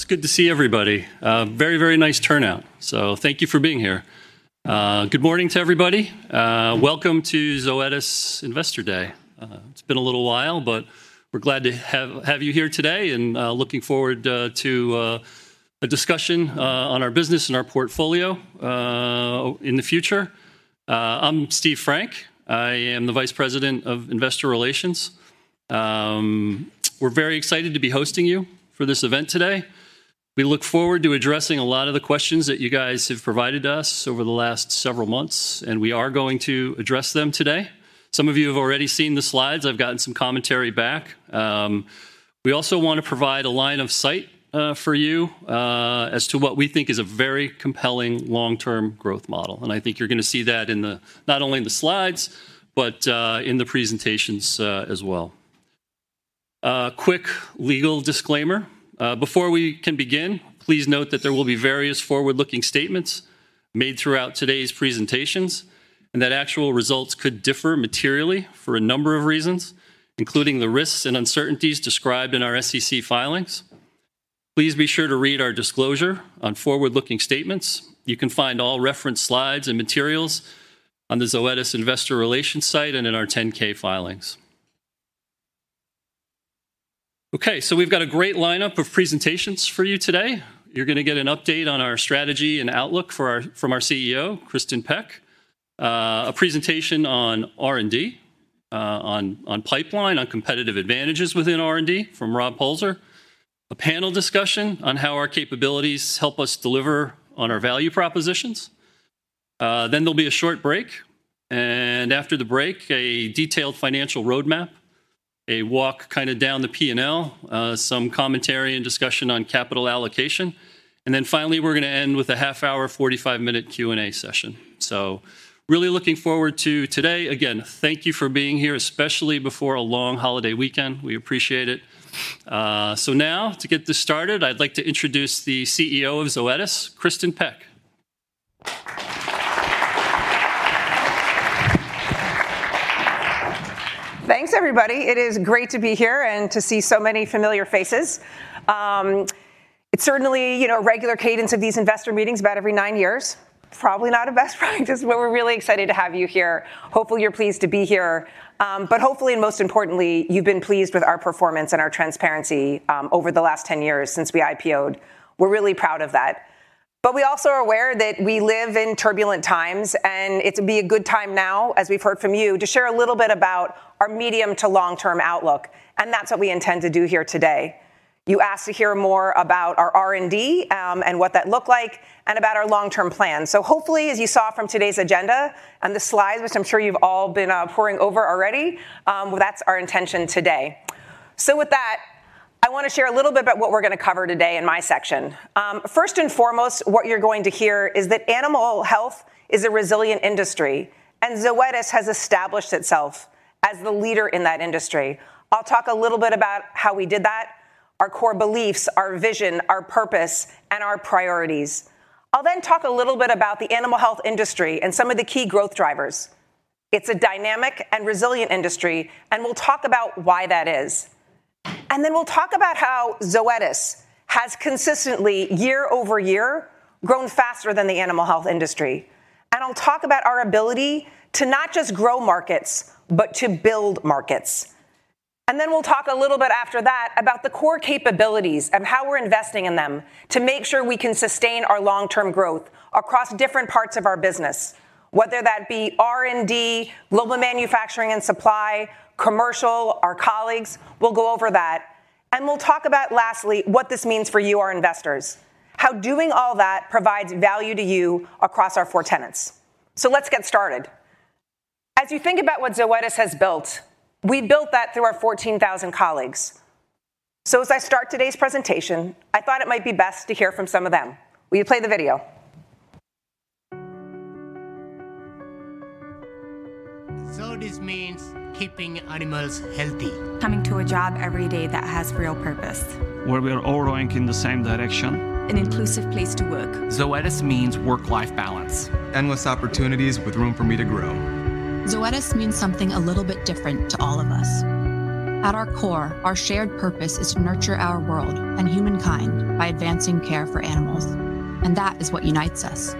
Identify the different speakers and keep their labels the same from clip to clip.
Speaker 1: It's good to see everybody. A very nice turnout. Thank you for being here. Good morning to everybody. Welcome to Zoetis Investor Day. It's been a little while. We're glad to have you here today, looking forward to a discussion on our business and our portfolio in the future. I'm Steve Frank. I am the Vice President of Investor Relations. We're very excited to be hosting you for this event today. We look forward to addressing a lot of the questions that you guys have provided us over the last several months. We are going to address them today. Some of you have already seen the slides. I've gotten some commentary back. We also want to provide a line of sight for you as to what we think is a very compelling long-term growth model, and I think you're going to see that in the not only in the slides, but in the presentations as well. Quick legal disclaimer. Before we can begin, please note that there will be various forward-looking statements made throughout today's presentations, and that actual results could differ materially for a number of reasons, including the risks and uncertainties described in our SEC filings. Please be sure to read our disclosure on forward-looking statements. You can find all referenced slides and materials on the Zoetis Investor Relations site and in our 10-K filings. Okay, we've got a great lineup of presentations for you today. You're going to get an update on our strategy and outlook for our. From our CEO, Kristin Peck. A presentation on R&D, on pipeline, on competitive advantages within R&D from Robert Polzer. A panel discussion on how our capabilities help us deliver on our value propositions. There'll be a short break, and after the break, a detailed financial roadmap, a walk kind of down the P&L, some commentary and discussion on capital allocation, finally, we're going to end with a half-hour, 45-minute Q&A session. Really looking forward to today. Again, thank you for being here, especially before a long holiday weekend. We appreciate it. Now, to get this started, I'd like to introduce the CEO of Zoetis, Kristin Peck.
Speaker 2: Thanks, everybody. It is great to be here and to see so many familiar faces. It's certainly, you know, regular cadence of these investor meetings, about every 9 years. Probably not a best practice, but we're really excited to have you here. Hopefully, you're pleased to be here, but hopefully, and most importantly, you've been pleased with our performance and our transparency over the last 10 years since we IPO'd. We're really proud of that. We also are aware that we live in turbulent times, and it'd be a good time now, as we've heard from you, to share a little bit about our medium to long-term outlook, and that's what we intend to do here today. You asked to hear more about our R&D, and what that looked like, and about our long-term plan. Hopefully, as you saw from today's agenda and the slides, which I'm sure you've all been poring over already, that's our intention today. With that, I want to share a little bit about what we're going to cover today in my section. First and foremost, what you're going to hear is that animal health is a resilient industry, and Zoetis has established itself as the leader in that industry. I'll talk a little bit about how we did that, our core beliefs, our vision, our purpose, and our priorities. I'll talk a little bit about the animal health industry and some of the key growth drivers. It's a dynamic and resilient industry, and we'll talk about why that is. We'll talk about how Zoetis has consistently, year-over-year, grown faster than the animal health industry. I'll talk about our ability to not just grow markets, but to build markets. We'll talk a little bit after that about the core capabilities and how we're investing in them to make sure we can sustain our long-term growth across different parts of our business, whether that be R&D, Global Manufacturing and Supply, commercial, our colleagues. We'll go over that, and we'll talk about, lastly, what this means for you, our investors. How doing all that provides value to you across our four tenants. Let's get started. As you think about what Zoetis has built, we built that through our 14,000 colleagues. As I start today's presentation, I thought it might be best to hear from some of them. Will you play the video?
Speaker 3: Zoetis means keeping animals healthy.
Speaker 4: Coming to a job every day that has real purpose.
Speaker 3: Where we are all working in the same direction.
Speaker 1: An inclusive place to work.
Speaker 4: Zoetis means work-life balance. Endless opportunities with room for me to grow.
Speaker 3: Zoetis means something a little bit different to all of us. At our core, our shared purpose is to nurture our world and humankind by advancing care for animals, and that is what unites us.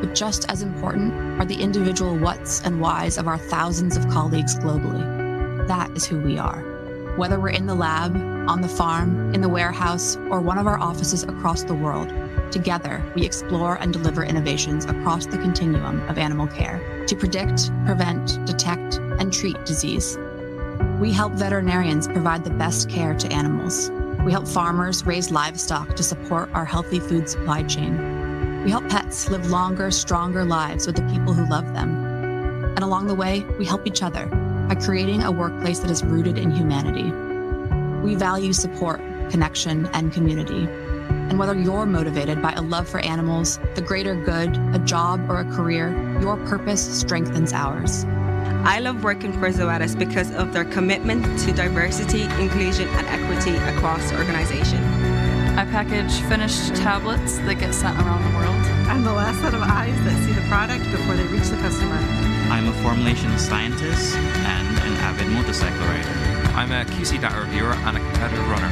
Speaker 3: But just as important are the individual what's and why's of our thousands of colleagues globally. That is who we are. Whether we're in the lab, on the farm, in the warehouse, or one of our offices across the world, together, we explore and deliver innovations across the continuum of animal care to predict, prevent, detect, and treat disease. We help veterinarians provide the best care to animals.
Speaker 4: We help farmers raise livestock to support our healthy food supply chain. We help pets live longer, stronger lives with the people who love them. And along the way, we help each other by creating a workplace that is rooted in humanity. We value support, connection, and community. Whether you're motivated by a love for animals, the greater good, a job, or a career, your purpose strengthens ours. I love working for Zoetis because of their commitment to diversity, inclusion, and equity across the organization. I package finished tablets that get sent around the world. I'm the last set of eyes that see the product before they reach the customer.
Speaker 3: I'm a formulation scientist and an avid motorcycle rider. I'm a QC data reviewer and a competitive runner.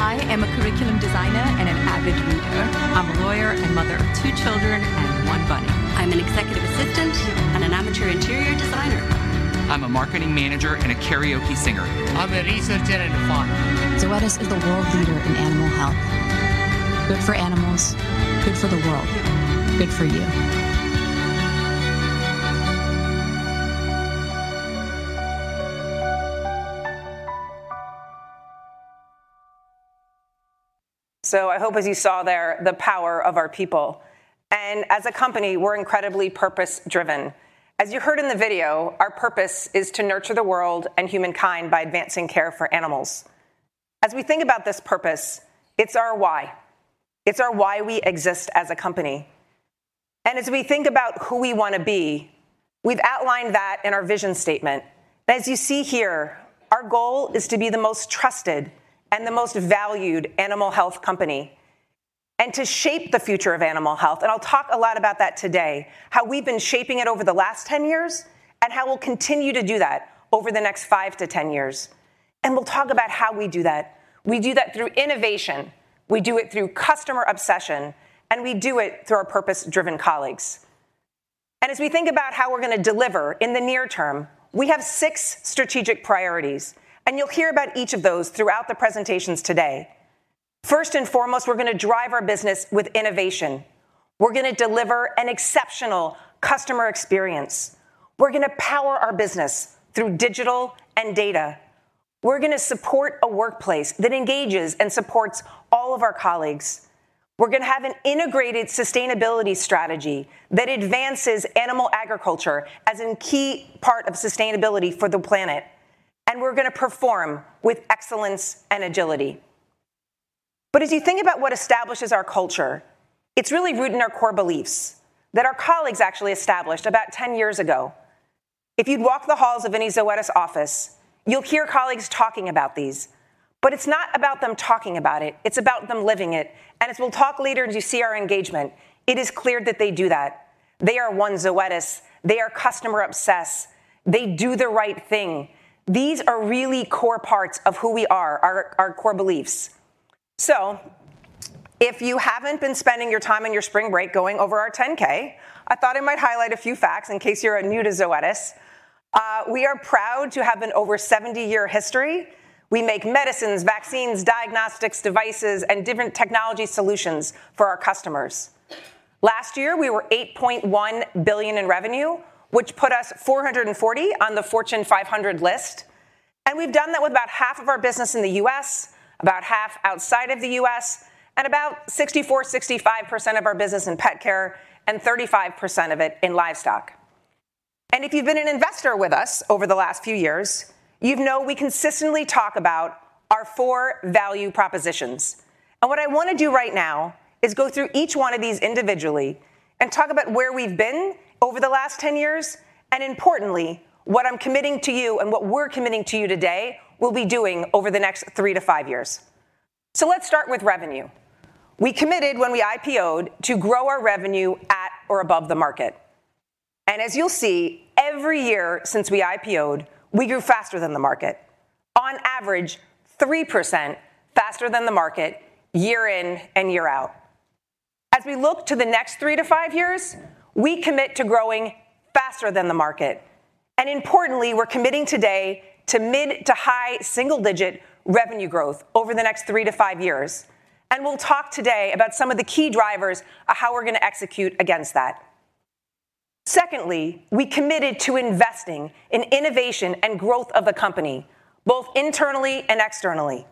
Speaker 4: I am a curriculum designer and an avid reader. I'm a lawyer and mother of two children, and one bunny. I'm an executive assistant and an amateur interior designer.
Speaker 3: I'm a marketing manager and a karaoke singer.
Speaker 5: I'm a researcher and a father.
Speaker 4: Zoetis is a world leader in animal health. Good for animals, good for the world, good for you.
Speaker 2: I hope as you saw there, the power of our people. As a company, we're incredibly purpose-driven. As you heard in the video, our purpose is to nurture the world and humankind by advancing care for animals. As we think about this purpose, it's our why. It's our why we exist as a company. As we think about who we want to be, we've outlined that in our vision statement. As you see here, our goal is to be the most trusted and the most valued animal health company, and to shape the future of animal health. I'll talk a lot about that today, how we've been shaping it over the last 10 years, and how we'll continue to do that over the next 5-10 years. We'll talk about how we do that. We do that through innovation, we do it through customer obsession, and we do it through our purpose-driven colleagues. As we think about how we're going to deliver in the near term, we have six strategic priorities, and you'll hear about each of those throughout the presentations today. First and foremost, we're going to drive our business with innovation. We're going to deliver an exceptional customer experience. We're going to power our business through digital and data. We're going to support a workplace that engages and supports all of our colleagues. We're going to have an integrated sustainability strategy that advances animal agriculture as a key part of sustainability for the planet, and we're going to perform with excellence and agility. As you think about what establishes our culture, it's really rooted in our core beliefs that our colleagues actually established about 10 years ago. If you'd walk the halls of any Zoetis office, you'll hear colleagues talking about these, but it's not about them talking about it's about them living it. As we'll talk later, as you see our engagement, it is clear that they do that. They are One Zoetis. They are customer obsessed. They do the right thing. These are really core parts of who we are, our core beliefs. If you haven't been spending your time on your spring break going over our 10-K, I thought I might highlight a few facts in case you're new to Zoetis. We are proud to have an over 70-year history. We make medicines, vaccines, diagnostics, devices, and different technology solutions for our customers. Last year, we were $8.1 billion in revenue, which put us 440 on the Fortune 500 list. We've done that with about half of our business in the U.S., about half outside of the U.S., and about 64%-65% of our business in pet care and 35% of it in livestock. If you've been an investor with us over the last few years, you'd know we consistently talk about our four value propositions. What I want to do right now is go through each one of these individually and talk about where we've been over the last 10 years, and importantly, what I'm committing to you and what we're committing to you today, we'll be doing over the next three to five years. Let's start with revenue. We committed, when we IPO'd, to grow our revenue at or above the market. As you'll see, every year since we IPO'd, we grew faster than the market. On average, 3% faster than the market, year in and year out. As we look to the next three to five years, we commit to growing faster than the market, importantly, we're committing today to mid to high single-digit revenue growth over the next three to five years. We'll talk today about some of the key drivers of how we're going to execute against that. Secondly, we committed to investing in innovation and growth of the company, both internally and externally,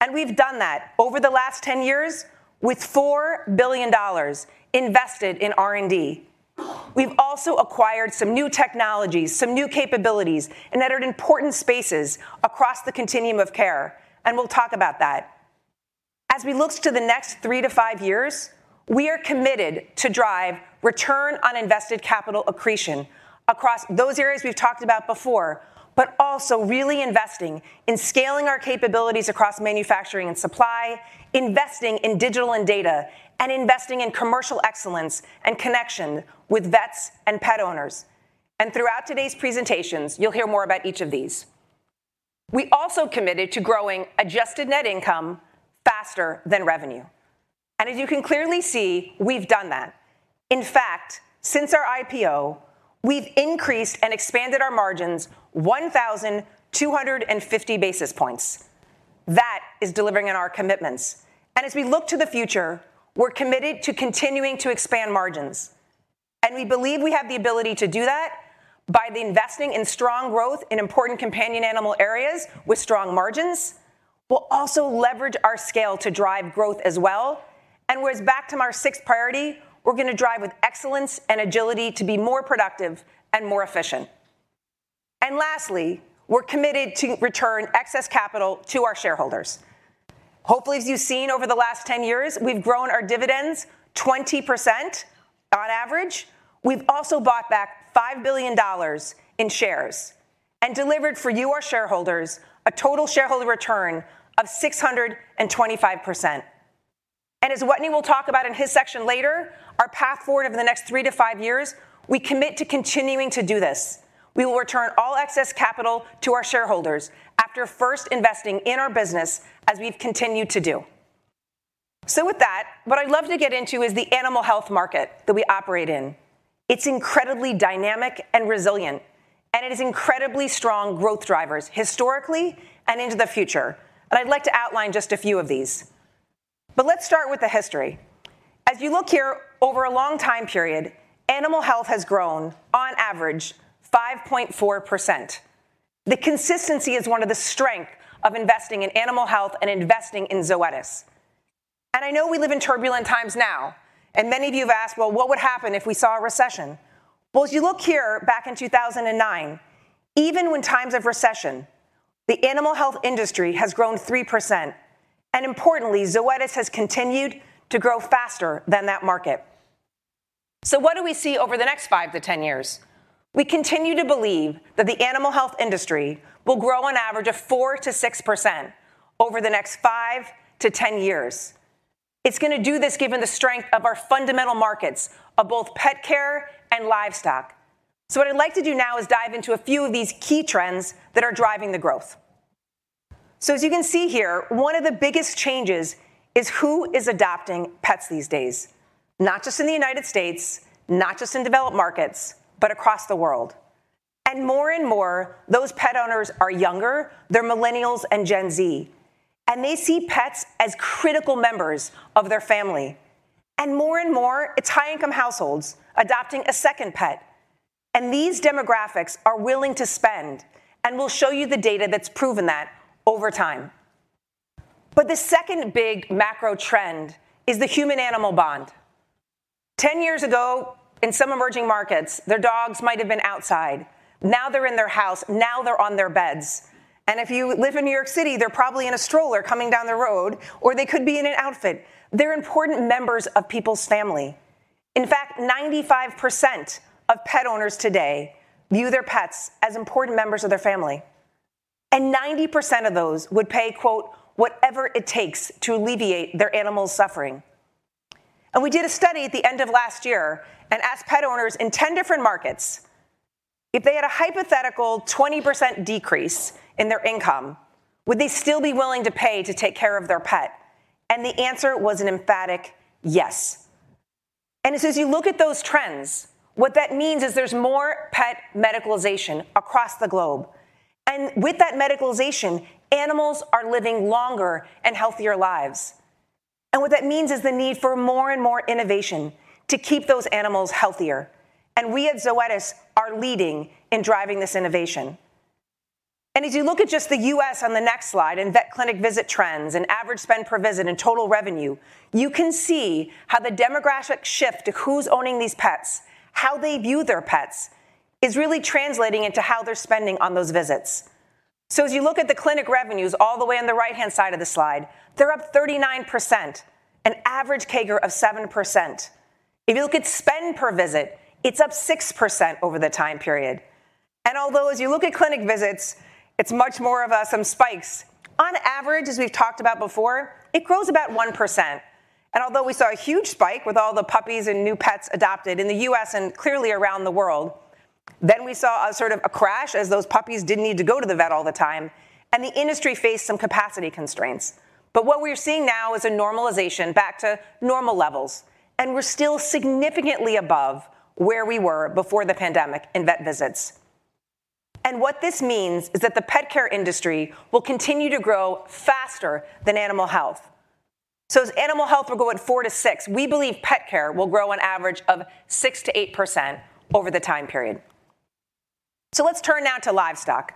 Speaker 2: and we've done that over the last 10 years with $4 billion invested in R&D. We've also acquired some new technologies, some new capabilities, entered important spaces across the continuum of care, and we'll talk about that. As we look to the next three to five years, we are committed to drive return on invested capital accretion across those areas we've talked about before, but also really investing in scaling our capabilities across manufacturing and supply, investing in digital and data, and investing in commercial excellence and connection with vets and pet owners. Throughout today's presentations, you'll hear more about each of these. We also committed to growing adjusted net income faster than revenue, as you can clearly see, we've done that. In fact, since our IPO, we've increased and expanded our margins 1,250 basis points. That is delivering on our commitments. As we look to the future, we're committed to continuing to expand margins, and we believe we have the ability to do that by the investing in strong growth in important companion animal areas with strong margins. We'll also leverage our scale to drive growth as well. Whereas back to our sixth priority, we're going to drive with excellence and agility to be more productive and more efficient. Lastly, we're committed to return excess capital to our shareholders. Hopefully, as you've seen over the last 10 years, we've grown our dividends 20% on average. We've also bought back $5 billion in shares and delivered for you, our shareholders, a total shareholder return of 625%. As Wetteny will talk about in his section later, our path forward over the next three to five years, we commit to continuing to do this. We will return all excess capital to our shareholders after first investing in our business as we've continued to do. With that, what I'd love to get into is the animal health market that we operate in. It's incredibly dynamic and resilient, it has incredibly strong growth drivers historically and into the future, and I'd like to outline just a few of these. Let's start with the history. As you look here, over a long time period, animal health has grown on average 5.4%. The consistency is one of the strength of investing in animal health and investing in Zoetis. I know we live in turbulent times now, and many of you have asked, "Well, what would happen if we saw a recession?" Well, as you look here, back in 2009, even when times of recession, the animal health industry has grown 3%, importantly, Zoetis has continued to grow faster than that market. What do we see over the next 5-10 years? We continue to believe that the animal health industry will grow an average of 4%-6% over the next 5-10 years. It's going to do this given the strength of our fundamental markets of both pet care and livestock. What I'd like to do now is dive into a few of these key trends that are driving the growth. As you can see here, one of the biggest changes is who is adopting pets these days, not just in the U.S., not just in developed markets, but across the world. More and more, those pet owners are younger, they're Millennials and Gen Z, and they see pets as critical members of their family. More and more, it's high-income households adopting a second pet, and these demographics are willing to spend, and we'll show you the data that's proven that over time. The second big macro trend is the human-animal bond. 10 years ago, in some emerging markets, their dogs might have been outside. Now they're in their house, now they're on their beds. If you live in New York City, they're probably in a stroller coming down the road, or they could be in an outfit. They're important members of people's family. In fact, 95% of pet owners today view their pets as important members of their family, and 90% of those would pay, quote, "whatever it takes to alleviate their animal's suffering." We did a study at the end of last year and asked pet owners in 10 different markets, if they had a hypothetical 20% decrease in their income, would they still be willing to pay to take care of their pet? The answer was an emphatic yes. As you look at those trends, what that means is there's more pet medicalization across the globe. With that medicalization, animals are living longer and healthier lives. What that means is the need for more and more innovation to keep those animals healthier. We at Zoetis are leading in driving this innovation. As you look at just the U.S. on the next slide, in vet clinic visit trends, and average spend per visit, and total revenue, you can see how the demographic shift to who's owning these pets, how they view their pets, is really translating into how they're spending on those visits. As you look at the clinic revenues all the way on the right-hand side of the slide, they're up 39%, an average CAGR of 7%. If you look at spend per visit, it's up 6% over the time period. Although as you look at clinic visits, it's much more of some spikes. On average, as we've talked about before, it grows about 1%. Although we saw a huge spike with all the puppies and new pets adopted in the U.S. and clearly around the world, then we saw a sort of a crash as those puppies didn't need to go to the vet all the time, and the industry faced some capacity constraints. What we're seeing now is a normalization back to normal levels, and we're still significantly above where we were before the pandemic in vet visits. What this means is that the pet care industry will continue to grow faster than animal health. As animal health will grow at 4%-6%, we believe pet care will grow an average of 6%-8% over the time period. Let's turn now to livestock.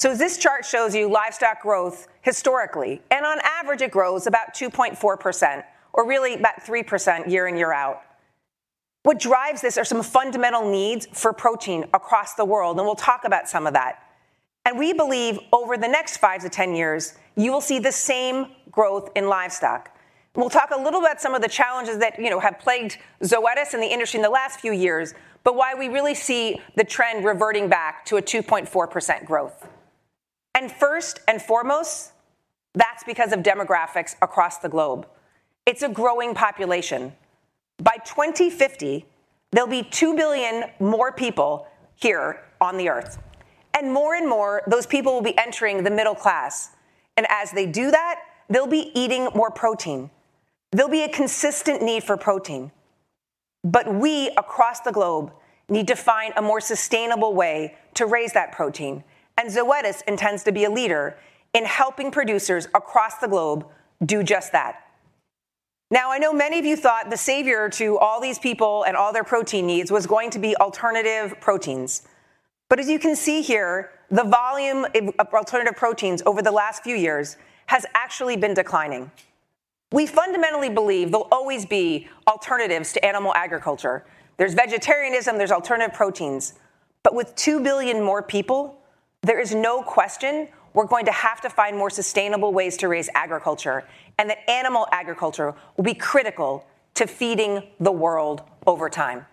Speaker 2: This chart shows you livestock growth historically, and on average, it grows about 2.4%, or really about 3% year in, year out. What drives this are some fundamental needs for protein across the world, and we'll talk about some of that. We believe over the next 5 to 10 years, you will see the same growth in livestock. We'll talk a little about some of the challenges that, you know, have plagued Zoetis and the industry in the last few years, but why we really see the trend reverting back to a 2.4% growth. First and foremost, that's because of demographics across the globe. It's a growing population. By 2050, there'll be 2 billion more people here on the Earth. More and more, those people will be entering the middle class. As they do that, they'll be eating more protein. There'll be a consistent need for protein. We, across the globe, need to find a more sustainable way to raise that protein. Zoetis intends to be a leader in helping producers across the globe do just that. I know many of you thought the savior to all these people and all their protein needs was going to be alternative proteins. As you can see here, the volume of alternative proteins over the last few years has actually been declining. We fundamentally believe there will always be alternatives to animal agriculture. There's vegetarianism, there's alternative proteins. With 2 billion more people, there is no question we're going to have to find more sustainable ways to raise agriculture, and that animal agriculture will be critical to feeding the world over time.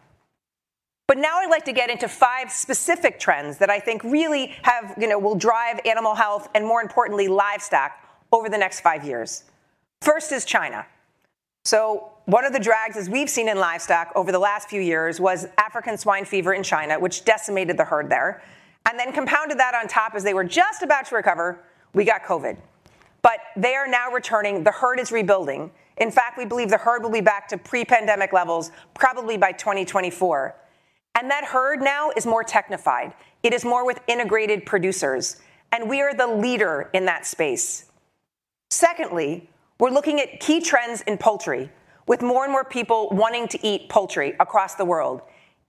Speaker 2: Now I'd like to get into 5 specific trends that I think really have, you know, will drive animal health, and more importantly, livestock over the next 5 years. First is China. One of the drags, as we've seen in livestock over the last few years, was African swine fever in China, which decimated the herd there, and then compounded that on top as they were just about to recover, we got COVID. They are now returning, the herd is rebuilding. In fact, we believe the herd will be back to pre-pandemic levels probably by 2024, and that herd now is more technified. It is more with integrated producers. We are the leader in that space. Secondly, we're looking at key trends in poultry, with more and more people wanting to eat poultry across the world.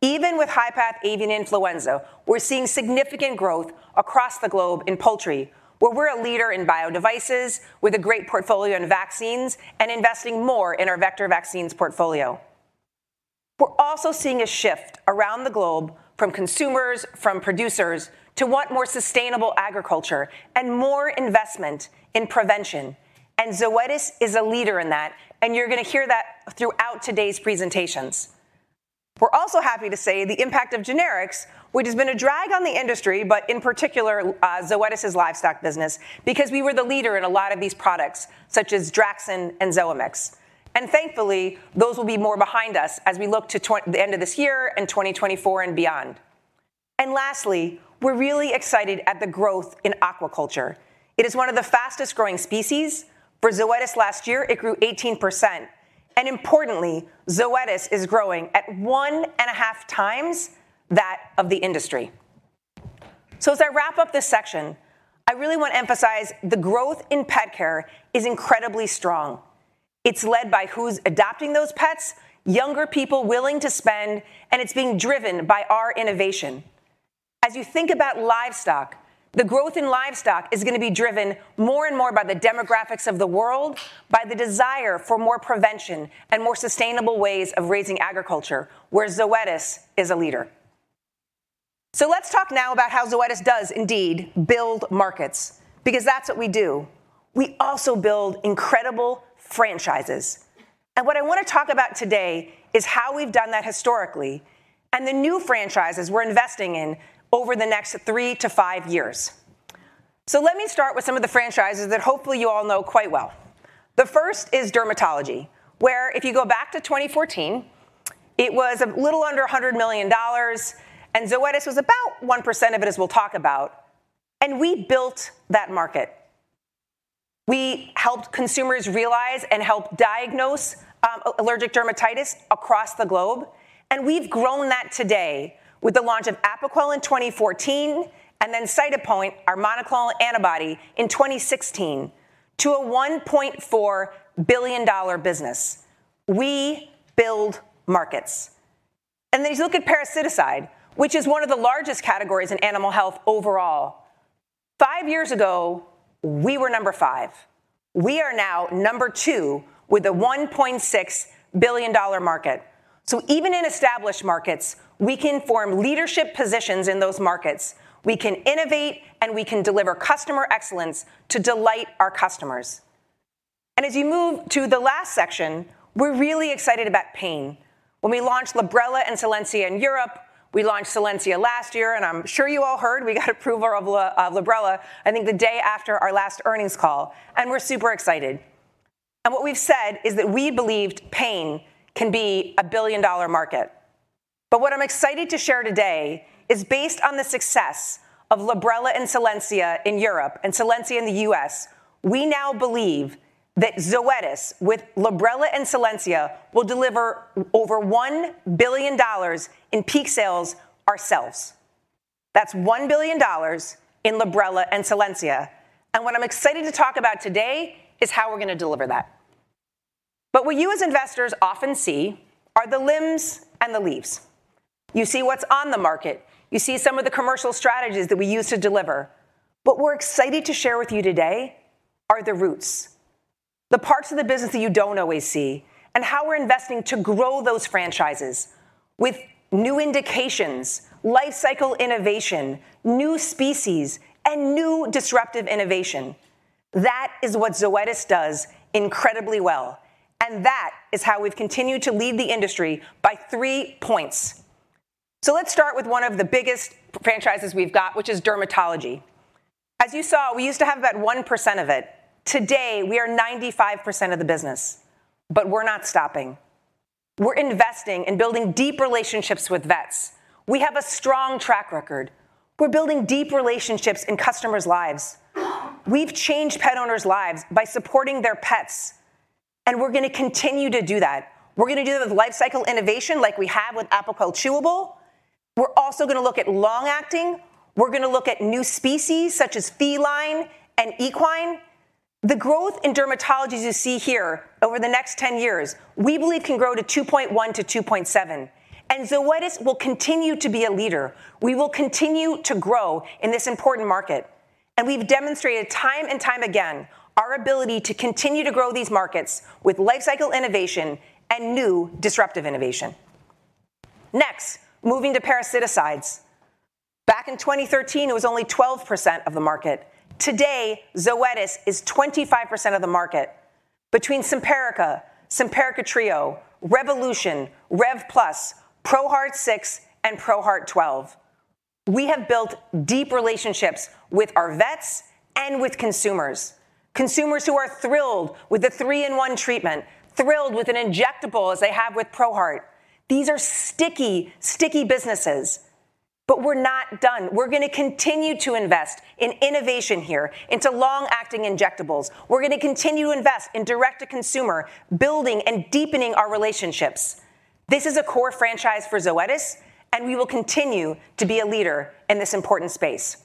Speaker 2: Even with highly pathogenic avian influenza, we're seeing significant growth across the globe in poultry, where we're a leader in bio devices, with a great portfolio in vaccines and investing more in our vector vaccines portfolio. We're also seeing a shift around the globe from consumers, from producers, to want more sustainable agriculture and more investment in prevention. Zoetis is a leader in that, and you're gonna hear that throughout today's presentations. We're also happy to say the impact of generics, which has been a drag on the industry, but in particular, Zoetis' livestock business, because we were the leader in a lot of these products, such as Draxxin and Zoamix. Thankfully, those will be more behind us as we look to the end of this year and 2024 and beyond. Lastly, we're really excited at the growth in aquaculture. It is one of the fastest growing species. For Zoetis last year, it grew 18%, and importantly, Zoetis is growing at 1.5 times that of the industry. As I wrap up this section, I really want to emphasize the growth in pet care is incredibly strong. It's led by who's adopting those pets, younger people willing to spend, and it's being driven by our innovation. As you think about livestock, the growth in livestock is going to be driven more and more by the demographics of the world, by the desire for more prevention and more sustainable ways of raising agriculture, where Zoetis is a leader. Let's talk now about how Zoetis does indeed build markets, because that's what we do. We also build incredible franchises. What I want to talk about today is how we've done that historically, and the new franchises we're investing in over the next 3-5 years. Let me start with some of the franchises that hopefully you all know quite well. The first is dermatology, where if you go back to 2014, it was a little under $100 million, and Zoetis was about 1% of it, as we'll talk about, and we built that market. We helped consumers realize and help diagnose allergic dermatitis across the globe, and we've grown that today with the launch of Apoquel in 2014, and then Cytopoint, our monoclonal antibody, in 2016, to a $1.4 billion business. We build markets. You look at parasiticide, which is one of the largest categories in animal health overall. Five years ago, we were number five. We are now number two with a $1.6 billion market. Even in established markets, we can form leadership positions in those markets. We can innovate, and we can deliver customer excellence to delight our customers. As you move to the last section, we're really excited about pain. When we launched Librela and Solensia in Europe, we launched Solensia last year, and I'm sure you all heard we got approval of Librela, I think the day after our last earnings call, and we're super excited. What we've said is that we believed pain can be a billion-dollar market. What I'm excited to share today is based on the success of Librela and Solensia in Europe and Solensia in the US, we now believe that Zoetis, with Librela and Solensia, will deliver over $1 billion in peak sales ourselves. That's $1 billion in Librela and Solensia, and what I'm excited to talk about today is how we're gonna deliver that. What you as investors often see are the limbs and the leaves. You see what's on the market. You see some of the commercial strategies that we use to deliver. What we're excited to share with you today are the roots, the parts of the business that you don't always see, and how we're investing to grow those franchises with new indications, life cycle innovation, new species, and new disruptive innovation. That is what Zoetis does incredibly well, that is how we've continued to lead the industry by three points. Let's start with one of the biggest franchises we've got, which is dermatology. As you saw, we used to have about 1% of it. Today, we are 95% of the business, we're not stopping. We're investing in building deep relationships with vets. We have a strong track record. We're building deep relationships in customers' lives. We've changed pet owners' lives by supporting their pets, we're gonna continue to do that. We're gonna do that with life cycle innovation like we have with Apoquel Chewable. We're also gonna look at long-acting. We're gonna look at new species, such as feline and equine. The growth in dermatology, as you see here, over the next 10 years, we believe, can grow to $2.1 billion-$2.7 billion. Zoetis will continue to be a leader. We will continue to grow in this important market. We've demonstrated time and time again our ability to continue to grow these markets with life cycle innovation and new disruptive innovation. Next, moving to parasiticides. Back in 2013, it was only 12% of the market. Today, Zoetis is 25% of the market. Between Simparica Trio, Revolution, Rev Plus, ProHeart 6, and ProHeart 12, we have built deep relationships with our vets and with consumers who are thrilled with the three-in-one treatment, thrilled with an injectable as they have with ProHeart. These are sticky businesses. We're gonna continue to invest in innovation here, into long-acting injectables. We're gonna continue to invest in direct-to-consumer, building and deepening our relationships. This is a core franchise for Zoetis, and we will continue to be a leader in this important space.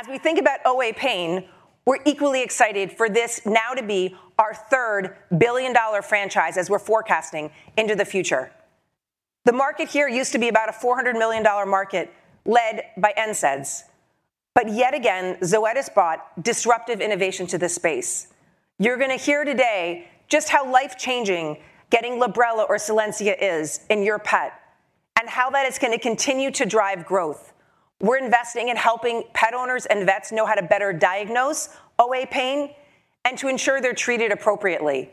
Speaker 2: As we think about OA pain, we're equally excited for this now to be our third billion-dollar franchise as we're forecasting into the future. The market here used to be about a $400 million market led by NSAIDs. Yet again, Zoetis brought disruptive innovation to this space. You're gonna hear today just how life-changing getting Librela or Solensia is in your pet, and how that is gonna continue to drive growth. We're investing in helping pet owners and vets know how to better diagnose OA pain and to ensure they're treated appropriately.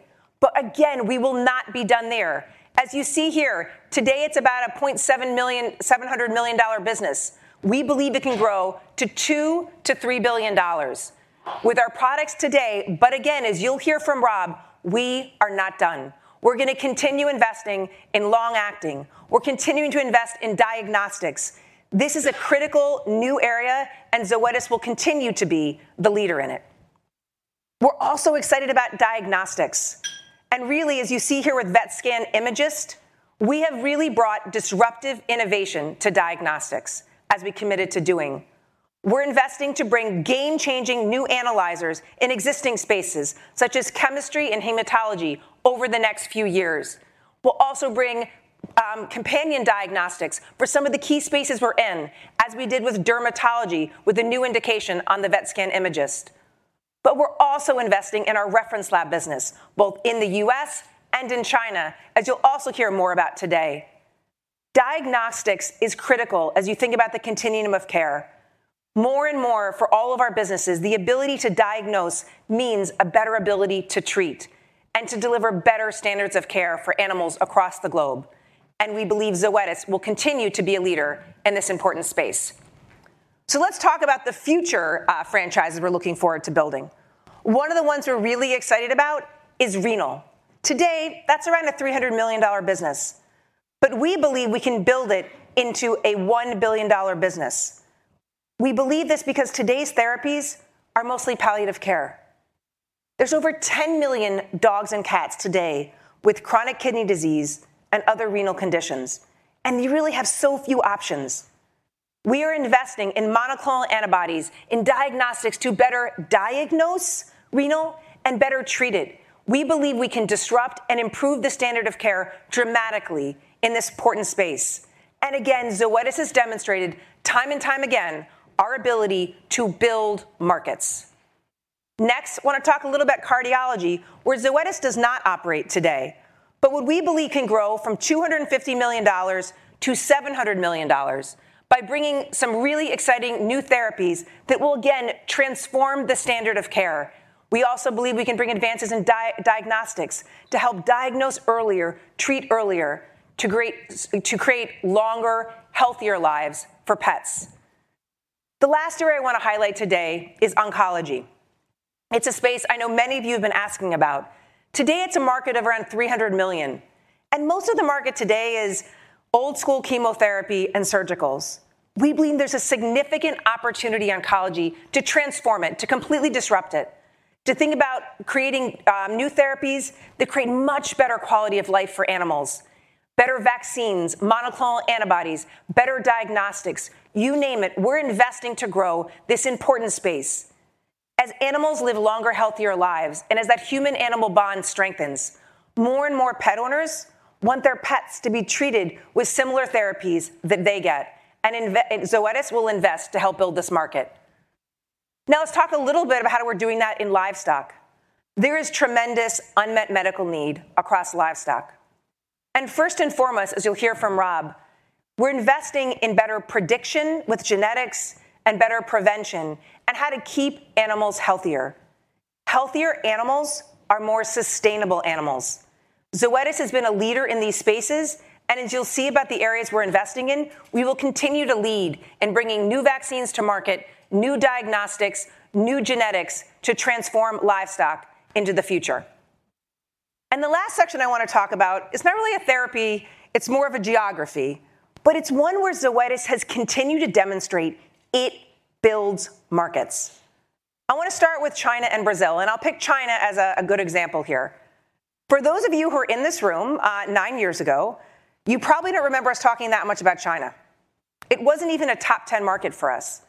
Speaker 2: Again, we will not be done there. As you see here, today, it's about a $700 million business. We believe it can grow to $2 billion-$3 billion. With our products today, but again, as you'll hear from Rob, we are not done. We're gonna continue investing in long-acting. We're continuing to invest in diagnostics. This is a critical new area, and Zoetis will continue to be the leader in it. We're also excited about diagnostics, and really, as you see here with VETSCAN IMAGYST, we have really brought disruptive innovation to diagnostics as we committed to doing. We're investing to bring game-changing new analyzers in existing spaces, such as chemistry and hematology, over the next few years. We'll also bring companion diagnostics for some of the key spaces we're in, as we did with dermatology, with a new indication on the VETSCAN IMAGYST. We're also investing in our reference lab business, both in the U.S. and in China, as you'll also hear more about today. Diagnostics is critical as you think about the continuum of care. More and more for all of our businesses, the ability to diagnose means a better ability to treat and to deliver better standards of care for animals across the globe, and we believe Zoetis will continue to be a leader in this important space. Let's talk about the future, franchises we're looking forward to building. One of the ones we're really excited about is renal. Today, that's around a $300 million business, but we believe we can build it into a $1 billion business. We believe this because today's therapies are mostly palliative care. There's over 10 million dogs and cats today with chronic kidney disease and other renal conditions. You really have so few options. We are investing in monoclonal antibodies, in diagnostics to better diagnose renal and better treat it. We believe we can disrupt and improve the standard of care dramatically in this important space. Zoetis has demonstrated, time and time again, our ability to build markets. Wanna talk a little about cardiology, where Zoetis does not operate today, but what we believe can grow from $250 million to $700 million by bringing some really exciting new therapies that will again transform the standard of care. We also believe we can bring advances in diagnostics to help diagnose earlier, treat earlier, to create longer, healthier lives for pets. The last area I want to highlight today is oncology. It's a space I know many of you have been asking about. Today, it's a market of around $300 million, and most of the market today is old-school chemotherapy and surgicals. We believe there's a significant opportunity in oncology to transform it, to completely disrupt it, to think about creating new therapies that create much better quality of life for animals, better vaccines, monoclonal antibodies, better diagnostics, you name it. We're investing to grow this important space. As animals live longer, healthier lives, and as that human-animal bond strengthens, more and more pet owners want their pets to be treated with similar therapies that they get, Zoetis will invest to help build this market. Let's talk a little bit about how we're doing that in livestock. There is tremendous unmet medical need across livestock. First and foremost, as you'll hear from Rob, we're investing in better prediction with genetics and better prevention and how to keep animals healthier. Healthier animals are more sustainable animals. Zoetis has been a leader in these spaces, and as you'll see about the areas we're investing in, we will continue to lead in bringing new vaccines to market, new diagnostics, new genetics, to transform livestock into the future. The last section I want to talk about is not really a therapy, it's more of a geography, but it's one where Zoetis has continued to demonstrate it builds markets. I want to start with China and Brazil, and I'll pick China as a good example here. For those of you who were in this room, nine years ago, you probably don't remember us talking that much about China. It wasn't even a top 10 market for us,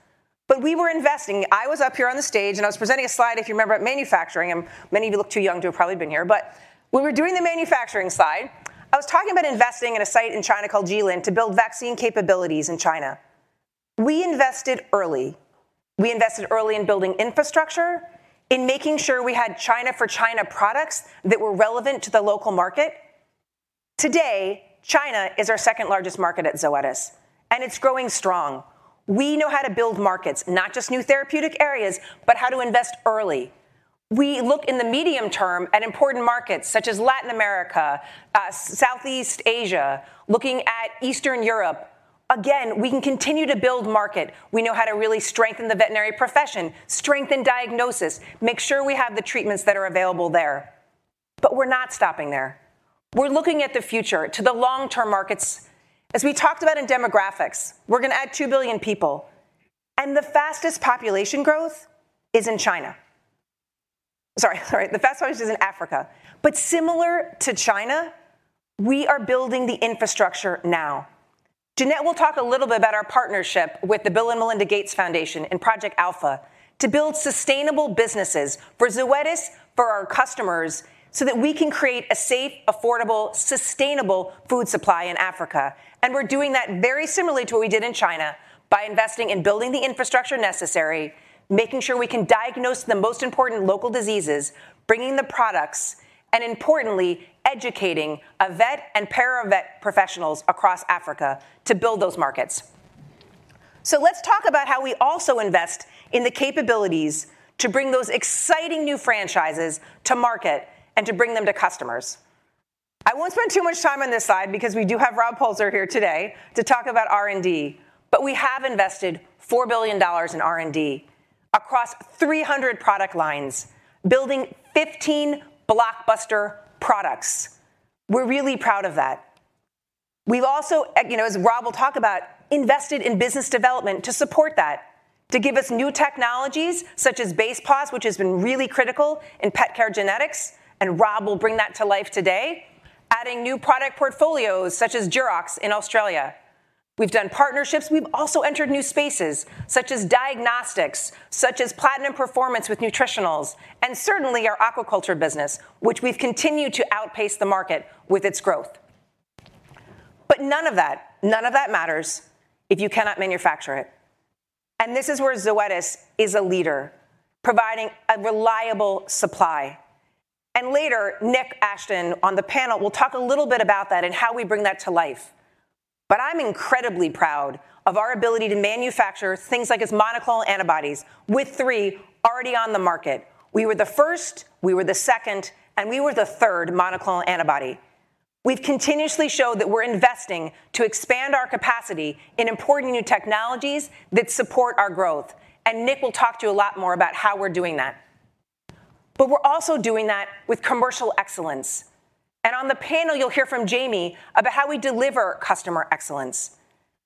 Speaker 2: but we were investing. I was up here on the stage, and I was presenting a slide, if you remember, at manufacturing. Many of you look too young to have probably been here, but when we were doing the manufacturing slide, I was talking about investing in a site in China called Jilin to build vaccine capabilities in China. We invested early. We invested early in building infrastructure, in making sure we had China-for-China products that were relevant to the local market. Today, China is our second largest market at Zoetis, and it's growing strong. We know how to build markets, not just new therapeutic areas, but how to invest early. We look in the medium term at important markets such as Latin America, Southeast Asia, looking at Eastern Europe. Again, we can continue to build market. We know how to really strengthen the veterinary profession, strengthen diagnosis, make sure we have the treatments that are available there, but we're not stopping there. We're looking at the future, to the long-term markets. As we talked about in demographics, we're gonna add 2 billion people, and the fastest population growth is in China. Sorry, the fastest growth is in Africa, but similar to China, we are building the infrastructure now. Jeannette will talk a little bit about our partnership with the Bill & Melinda Gates Foundation and Project Alpha to build sustainable businesses for Zoetis, for our customers, so that we can create a safe, affordable, sustainable food supply in Africa. We're doing that very similarly to what we did in China by investing in building the infrastructure necessary, making sure we can diagnose the most important local diseases, bringing the products, and importantly, educating vet and paravet professionals across Africa to build those markets. Let's talk about how we also invest in the capabilities to bring those exciting new franchises to market and to bring them to customers. I won't spend too much time on this slide because we do have Rob Polzer here today to talk about R&D, but we have invested $4 billion in R&D across 300 product lines, building 15 blockbuster products. We're really proud of that. We've also, you know, as Rob will talk about, invested in business development to support that, to give us new technologies such as Basepaws, which has been really critical in pet care genetics, and Rob will bring that to life today, adding new product portfolios such as Jurox in Australia. We've done partnerships. We've also entered new spaces such as diagnostics, such as Platinum Performance with nutritionals, and certainly our aquaculture business, which we've continued to outpace the market with its growth. None of that, none of that matters if you cannot manufacture it, and this is where Zoetis is a leader, providing a reliable supply. Later, Nick Ashton on the panel will talk a little bit about that and how we bring that to life. I'm incredibly proud of our ability to manufacture things like its monoclonal antibodies, with 3 already on the market. We were the first, we were the second, and we were the third monoclonal antibody. We've continuously showed that we're investing to expand our capacity in important new technologies that support our growth, and Nick will talk to you a lot more about how we're doing that. But we're also doing that with commercial excellence, and on the panel, you'll hear from Jamie about how we deliver customer excellence.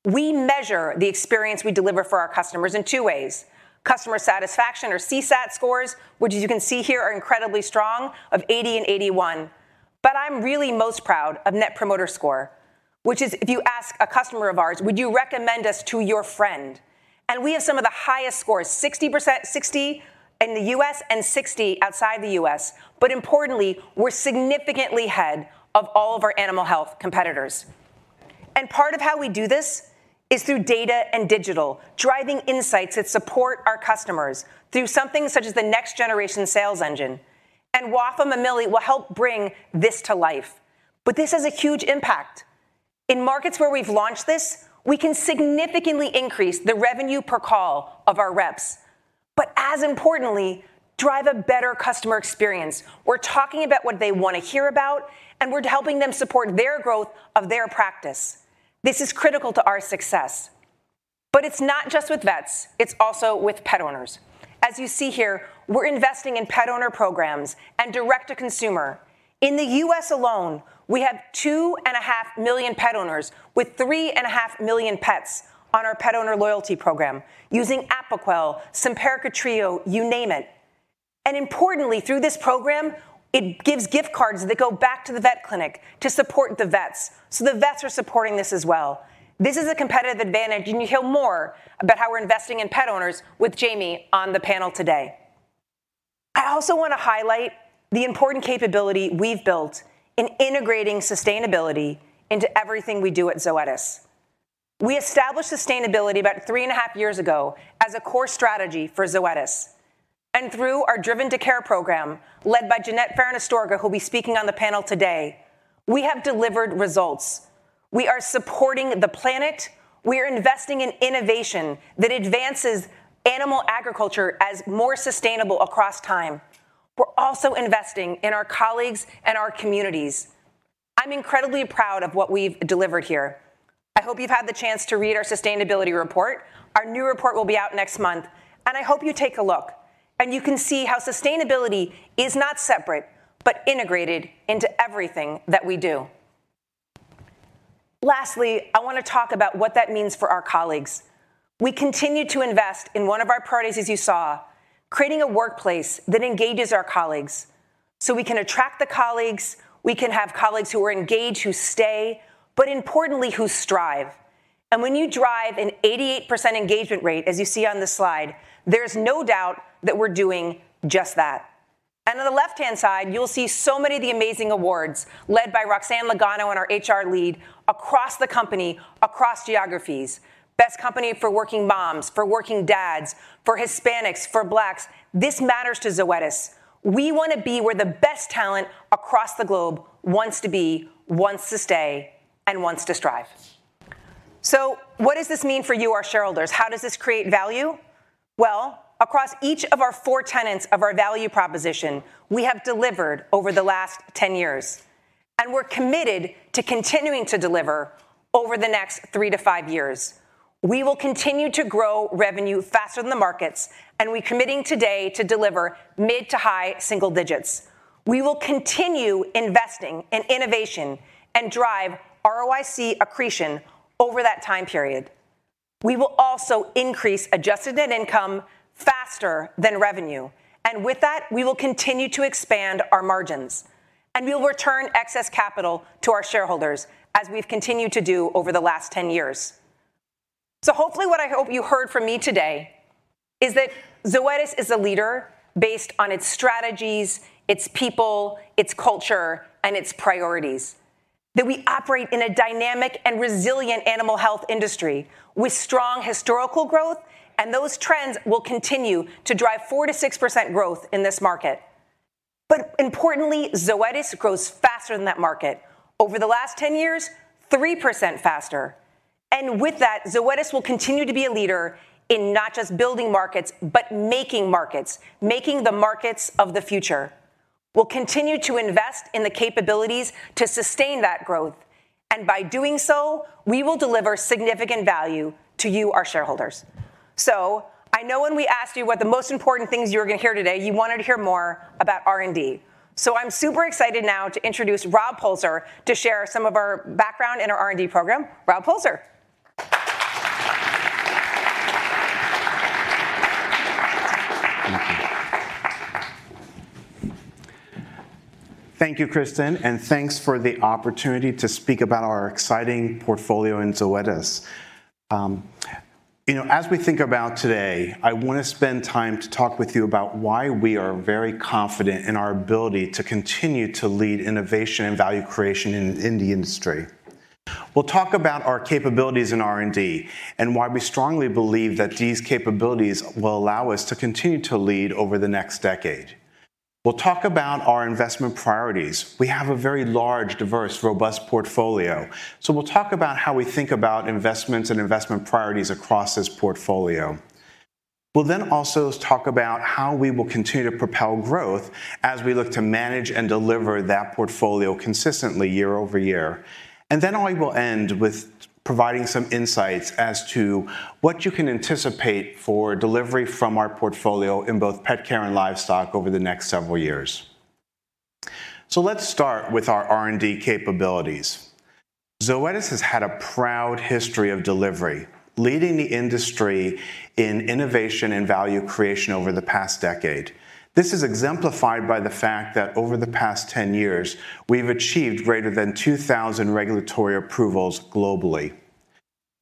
Speaker 2: We measure the experience we deliver for our customers in two ways: customer satisfaction, or CSAT scores, which as you can see here, are incredibly strong, of 80 and 81. I'm really most proud of Net Promoter Score, which is if you ask a customer of ours, "Would you recommend us to your friend?" We have some of the highest scores, 60%, 60 in the U.S. and 60 outside the U.S., importantly, we're significantly ahead of all of our animal health competitors. Part of how we do this is through data and digital, driving insights that support our customers through something such as the Next Generation Sales Engine, Wafaa Mamilli will help bring this to life. This has a huge impact. In markets where we've launched this, we can significantly increase the revenue per call of our reps, but as importantly, drive a better customer experience. We're talking about what they want to hear about, and we're helping them support their growth of their practice. This is critical to our success, it's not just with vets, it's also with pet owners. As you see here, we're investing in pet owner programs and direct-to-consumer. In the U.S. alone, we have $2.5 million pet owners with $3.5 million pets on our pet owner loyalty program, using Apoquel, Simparica Trio, you name it. Importantly, through this program, it gives gift cards that go back to the vet clinic to support the vets, so the vets are supporting this as well. This is a competitive advantage, you'll hear more about how we're investing in pet owners with Jamie on the panel today. I also want to highlight the important capability we've built in integrating sustainability into everything we do at Zoetis. We established sustainability about three and a half years ago as a core strategy for Zoetis, and through our Driven to Care program, led by Jeannette Ferran Astorga, who'll be speaking on the panel today, we have delivered results. We are supporting the planet. We are investing in innovation that advances animal agriculture as more sustainable across time. We're also investing in our colleagues and our communities. I'm incredibly proud of what we've delivered here. I hope you've had the chance to read our sustainability report. Our new report will be out next month, and I hope you take a look, and you can see how sustainability is not separate, but integrated into everything that we do. Lastly, I want to talk about what that means for our colleagues. We continue to invest in one of our priorities, as you saw, creating a workplace that engages our colleagues, we can attract the colleagues, we can have colleagues who are engaged, who stay, but importantly, who strive. When you drive an 88% engagement rate, as you see on this slide, there's no doubt that we're doing just that. On the left-hand side, you'll see so many of the amazing awards led by Roxanne Lagano and our HR lead.... across the company, across geographies. Best company for working moms, for working dads, for Hispanics, for Blacks. This matters to Zoetis. We want to be where the best talent across the globe wants to be, wants to stay, and wants to strive. What does this mean for you, our shareholders? How does this create value? Well, across each of our four tenets of our value proposition, we have delivered over the last 10 years. We're committed to continuing to deliver over the next 3-5 years. We will continue to grow revenue faster than the markets. We're committing today to deliver mid to high single digits. We will continue investing in innovation and drive ROIC accretion over that time period. We will also increase adjusted net income faster than revenue. With that, we will continue to expand our margins. We will return excess capital to our shareholders, as we've continued to do over the last 10 years. Hopefully, what I hope you heard from me today is that Zoetis is a leader based on its strategies, its people, its culture, and its priorities. We operate in a dynamic and resilient animal health industry with strong historical growth. Those trends will continue to drive 4%-6% growth in this market. Importantly, Zoetis grows faster than that market. Over the last 10 years, 3% faster. With that, Zoetis will continue to be a leader in not just building markets, but making markets, making the markets of the future. We'll continue to invest in the capabilities to sustain that growth. By doing so, we will deliver significant value to you, our shareholders. I know when we asked you what the most important things you were going to hear today, you wanted to hear more about R&D. I'm super excited now to introduce Rob Polzer to share some of our background in our R&D program. Rob Polzer.
Speaker 6: Thank you. Thank you, Kristin, and thanks for the opportunity to speak about our exciting portfolio in Zoetis. You know, as we think about today, I want to spend time to talk with you about why we are very confident in our ability to continue to lead innovation and value creation in the industry. We'll talk about our capabilities in R&D and why we strongly believe that these capabilities will allow us to continue to lead over the next decade. We'll talk about our investment priorities. We have a very large, diverse, robust portfolio, so we'll talk about how we think about investments and investment priorities across this portfolio. We'll then also talk about how we will continue to propel growth as we look to manage and deliver that portfolio consistently year-over-year. I will end with providing some insights as to what you can anticipate for delivery from our portfolio in both pet care and livestock over the next several years. Let's start with our R&D capabilities. Zoetis has had a proud history of delivery, leading the industry in innovation and value creation over the past decade. This is exemplified by the fact that over the past 10 years, we've achieved greater than 2,000 regulatory approvals globally.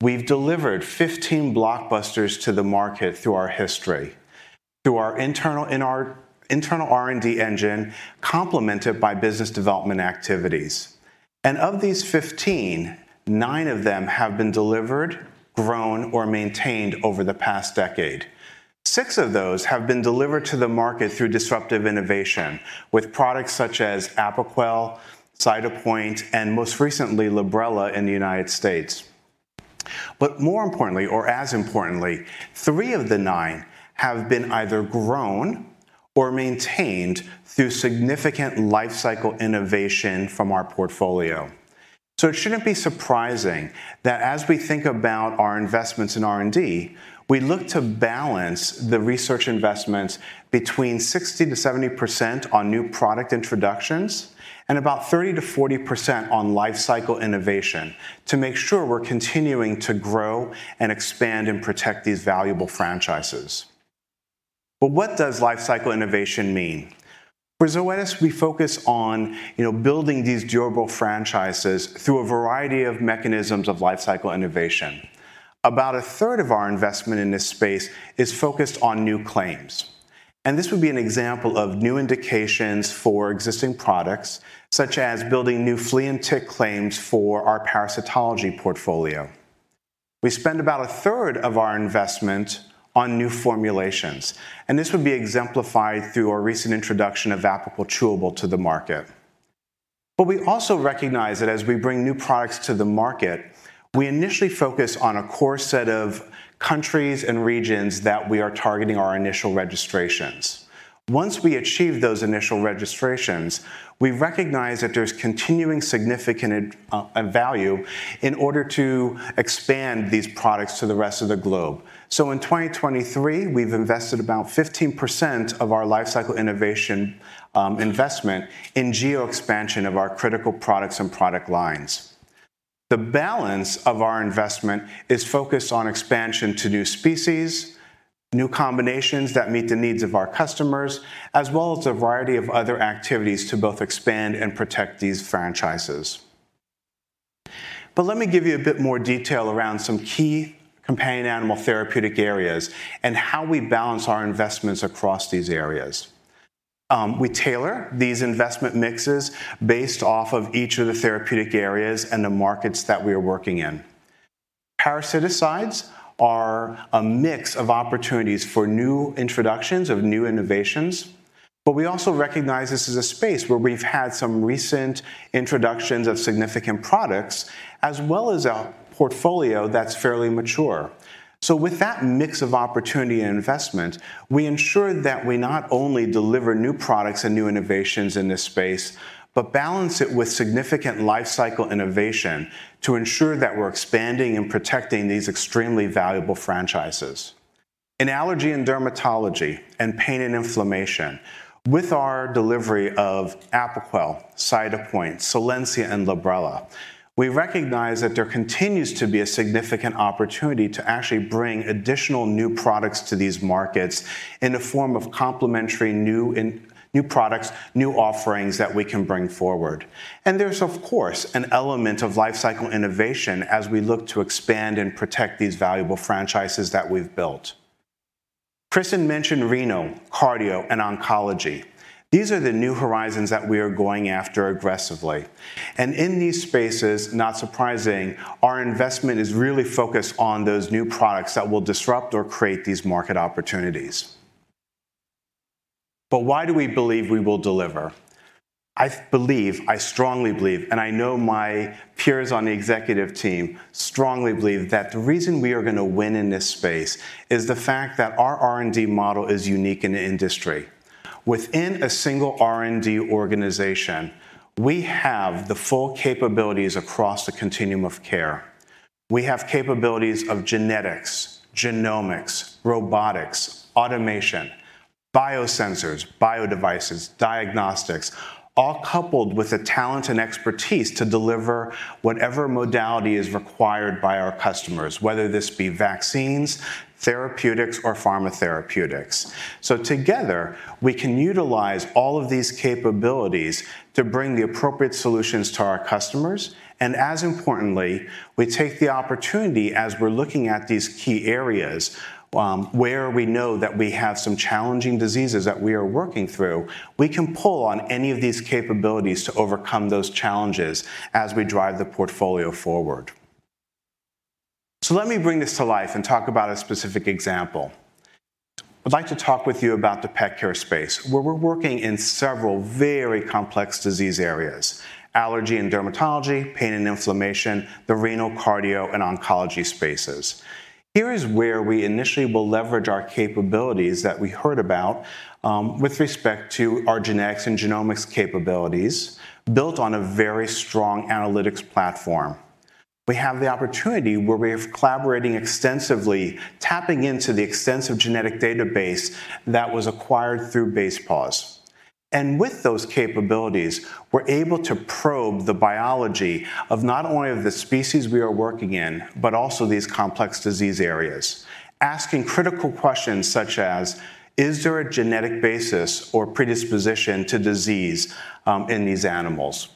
Speaker 6: We've delivered 15 blockbusters to the market through our history, in our internal R&D engine, complemented by business development activities. Of these 15, 9 of them have been delivered, grown, or maintained over the past decade. Six of those have been delivered to the market through disruptive innovation, with products such as Apoquel, Cytopoint, and most recently, Librela in the United States. More importantly, or as importantly, three of the nine have been either grown or maintained through significant life cycle innovation from our portfolio. It shouldn't be surprising that as we think about our investments in R&D, we look to balance the research investments between 60%-70% on new product introductions and about 30%-40% on life cycle innovation, to make sure we're continuing to grow and expand and protect these valuable franchises. What does life cycle innovation mean? For Zoetis, we focus on, you know, building these durable franchises through a variety of mechanisms of life cycle innovation. About a third of our investment in this space is focused on new claims, and this would be an example of new indications for existing products, such as building new flea and tick claims for our parasitology portfolio. We spend about a third of our investment on new formulations, and this would be exemplified through our recent introduction of Apoquel Chewable to the market. We also recognize that as we bring new products to the market, we initially focus on a core set of countries and regions that we are targeting our initial registrations. Once we achieve those initial registrations, we recognize that there's continuing significant value in order to expand these products to the rest of the globe. In 2023, we've invested about 15% of our life cycle innovation investment in geo expansion of our critical products and product lines. The balance of our investment is focused on expansion to new species, new combinations that meet the needs of our customers, as well as a variety of other activities to both expand and protect these franchises. Let me give you a bit more detail around some key companion animal therapeutic areas and how we balance our investments across these areas. We tailor these investment mixes based off of each of the therapeutic areas and the markets that we are working in. Parasiticides are a mix of opportunities for new introductions of new innovations, but we also recognize this is a space where we've had some recent introductions of significant products, as well as a portfolio that's fairly mature. With that mix of opportunity and investment, we ensure that we not only deliver new products and new innovations in this space, but balance it with significant life cycle innovation to ensure that we're expanding and protecting these extremely valuable franchises. In allergy and dermatology, and pain and inflammation, with our delivery of Apoquel, Cytopoint, Solensia, and Librela, we recognize that there continues to be a significant opportunity to actually bring additional new products to these markets in the form of complementary new products, new offerings that we can bring forward. There's, of course, an element of life cycle innovation as we look to expand and protect these valuable franchises that we've built. Kristin mentioned renal, cardio, and oncology. These are the new horizons that we are going after aggressively, and in these spaces, not surprising, our investment is really focused on those new products that will disrupt or create these market opportunities. Why do we believe we will deliver? I believe, I strongly believe, and I know my peers on the executive team strongly believe, that the reason we are going to win in this space is the fact that our R&D model is unique in the industry. Within a single R&D organization, we have the full capabilities across the continuum of care. We have capabilities of genetics, genomics, robotics, automation, biosensors, biodevices, diagnostics, all coupled with the talent and expertise to deliver whatever modality is required by our customers, whether this be vaccines, therapeutics, or pharma therapeutics. Together, we can utilize all of these capabilities to bring the appropriate solutions to our customers, and as importantly, we take the opportunity as we're looking at these key areas, where we know that we have some challenging diseases that we are working through, we can pull on any of these capabilities to overcome those challenges as we drive the portfolio forward. Let me bring this to life and talk about a specific example. I'd like to talk with you about the pet care space, where we're working in several very complex disease areas: allergy and dermatology, pain and inflammation, the renal, cardio, and oncology spaces. Here is where we initially will leverage our capabilities that we heard about, with respect to our genetics and genomics capabilities, built on a very strong analytics platform. We have the opportunity where we are collaborating extensively, tapping into the extensive genetic database that was acquired through Basepaws. With those capabilities, we're able to probe the biology of not only of the species we are working in, but also these complex disease areas, asking critical questions such as: Is there a genetic basis or predisposition to disease in these animals?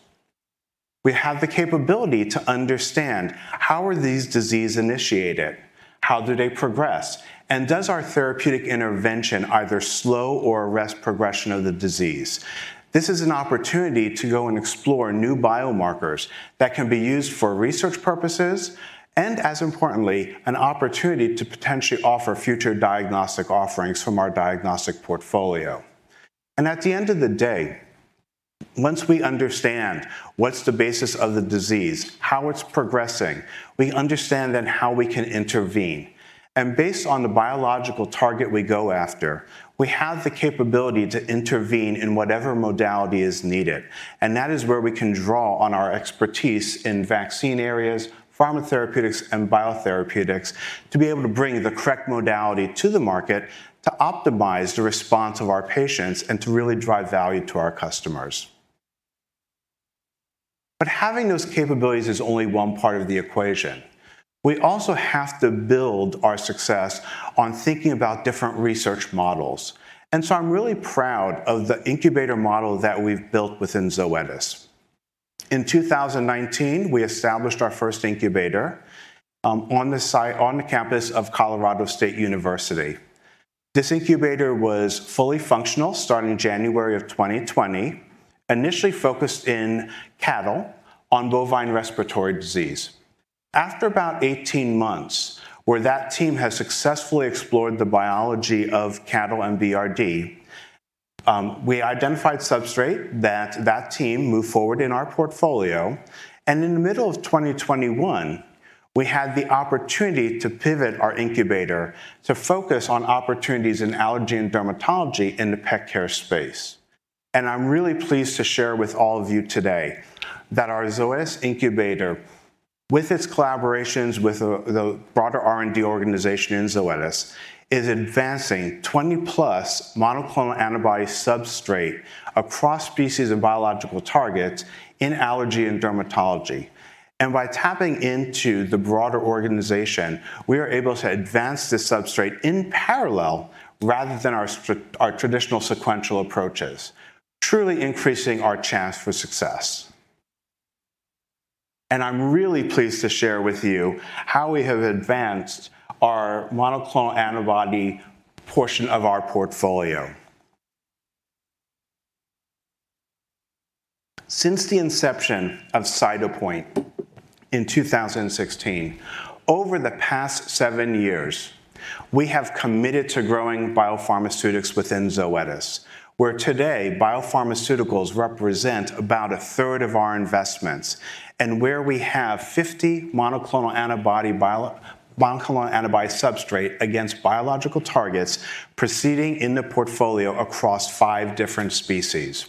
Speaker 6: We have the capability to understand how are these diseases initiated, how do they progress, and does our therapeutic intervention either slow or arrest progression of the disease? This is an opportunity to go and explore new biomarkers that can be used for research purposes, and as importantly, an opportunity to potentially offer future diagnostic offerings from our diagnostic portfolio. At the end of the day, once we understand what's the basis of the disease, how it's progressing, we understand then how we can intervene. Based on the biological target we go after, we have the capability to intervene in whatever modality is needed, and that is where we can draw on our expertise in vaccine areas, pharma therapeutics, and biotherapeutics, to be able to bring the correct modality to the market, to optimize the response of our patients, and to really drive value to our customers. Having those capabilities is only one part of the equation. We also have to build our success on thinking about different research models. I'm really proud of the incubator model that we've built within Zoetis. In 2019, we established our first incubator, on the campus of Colorado State University. This incubator was fully functional starting January of 2020, initially focused in cattle on bovine respiratory disease. After about 18 months, where that team has successfully explored the biology of cattle and BRD, we identified substrate that that team moved forward in our portfolio, and in the middle of 2021, we had the opportunity to pivot our incubator to focus on opportunities in allergy and dermatology in the pet care space. I'm really pleased to share with all of you today that our Zoetis incubator, with its collaborations with the broader R&D organization in Zoetis, is advancing 20-plus monoclonal antibody substrate across species of biological targets in allergy and dermatology. By tapping into the broader organization, we are able to advance this substrate in parallel rather than our traditional sequential approaches, truly increasing our chance for success. I'm really pleased to share with you how we have advanced our monoclonal antibody portion of our portfolio. Since the inception of Cytopoint in 2016, over the past seven years, we have committed to growing biopharmaceutics within Zoetis, where today, biopharmaceuticals represent about a third of our investments, where we have 50 monoclonal antibody substrate against biological targets proceeding in the portfolio across five different species.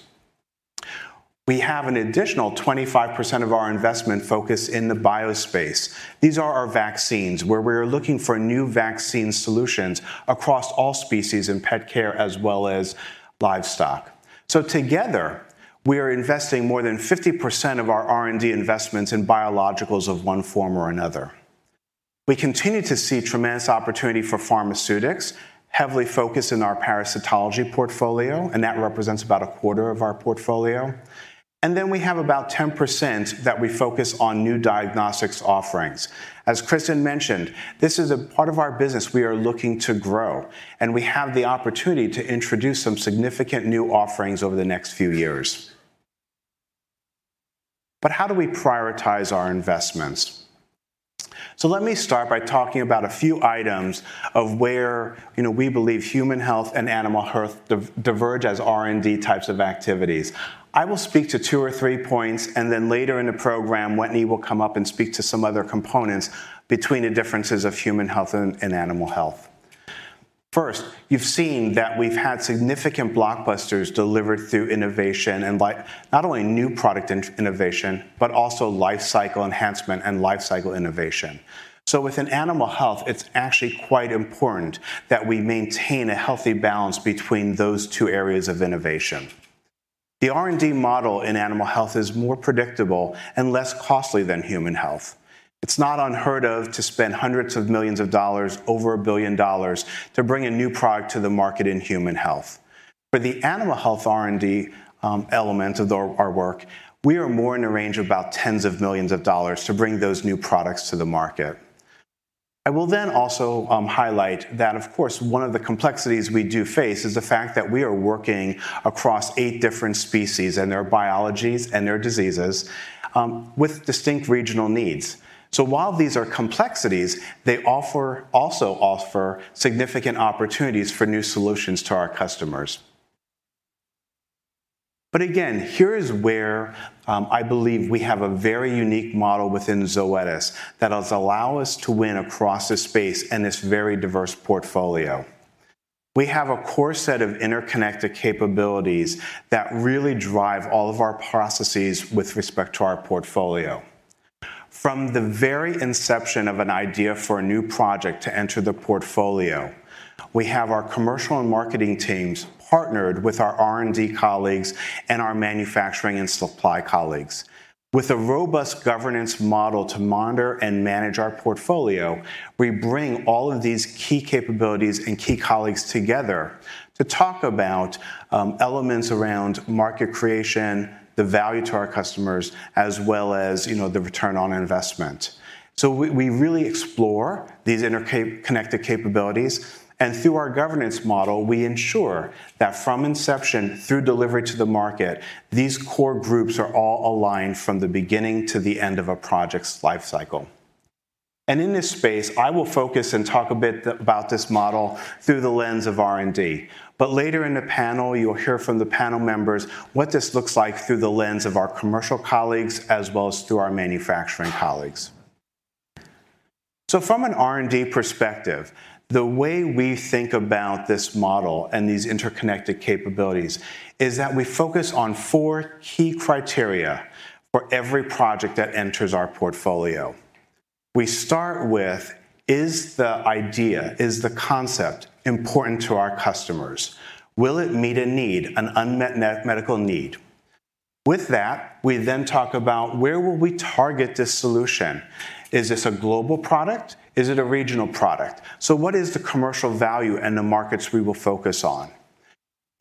Speaker 6: We have an additional 25% of our investment focused in the bio space. These are our vaccines, where we are looking for new vaccine solutions across all species in pet care as well as livestock. together, we are investing more than 50% of our R&D investments in biologicals of one form or another. We continue to see tremendous opportunity for pharmaceutics, heavily focused in our parasitology portfolio, that represents about a quarter of our portfolio. we have about 10% that we focus on new diagnostics offerings. As Kristen mentioned, this is a part of our business we are looking to grow, and we have the opportunity to introduce some significant new offerings over the next few years. How do we prioritize our investments? Let me start by talking about a few items of where, you know, we believe human health and animal health diverge as R&D types of activities. I will speak to two or three points, and then later in the program, Wetteny will come up and speak to some other components between the differences of human health and animal health. First, you've seen that we've had significant blockbusters delivered through innovation and by not only new product innovation, but also lifecycle enhancement and lifecycle innovation. Within animal health, it's actually quite important that we maintain a healthy balance between those two areas of innovation. The R&D model in animal health is more predictable and less costly than human health. It's not unheard of to spend hundreds of millions of dollars, over $1 billion, to bring a new product to the market in human health. For the animal health R&D element of our work, we are more in the range of about tens of millions of dollars to bring those new products to the market. I will also highlight that, of course, one of the complexities we do face is the fact that we are working across eight different species and their biologies and their diseases with distinct regional needs. While these are complexities, they also offer significant opportunities for new solutions to our customers. Here is where I believe we have a very unique model within Zoetis that does allow us to win across this space and this very diverse portfolio. We have a core set of interconnected capabilities that really drive all of our processes with respect to our portfolio. From the very inception of an idea for a new project to enter the portfolio, we have our commercial and marketing teams partnered with our R&D colleagues and our manufacturing and supply colleagues. With a robust governance model to monitor and manage our portfolio, we bring all of these key capabilities and key colleagues together to talk about elements around market creation, the value to our customers, as well as, you know, the return on investment. We really explore these interconnected capabilities, and through our governance model, we ensure that from inception through delivery to the market, these core groups are all aligned from the beginning to the end of a project's life cycle. In this space, I will focus and talk a bit about this model through the lens of R&D. Later in the panel, you'll hear from the panel members what this looks like through the lens of our commercial colleagues, as well as through our manufacturing colleagues. From an R&D perspective, the way we think about this model and these interconnected capabilities is that we focus on four key criteria for every project that enters our portfolio. We start with, is the idea, is the concept important to our customers? Will it meet a need, an unmet medical need? We then talk about where will we target this solution? Is this a global product? Is it a regional product? What is the commercial value and the markets we will focus on?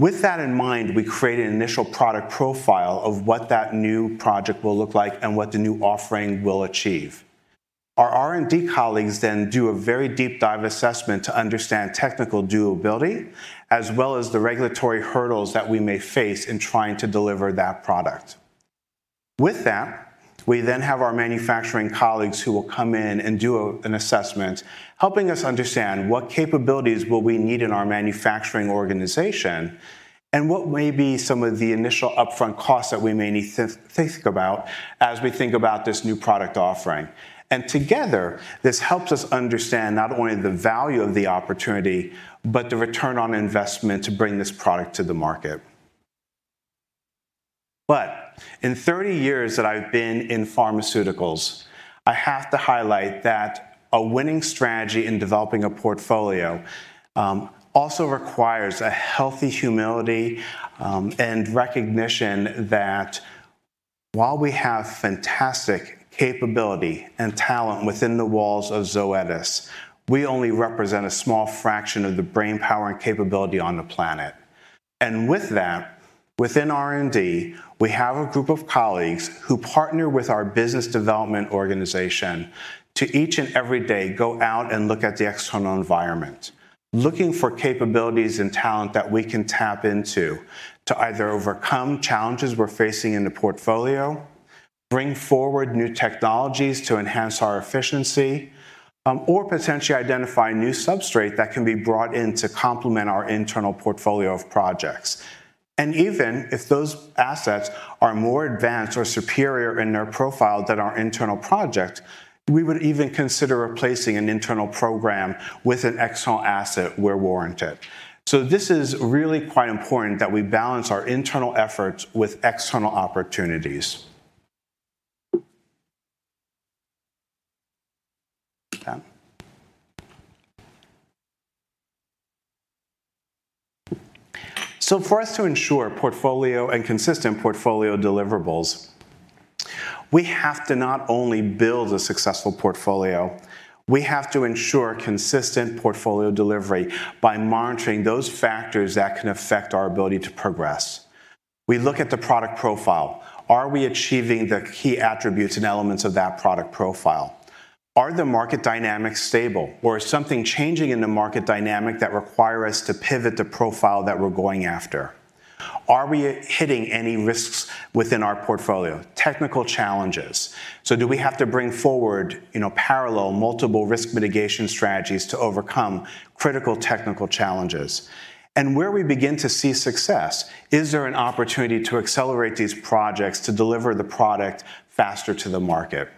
Speaker 6: With that in mind, we create an initial product profile of what that new project will look like and what the new offering will achieve. Our R&D colleagues then do a very deep dive assessment to understand technical durability, as well as the regulatory hurdles that we may face in trying to deliver that product. We then have our manufacturing colleagues who will come in and do an assessment, helping us understand what capabilities will we need in our manufacturing organization, and what may be some of the initial upfront costs that we may need to think about as we think about this new product offering. Together, this helps us understand not only the value of the opportunity, but the return on investment to bring this product to the market. In 30 years that I've been in pharmaceuticals, I have to highlight that a winning strategy in developing a portfolio, also requires a healthy humility, and recognition that while we have fantastic capability and talent within the walls of Zoetis, we only represent a small fraction of the brainpower and capability on the planet. With that, within R&D, we have a group of colleagues who partner with our business development organization to each and every day go out and look at the external environment, looking for capabilities and talent that we can tap into to either overcome challenges we're facing in the portfolio, bring forward new technologies to enhance our efficiency, or potentially identify new substrate that can be brought in to complement our internal portfolio of projects. Even if those assets are more advanced or superior in their profile than our internal project, we would even consider replacing an internal program with an external asset where warranted. This is really quite important that we balance our internal efforts with external opportunities. Okay. For us to ensure portfolio and consistent portfolio deliverables, we have to not only build a successful portfolio, we have to ensure consistent portfolio delivery by monitoring those factors that can affect our ability to progress. We look at the product profile. Are we achieving the key attributes and elements of that product profile? Are the market dynamics stable, or is something changing in the market dynamic that require us to pivot the profile that we're going after? Are we hitting any risks within our portfolio? Technical challenges. Do we have to bring forward, you know, parallel multiple risk mitigation strategies to overcome critical technical challenges? Where we begin to see success, is there an opportunity to accelerate these projects to deliver the product faster to the market?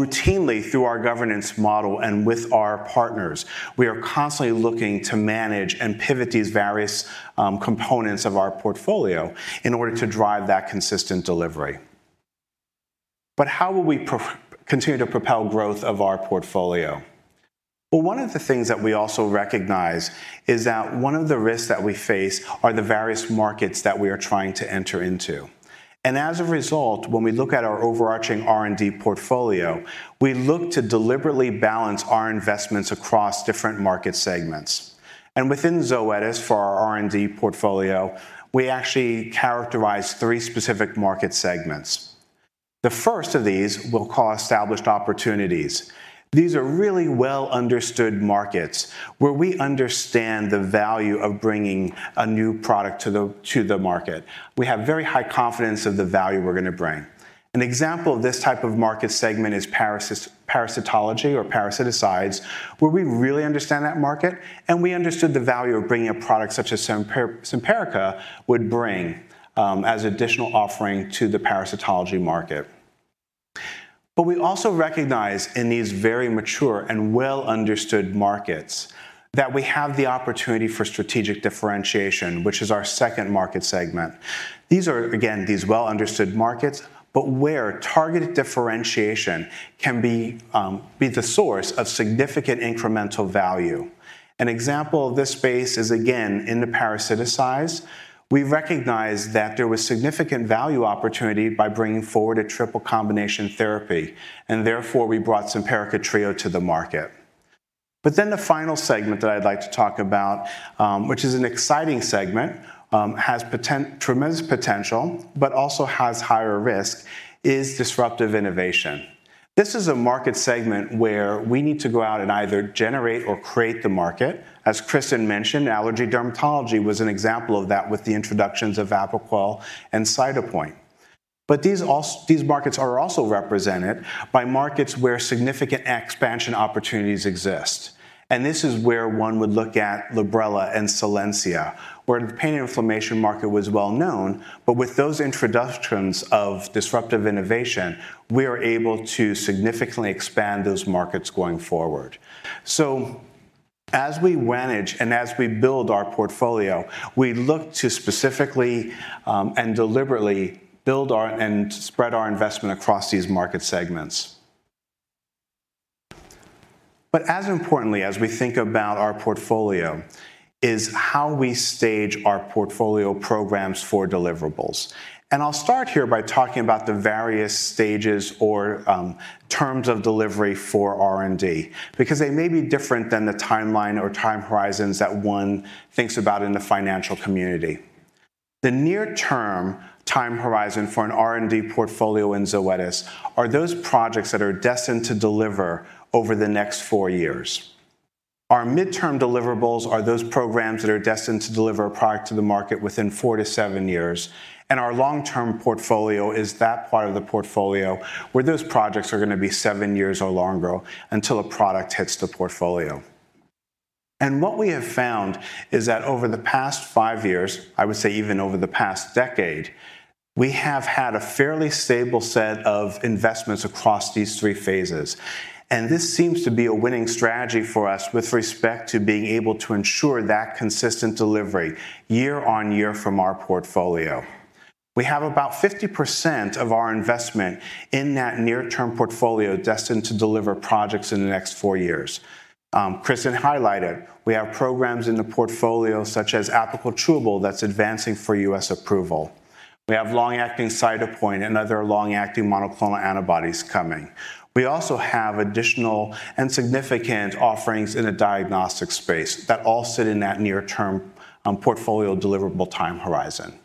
Speaker 6: Routinely, through our governance model and with our partners, we are constantly looking to manage and pivot these various components of our portfolio in order to drive that consistent delivery. How will we continue to propel growth of our portfolio? One of the things that we also recognize is that one of the risks that we face are the various markets that we are trying to enter into. As a result, when we look at our overarching R&D portfolio, we look to deliberately balance our investments across different market segments. Within Zoetis, for our R&D portfolio, we actually characterize three specific market segments. The first of these we'll call established opportunities. These are really well-understood markets, where we understand the value of bringing a new product to the market. We have very high confidence of the value we're going to bring. An example of this type of market segment is parasitology or parasiticides, where we really understand that market, and we understood the value of bringing a product such as Simparica would bring as additional offering to the parasitology market. We also recognize in these very mature and well-understood markets that we have the opportunity for strategic differentiation, which is our second market segment. These are, again, these well-understood markets, but where targeted differentiation can be the source of significant incremental value. An example of this space is, again, in the parasiticides. We recognized that there was significant value opportunity by bringing forward a triple combination therapy, and therefore, we brought Simparica Trio to the market. The final segment that I'd like to talk about, which is an exciting segment, has tremendous potential, but also has higher risk, is disruptive innovation. This is a market segment where we need to go out and either generate or create the market. As Kristin mentioned, allergy dermatology was an example of that with the introductions of Apoquel and Cytopoint. These markets are also represented by markets where significant expansion opportunities exist. This is where one would look at Librela and Solensia, where the pain inflammation market was well known, but with those introductions of disruptive innovation, we are able to significantly expand those markets going forward. As we manage and as we build our portfolio, we look to specifically and deliberately build and spread our investment across these market segments. As importantly, as we think about our portfolio, is how we stage our portfolio programs for deliverables. I'll start here by talking about the various stages or terms of delivery for R&D, because they may be different than the timeline or time horizons that one thinks about in the financial community. The near-term time horizon for an R&D portfolio in Zoetis are those projects that are destined to deliver over the next 4 years. Our midterm deliverables are those programs that are destined to deliver a product to the market within 4-7 years, and our long-term portfolio is that part of the portfolio where those projects are going to be 7 years or longer until a product hits the portfolio. What we have found is that over the past five years, I would say even over the past decade, we have had a fairly stable set of investments across these three phases. This seems to be a winning strategy for us with respect to being able to ensure that consistent delivery year-over-year from our portfolio. We have about 50% of our investment in that near-term portfolio destined to deliver projects in the next four years. Kristin highlighted, we have programs in the portfolio, such as Apoquel Chewable, that's advancing for U.S. approval. We have long-acting Cytopoint and other long-acting monoclonal antibodies coming. We also have additional and significant offerings in the diagnostic space that all sit in that near-term portfolio deliverable time horizon.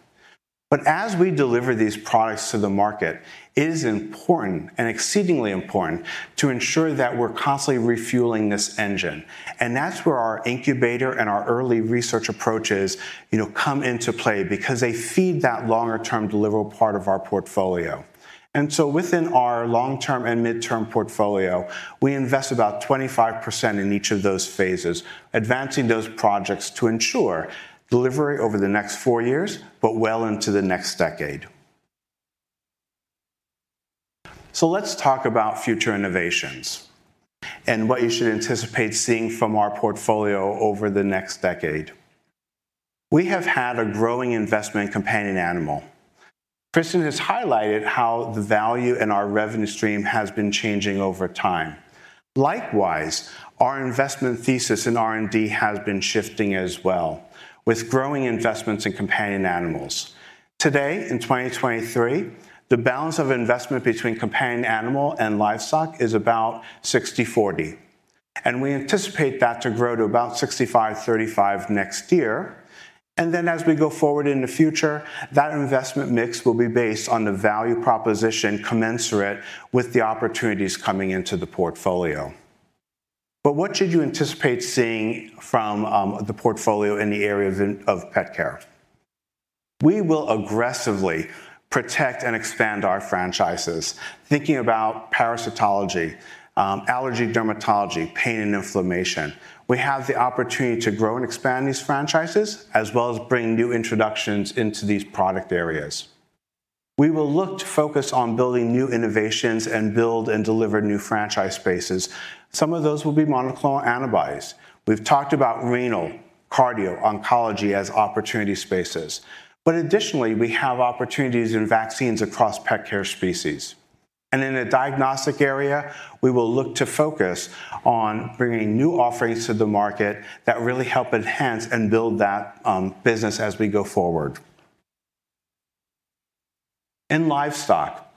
Speaker 6: As we deliver these products to the market, it is important and exceedingly important to ensure that we're constantly refueling this engine, and that's where our incubator and our early research approaches, you know, come into play because they feed that longer-term delivery part of our portfolio. Within our long-term and midterm portfolio, we invest about 25% in each of those phases, advancing those projects to ensure delivery over the next 4 years, but well into the next decade. Let's talk about future innovations and what you should anticipate seeing from our portfolio over the next decade. We have had a growing investment in companion animal. Kristin has highlighted how the value in our revenue stream has been changing over time. Likewise, our investment thesis in R&D has been shifting as well, with growing investments in companion animals. Today, in 2023, the balance of investment between companion animal and livestock is about 60/40, and we anticipate that to grow to about 65/35 next year. As we go forward in the future, that investment mix will be based on the value proposition commensurate with the opportunities coming into the portfolio. What should you anticipate seeing from the portfolio in the area of pet care? We will aggressively protect and expand our franchises. Thinking about parasitology, allergy, dermatology, pain, and inflammation, we have the opportunity to grow and expand these franchises, as well as bring new introductions into these product areas. We will look to focus on building new innovations and build and deliver new franchise spaces. Some of those will be monoclonal antibodies. We've talked about renal, cardio, oncology as opportunity spaces. Additionally, we have opportunities in vaccines across petcare species. In the diagnostic area, we will look to focus on bringing new offerings to the market that really help enhance and build that business as we go forward. In livestock,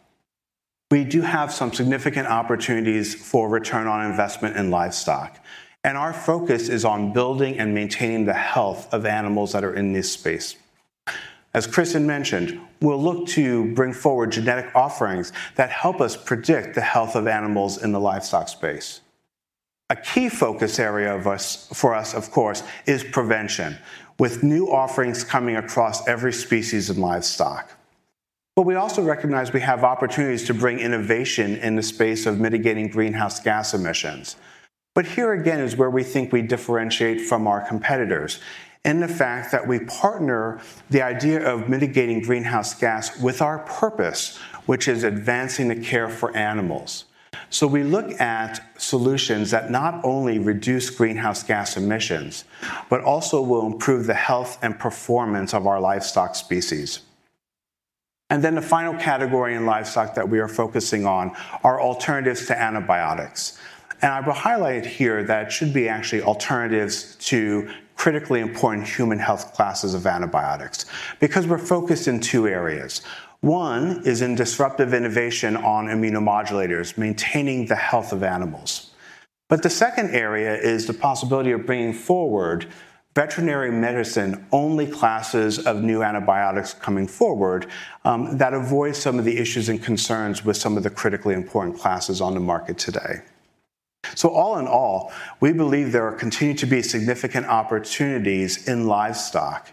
Speaker 6: we do have some significant opportunities for return on investment in livestock. Our focus is on building and maintaining the health of animals that are in this space. As Kristin mentioned, we'll look to bring forward genetic offerings that help us predict the health of animals in the livestock space. A key focus area for us, of course, is prevention, with new offerings coming across every species of livestock. We also recognize we have opportunities to bring innovation in the space of mitigating greenhouse gas emissions. Here again is where we think we differentiate from our competitors, in the fact that we partner the idea of mitigating greenhouse gas with our purpose, which is advancing the care for animals. We look at solutions that not only reduce greenhouse gas emissions, but also will improve the health and performance of our livestock species. The final category in livestock that we are focusing on are alternatives to antibiotics. I will highlight here that it should be actually alternatives to critically important human health classes of antibiotics, because we're focused in two areas. One is in disruptive innovation on immunomodulators, maintaining the health of animals. The second area is the possibility of bringing forward veterinary medicine, only classes of new antibiotics coming forward, that avoid some of the issues and concerns with some of the critically important classes on the market today. All in all, we believe there are continuing to be significant opportunities in livestock,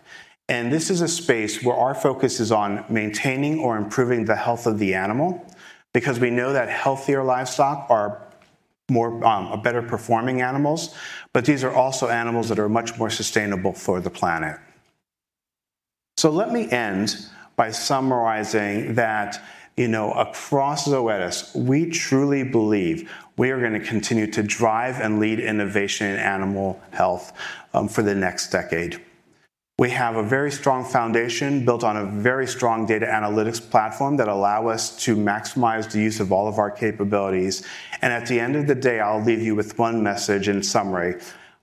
Speaker 6: and this is a space where our focus is on maintaining or improving the health of the animal, because we know that healthier livestock are more are better performing animals, but these are also animals that are much more sustainable for the planet. Let me end by summarizing that, you know, across Zoetis, we truly believe we are gonna continue to drive and lead innovation in animal health for the next decade. We have a very strong foundation built on a very strong data analytics platform that allow us to maximize the use of all of our capabilities. At the end of the day, I'll leave you with one message in summary: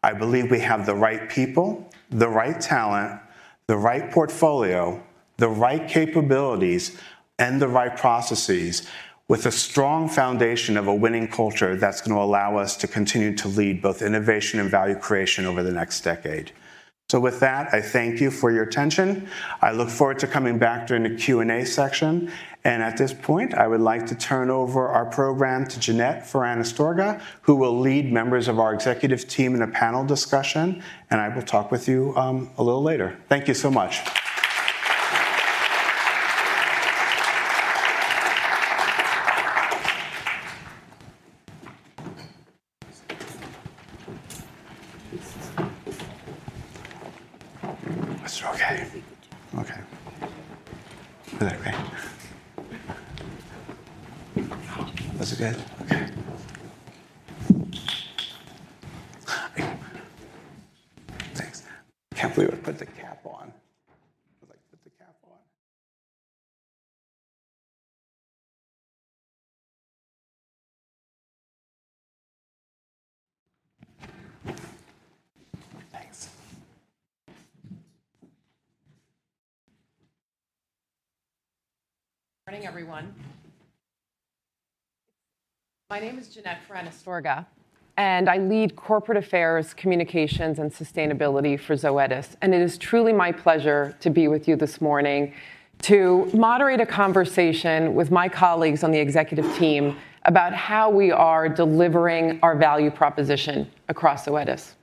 Speaker 6: I believe we have the right people, the right talent, the right portfolio, the right capabilities, and the right processes, with a strong foundation of a winning culture that's gonna allow us to continue to lead both innovation and value creation over the next decade. With that, I thank you for your attention. I look forward to coming back during the Q&A section. At this point, I would like to turn over our program to Jeannette Ferran Astorga, who will lead members of our executive team in a panel discussion, and I will talk with you a little later. Thank you so much. It's okay? Okay. Is that okay? That's good. Okay. Thanks. I can't believe I put the cap on. Would I put the cap on? Thanks.
Speaker 7: Morning, everyone. My name is Jeanette Ferran Astorga, and I lead Corporate Affairs, Communications, and Sustainability for Zoetis. It is truly my pleasure to be with you this morning to moderate a conversation with my colleagues on the executive team about how we are delivering our value proposition across Zoetis.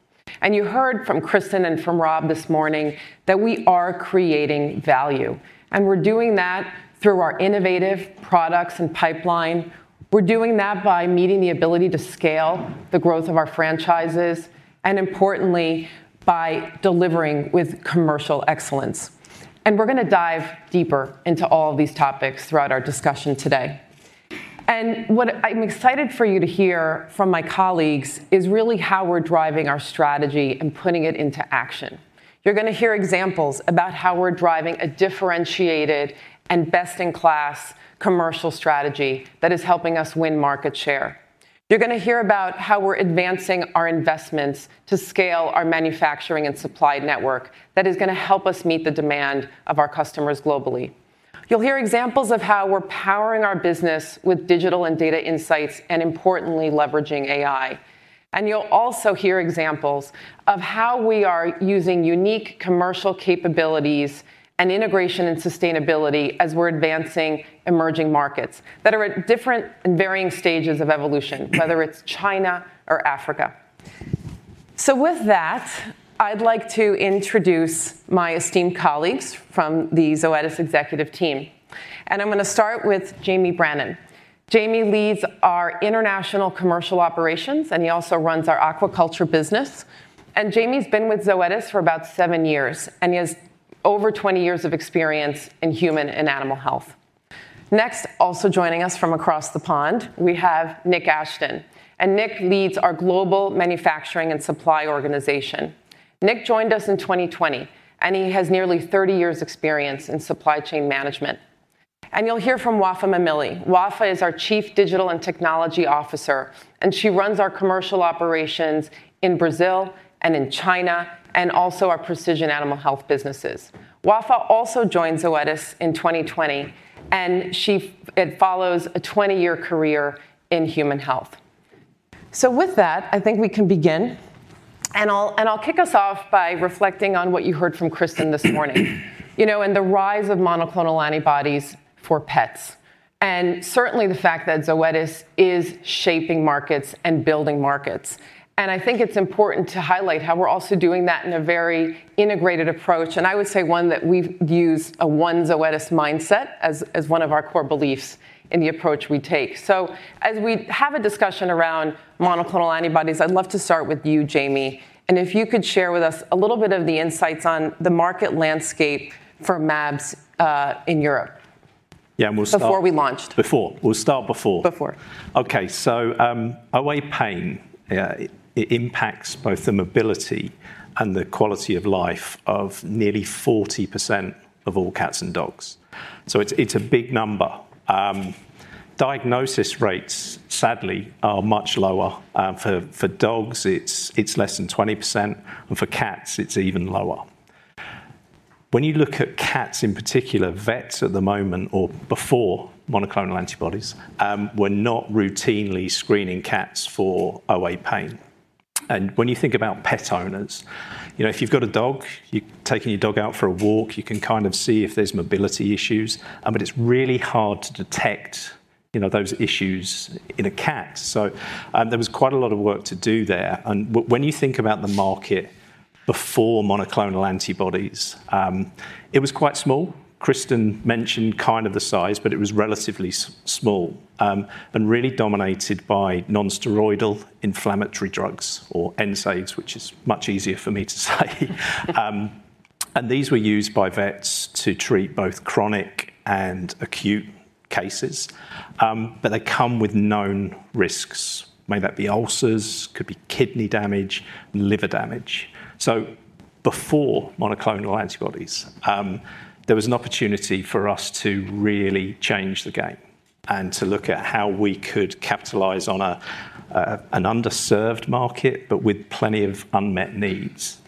Speaker 7: You heard from Kristin and from Rob this morning that we are creating value, and we're doing that through our innovative products and pipeline. We're doing that by meeting the ability to scale the growth of our franchises, and importantly, by delivering with commercial excellence. We're gonna dive deeper into all of these topics throughout our discussion today. What I'm excited for you to hear from my colleagues is really how we're driving our strategy and putting it into action. You're gonna hear examples about how we're driving a differentiated and best-in-class commercial strategy that is helping us win market share. You're gonna hear about how we're advancing our investments to scale our manufacturing and supply network that is gonna help us meet the demand of our customers globally. You'll hear examples of how we're powering our business with digital and data insights, and importantly, leveraging AI. You'll also hear examples of how we are using unique commercial capabilities and integration and sustainability as we're advancing emerging markets that are at different and varying stages of evolution, whether it's China or Africa. With that, I'd like to introduce my esteemed colleagues from the Zoetis executive team, and I'm gonna start with Jamie Brannan. Jamie leads our international commercial operations, and he also runs our aquaculture business. Jamie's been with Zoetis for about 7 years, and he has over 20 years of experience in human and animal health. Next, also joining us from across the pond, we have Nick Ashton, and Nick leads our Global Manufacturing and Supply organization. Nick joined us in 2020, and he has nearly 30 years experience in supply chain management. You'll hear from Wafaa Mamilli. Wafaa is our Chief Digital and Technology Officer, and she runs our commercial operations in Brazil and in China, and also our precision animal health businesses. Wafaa also joined Zoetis in 2020, and she it follows a 20-year career in human health. With that, I think we can begin, and I'll, and I'll kick us off by reflecting on what you heard from Kristin this morning, you know, and the rise of monoclonal antibodies for pets, and certainly the fact that Zoetis is shaping markets and building markets. I think it's important to highlight how we're also doing that in a very integrated approach, and I would say one that we've used a One Zoetis mindset as one of our core beliefs in the approach we take. As we have a discussion around monoclonal antibodies, I'd love to start with you, Jamie, and if you could share with us a little bit of the insights on the market landscape for mAbs in Europe.
Speaker 8: Yeah, we'll.
Speaker 7: Before we launched.
Speaker 8: Before. We'll start before.
Speaker 7: Before.
Speaker 8: OA pain, yeah, it impacts both the mobility and the quality of life of nearly 40% of all cats and dogs, so it's a big number. Diagnosis rates, sadly, are much lower. For dogs, it's less than 20%, and for cats, it's even lower. When you look at cats, in particular, vets at the moment, or before monoclonal antibodies, were not routinely screening cats for OA pain. When you think about pet owners, you know, if you've got a dog, you're taking your dog out for a walk, you can kind of see if there's mobility issues. It's really hard to detect, you know, those issues in a cat. There was quite a lot of work to do there. When you think about the market before monoclonal antibodies, it was quite small. Kristin mentioned kind of the size, but it was relatively small, and really dominated by nonsteroidal anti-inflammatory drugs, or NSAIDs, which is much easier for me to say. These were used by vets to treat both chronic and acute cases, but they come with known risks, may that be ulcers, could be kidney damage, liver damage. Before monoclonal antibodies, there was an opportunity for us to really change the game and to look at how we could capitalize on an underserved market, but with plenty of unmet needs,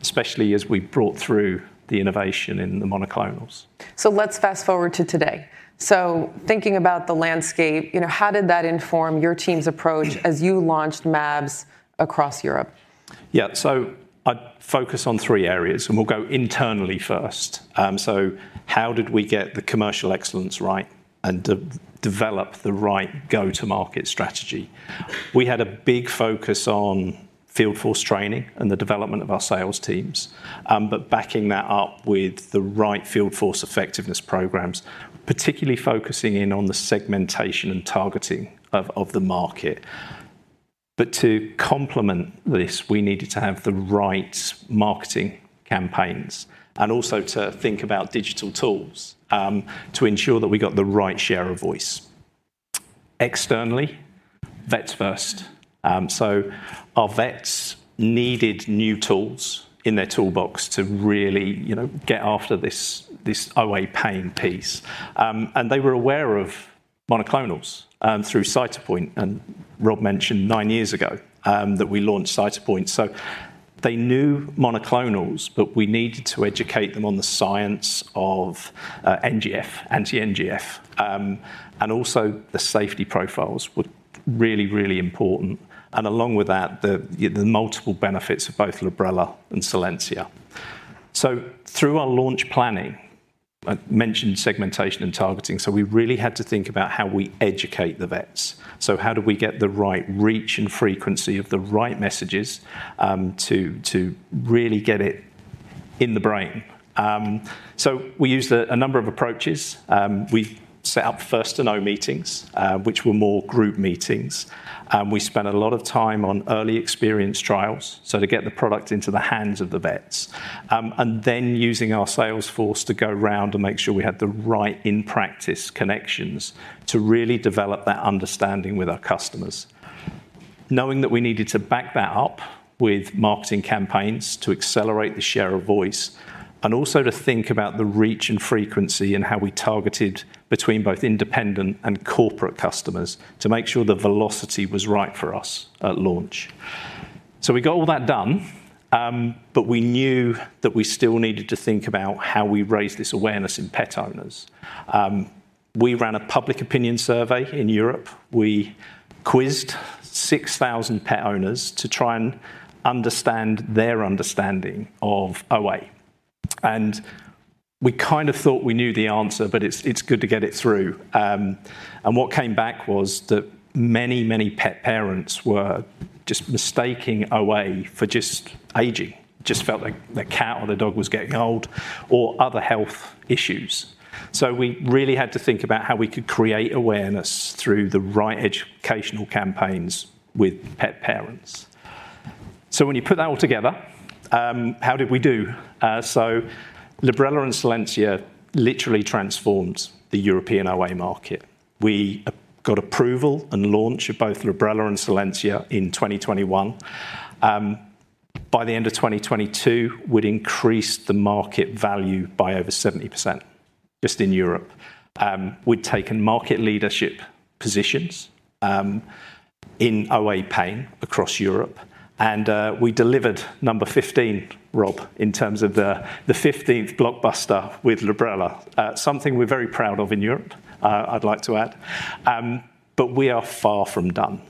Speaker 8: especially as we brought through the innovation in the monoclonals.
Speaker 7: Let's fast-forward to today. Thinking about the landscape, you know, how did that inform your team's approach as you launched mAbs across Europe?
Speaker 8: I'd focus on three areas, and we'll go internally first. How did we get the commercial excellence right and develop the right go-to-market strategy? We had a big focus on field force training and the development of our sales teams, backing that up with the right field force effectiveness programs, particularly focusing in on the segmentation and targeting of the market. To complement this, we needed to have the right marketing campaigns and also to think about digital tools to ensure that we got the right share of voice. Externally, vets first. Our vets needed new tools in their toolbox to really, you know, get after this OA pain piece. They were aware of monoclonals through Cytopoint. Rob mentioned 9 years ago that we launched Cytopoint. They knew monoclonals, but we needed to educate them on the science of NGF, anti-NGF. The safety profiles were really important, and along with that, the multiple benefits of both Librela and Solensia. Through our launch planning, I mentioned segmentation and targeting, so we really had to think about how we educate the vets. How do we get the right reach and frequency of the right messages to really get it in the brain? We used a number of approaches. We set up first-to-know meetings, which were more group meetings. We spent a lot of time on early experience trials, so to get the product into the hands of the vets. Then using our sales force to go round and make sure we had the right in-practice connections to really develop that understanding with our customers. Knowing that we needed to back that up with marketing campaigns to accelerate the share of voice, and also to think about the reach and frequency and how we targeted between both independent and corporate customers to make sure the velocity was right for us at launch. We got all that done, but we knew that we still needed to think about how we raise this awareness in pet owners. We ran a public opinion survey in Europe. We quizzed 6,000 pet owners to try and understand their understanding of OA, and we kind of thought we knew the answer, but it's good to get it through. What came back was that many pet parents were just mistaking OA for just aging, just felt like their cat or their dog was getting old or other health issues. We really had to think about how we could create awareness through the right educational campaigns with pet parents. When you put that all together, how did we do? Librela and Solensia literally transformed the European OA market. We got approval and launch of both Librela and Solensia in 2021. By the end of 2022, we'd increased the market value by over 70% just in Europe. We'd taken market leadership positions in OA pain across Europe, and we delivered number 15, Rob, in terms of the fifteenth blockbuster with Librela. Something we're very proud of in Europe, I'd like to add, we are far from done.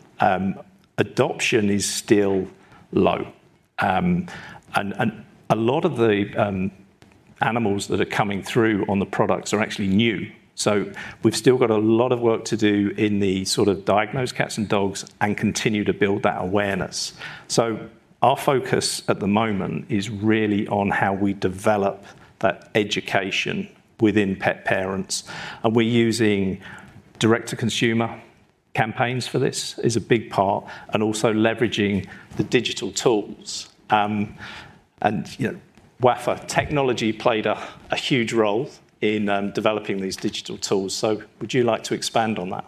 Speaker 8: Adoption is still low, and a lot of the animals that are coming through on the products are actually new. We've still got a lot of work to do in the sort of diagnosed cats and dogs and continue to build that awareness. Our focus at the moment is really on how we develop that education within pet parents, and we're using direct-to-consumer campaigns for this, is a big part, and also leveraging the digital tools. You know, Wafaa, technology played a huge role in developing these digital tools. Would you like to expand on that?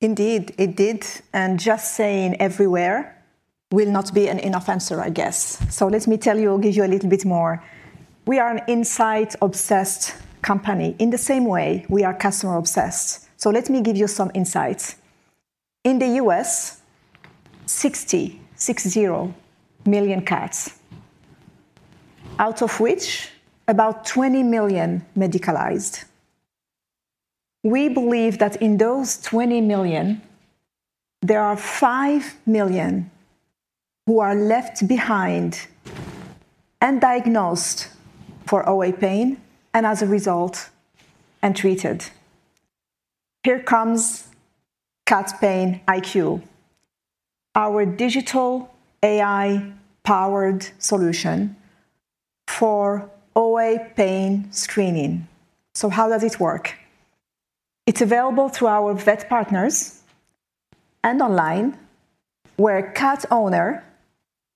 Speaker 9: Indeed, it did, and just saying everywhere will not be an enough answer, I guess. Let me tell you or give you a little bit more. We are an insight-obsessed company in the same way we are customer-obsessed. Let me give you some insights. In the U.S., 60 million cats, out of which about 20 million medicalized. We believe that in those 20 million, there are 5 million who are left behind and diagnosed for OA pain, and as a result, untreated. Here comes Cat Pain IQ, our digital AI-powered solution for OA pain screening. How does it work? It's available through our vet partners and online, where a cat owner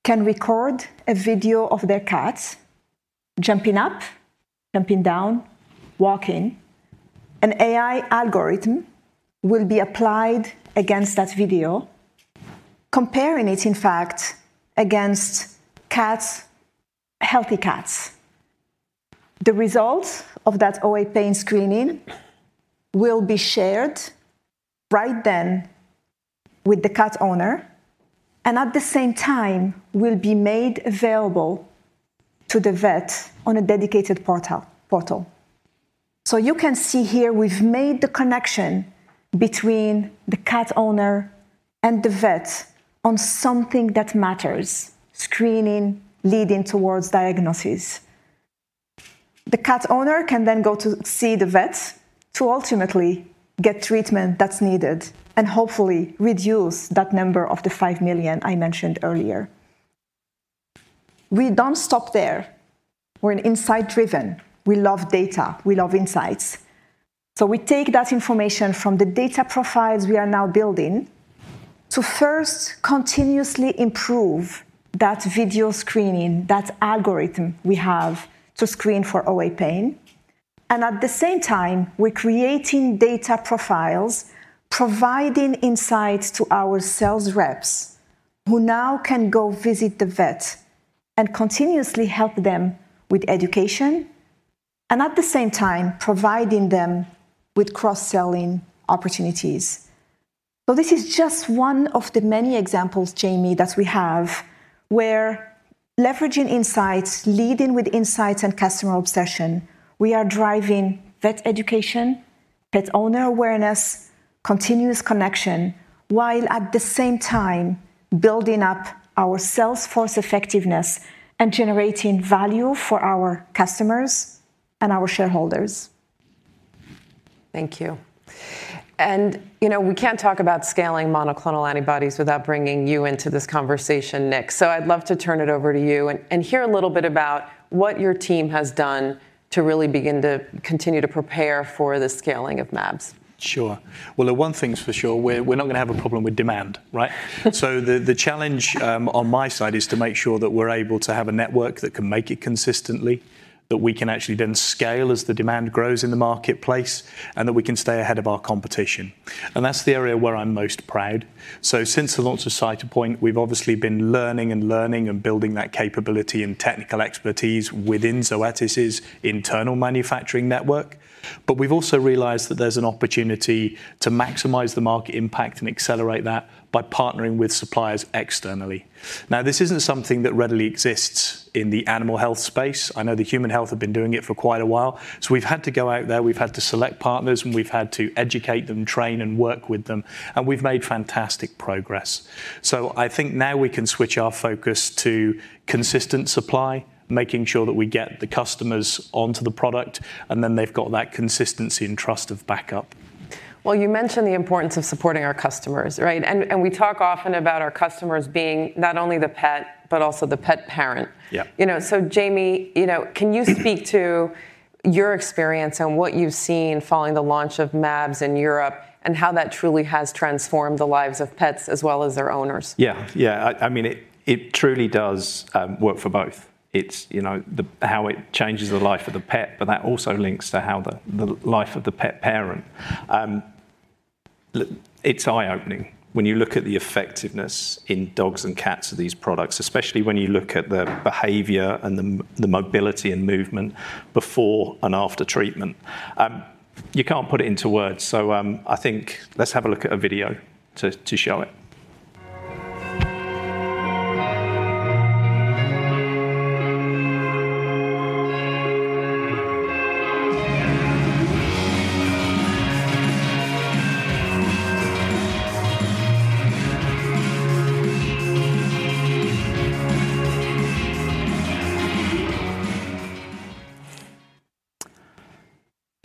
Speaker 9: can record a video of their cat jumping up, jumping down, walking. An AI algorithm will be applied against that video, comparing it, in fact, against cats, healthy cats. The results of that OA pain screening will be shared right then with the cat owner, and at the same time will be made available to the vet on a dedicated portal. You can see here we've made the connection between the cat owner and the vet on something that matters: screening, leading towards diagnosis. The cat owner can go to see the vet to ultimately get treatment that's needed and hopefully reduce that number of the $5 million I mentioned earlier. We don't stop there. We're insight driven. We love data. We love insights. We take that information from the data profiles we are now building to first continuously improve that video screening, that algorithm we have to screen for OA pain, and at the same time, we're creating data profiles, providing insights to our sales reps, who now can go visit the vet and continuously help them with education and at the same time, providing them with cross-selling opportunities. This is just one of the many examples, Jamie, that we have where leveraging insights, leading with insights and customer obsession, we are driving vet education, pet owner awareness, continuous connection, while at the same time building up our sales force effectiveness and generating value for our customers and our shareholders.
Speaker 7: Thank you. You know, we can't talk about scaling monoclonal antibodies without bringing you into this conversation, Nick. I'd love to turn it over to you and hear a little bit about what your team has done to really begin to continue to prepare for the scaling of mAbs.
Speaker 10: Sure. The one thing's for sure, we're not going to have a problem with demand, right? The challenge on my side is to make sure that we're able to have a network that can make it consistently, that we can actually then scale as the demand grows in the marketplace, and that we can stay ahead of our competition, and that's the area where I'm most proud. Since the launch of Cytopoint, we've obviously been learning and building that capability and technical expertise within Zoetis' internal manufacturing network. We've also realized that there's an opportunity to maximize the market impact and accelerate that by partnering with suppliers externally. This isn't something that readily exists in the animal health space. I know that human health have been doing it for quite a while, so we've had to go out there, we've had to select partners, and we've had to educate them, train, and work with them, and we've made fantastic progress. I think now we can switch our focus to consistent supply, making sure that we get the customers onto the product, and then they've got that consistency and trust of backup.
Speaker 7: Well, you mentioned the importance of supporting our customers, right? We talk often about our customers being not only the pet, but also the pet parent.
Speaker 10: Yeah.
Speaker 7: You know, Jamie, you know, can you speak to your experience and what you've seen following the launch of mAbs in Europe, and how that truly has transformed the lives of pets as well as their owners?
Speaker 8: Yeah. Yeah, I mean, it truly does work for both. It's, you know, how it changes the life of the pet, but that also links to how the life of the pet parent. It's eye-opening when you look at the effectiveness in dogs and cats of these products, especially when you look at the behavior and the mobility and movement before and after treatment. You can't put it into words, so I think let's have a look at a video to show it.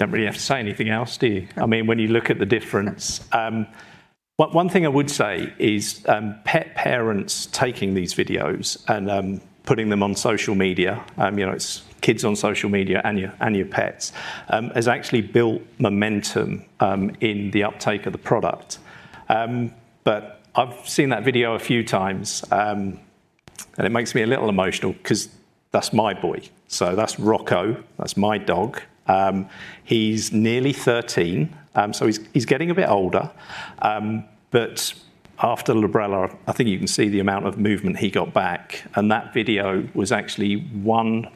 Speaker 8: Don't really have to say anything else, do you? I mean, when you look at the difference. One thing I would say is pet parents taking these videos and putting them on social media, you know, it's kids on social media and your pets has actually built momentum in the uptake of the product. I've seen that video a few times and it makes me a little emotional 'cause that's my boy. That's Rocco. That's my dog. He's nearly 13, he's getting a bit older. After Librela, I think you can see the amount of movement he got back, and that video was actually 1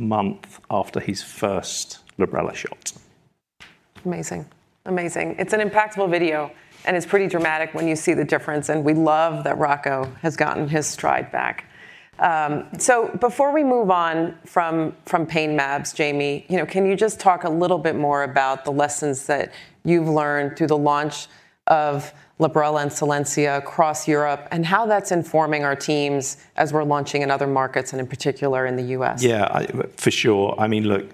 Speaker 8: month after his first Librela shot.
Speaker 7: Amazing. Amazing. It's an impactful video, and it's pretty dramatic when you see the difference, and we love that Rocco has gotten his stride back. Before we move on from pain mAbs, Jamie, you know, can you just talk a little bit more about the lessons that you've learned through the launch of Librela and Solensia across Europe, and how that's informing our teams as we're launching in other markets and in particular, in the U.S.?
Speaker 8: Yeah, I. For sure. I mean, look,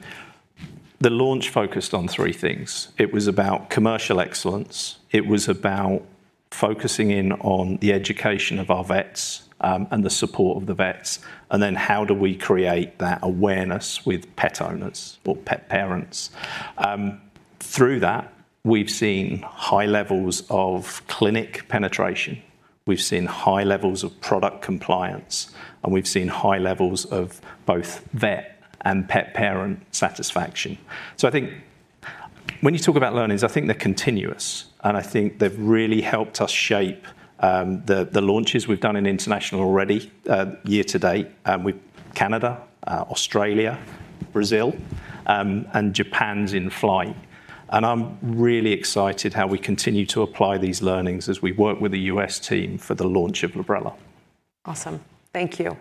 Speaker 8: the launch focused on three things. It was about commercial excellence, it was about focusing in on the education of our vets, and the support of the vets, and then how do we create that awareness with pet owners or pet parents? Through that, we've seen high levels of clinic penetration, we've seen high levels of product compliance, and we've seen high levels of both vet and pet parent satisfaction. I think when you talk about learnings, I think they're continuous, and I think they've really helped us shape the launches we've done in international already year to date with Canada, Australia, Brazil, and Japan's in flight. I'm really excited how we continue to apply these learnings as we work with the U.S. team for the launch of Librela.
Speaker 7: Awesome. Thank you.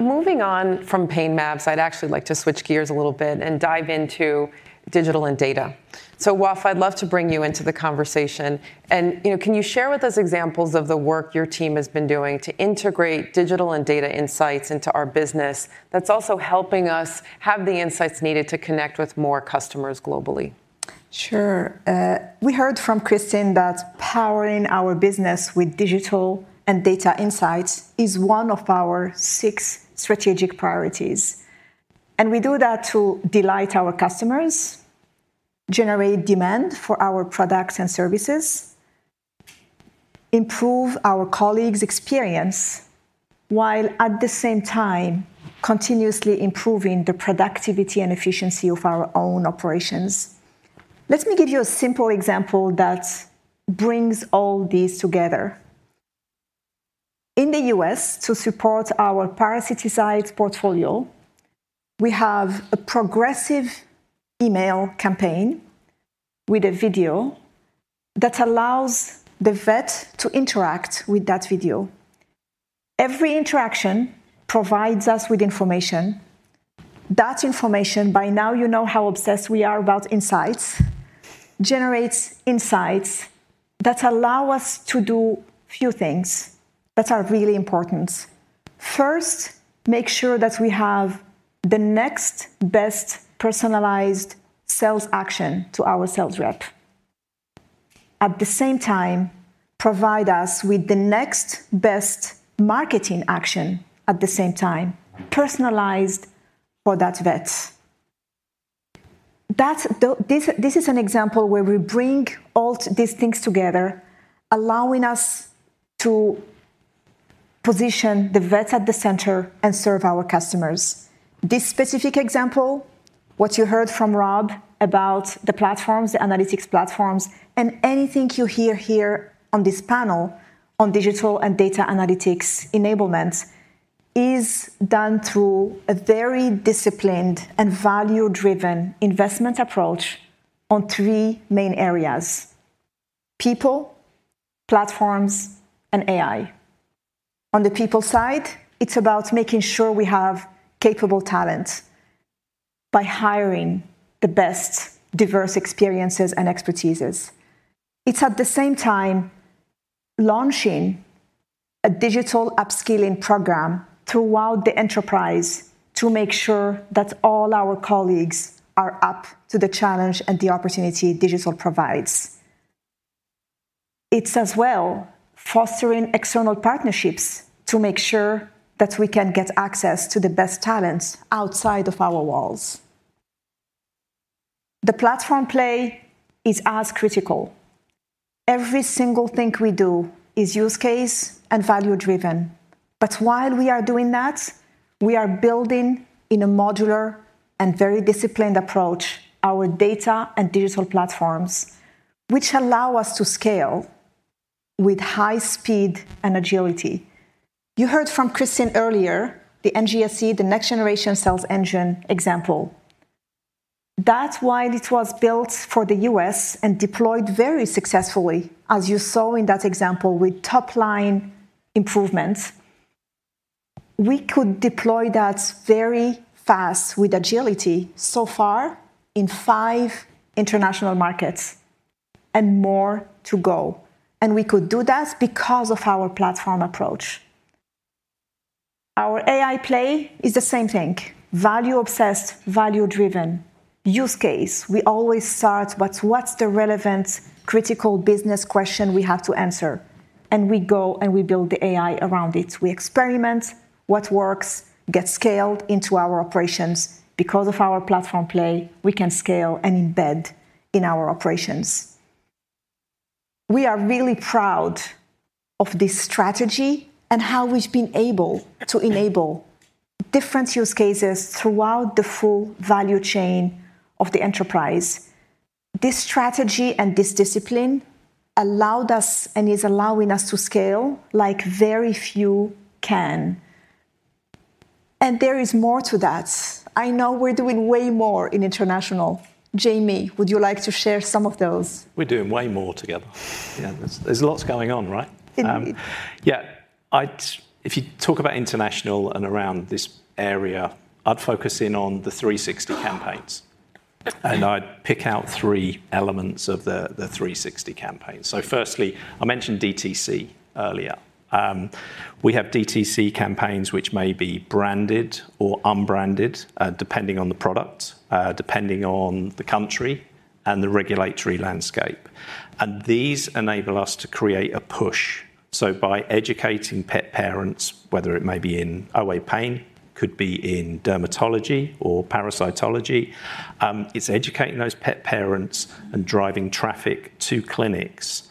Speaker 7: Moving on from pain mAbs, I'd actually like to switch gears a little bit and dive into digital and data. Waf, I'd love to bring you into the conversation, and, you know, can you share with us examples of the work your team has been doing to integrate digital and data insights into our business that's also helping us have the insights needed to connect with more customers globally?
Speaker 9: Sure. We heard from Kristin that powering our business with digital and data insights is one of our six strategic priorities. We do that to delight our customers, generate demand for our products and services, improve our colleagues' experience, while at the same time, continuously improving the productivity and efficiency of our own operations. Let me give you a simple example that brings all these together. In the U.S. to support our parasiticide portfolio, we have a progressive email campaign with a video that allows the vet to interact with that video. Every interaction provides us with information. That information, by now you know how obsessed we are about insights, generates insights that allow us to do few things that are really important. First, make sure that we have the next best personalized sales action to our sales rep. At the same time, provide us with the next best marketing action, at the same time, personalized for that vet. This is an example where we bring all these things together, allowing us to position the vet at the center and serve our customers. This specific example, what you heard from Rob about the platforms, the analytics platforms, and anything you hear here on this panel on digital and data analytics enablement, is done through a very disciplined and value-driven investment approach on three main areas: people, platforms, and AI. On the people side, it's about making sure we have capable talent by hiring the best diverse experiences and expertises. It's at the same time launching a digital upskilling program throughout the enterprise to make sure that all our colleagues are up to the challenge and the opportunity digital provides. It's as well fostering external partnerships to make sure that we can get access to the best talents outside of our walls. The platform play is as critical. Every single thing we do is use case and value driven, but while we are doing that, we are building in a modular and very disciplined approach, our data and digital platforms, which allow us to scale with high speed and agility. You heard from Kristin earlier, the NGSE, the Next Generation Sales Engine example. That's why it was built for the U.S. and deployed very successfully, as you saw in that example, with top-line improvements. We could deploy that very fast with agility so far in five international markets, and more to go, and we could do that because of our platform approach. Our AI play is the same thing, value obsessed, value driven use case. We always start with what's the relevant critical business question we have to answer, and we go and we build the AI around it. We experiment, what works gets scaled into our operations. Because of our platform play, we can scale and embed in our operations. We are really proud of this strategy and how we've been able to enable different use cases throughout the full value chain of the enterprise. This strategy and this discipline allowed us and is allowing us to scale like very few can, and there is more to that. I know we're doing way more in international. Jamie, would you like to share some of those?
Speaker 8: We're doing way more together. Yeah, there's lots going on, right?
Speaker 9: Indeed.
Speaker 8: If you talk about international and around this area, I'd focus in on the 360 campaigns, and I'd pick out 3 elements of the 360 campaign. Firstly, I mentioned DTC earlier. We have DTC campaigns, which may be branded or unbranded, depending on the product, depending on the country and the regulatory landscape, and these enable us to create a push. By educating pet parents, whether it may be in OA pain, could be in dermatology or parasitology, it's educating those pet parents and driving traffic to clinics.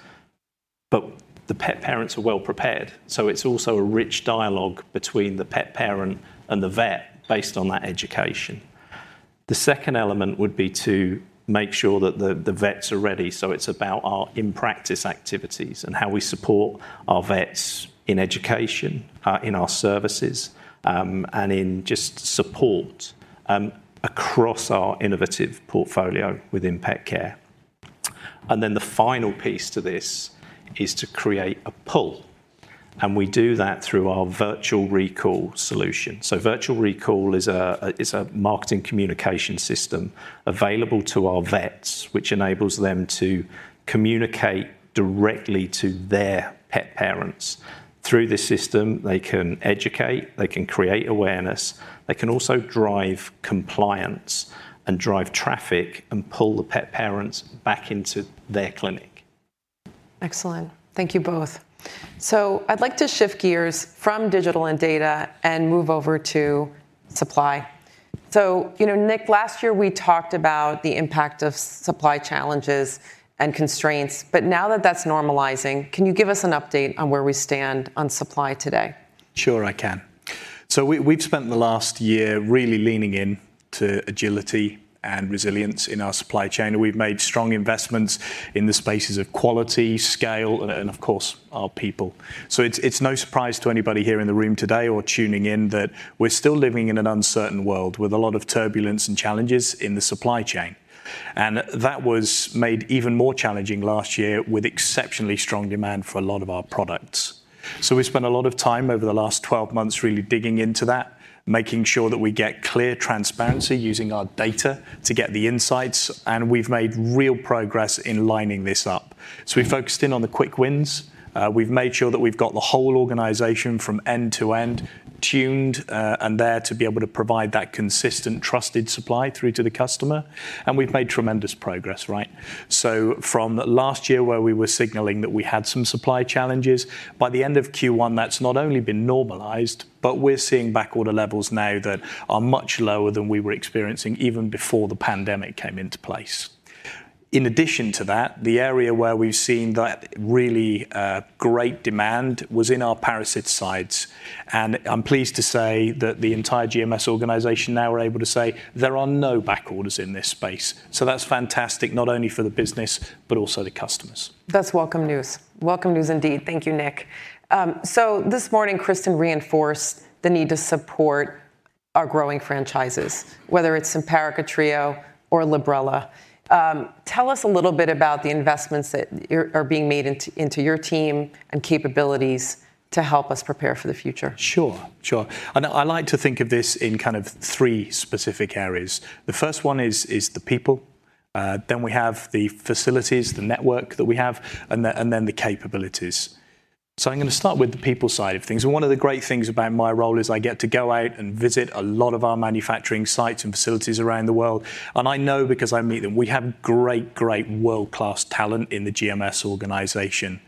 Speaker 8: The pet parents are well prepared, so it's also a rich dialogue between the pet parent and the vet based on that education. The second element would be to make sure that the vets are ready. It's about our in-practice activities and how we support our vets in education, in our services, and in just support across our innovative portfolio within pet care. The final piece to this is to create a pull, and we do that through our Virtual Recall solution. Virtual Recall is a marketing communication system available to our vets, which enables them to communicate directly to their pet parents. Through the system, they can educate, they can create awareness, they can also drive compliance and drive traffic and pull the pet parents back into their clinic.
Speaker 7: Excellent. Thank you both. I'd like to shift gears from digital and data and move over to supply. You know, Nick, last year we talked about the impact of supply challenges and constraints, but now that that's normalizing, can you give us an update on where we stand on supply today?
Speaker 10: Sure, I can. We've spent the last year really leaning in to agility and resilience in our supply chain, and we've made strong investments in the spaces of quality, scale, and of course, our people. It's no surprise to anybody here in the room today or tuning in that we're still living in an uncertain world with a lot of turbulence and challenges in the supply chain, and that was made even more challenging last year with exceptionally strong demand for a lot of our products. We spent a lot of time over the last 12 months really digging into that, making sure that we get clear transparency, using our data to get the insights, and we've made real progress in lining this up. We focused in on the quick wins. We've made sure that we've got the whole organization from end to end tuned and there to be able to provide that consistent, trusted supply through to the customer, and we've made tremendous progress, right? From last year, where we were signaling that we had some supply challenges, by the end of Q1, that's not only been normalized, but we're seeing backorder levels now that are much lower than we were experiencing even before the pandemic came into place. In addition to that, the area where we've seen that really great demand was in our parasiticides, and I'm pleased to say that the entire GMS organization now are able to say there are no backorders in this space. That's fantastic, not only for the business, but also the customers.
Speaker 7: That's welcome news. Welcome news indeed. Thank you, Nick. This morning, Kristin Peck reinforced the need to support our growing franchises, whether it's Simparica Trio or Librela. Tell us a little bit about the investments that are being made into your team and capabilities to help us prepare for the future?
Speaker 10: Sure, sure. I like to think of this in kind of three specific areas. The first one is the people, then we have the facilities, the network that we have, and then the capabilities. I'm gonna start with the people side of things, and one of the great things about my role is I get to go out and visit a lot of our manufacturing sites and facilities around the world, and I know because I meet them. We have great world-class talent in the GMS organization.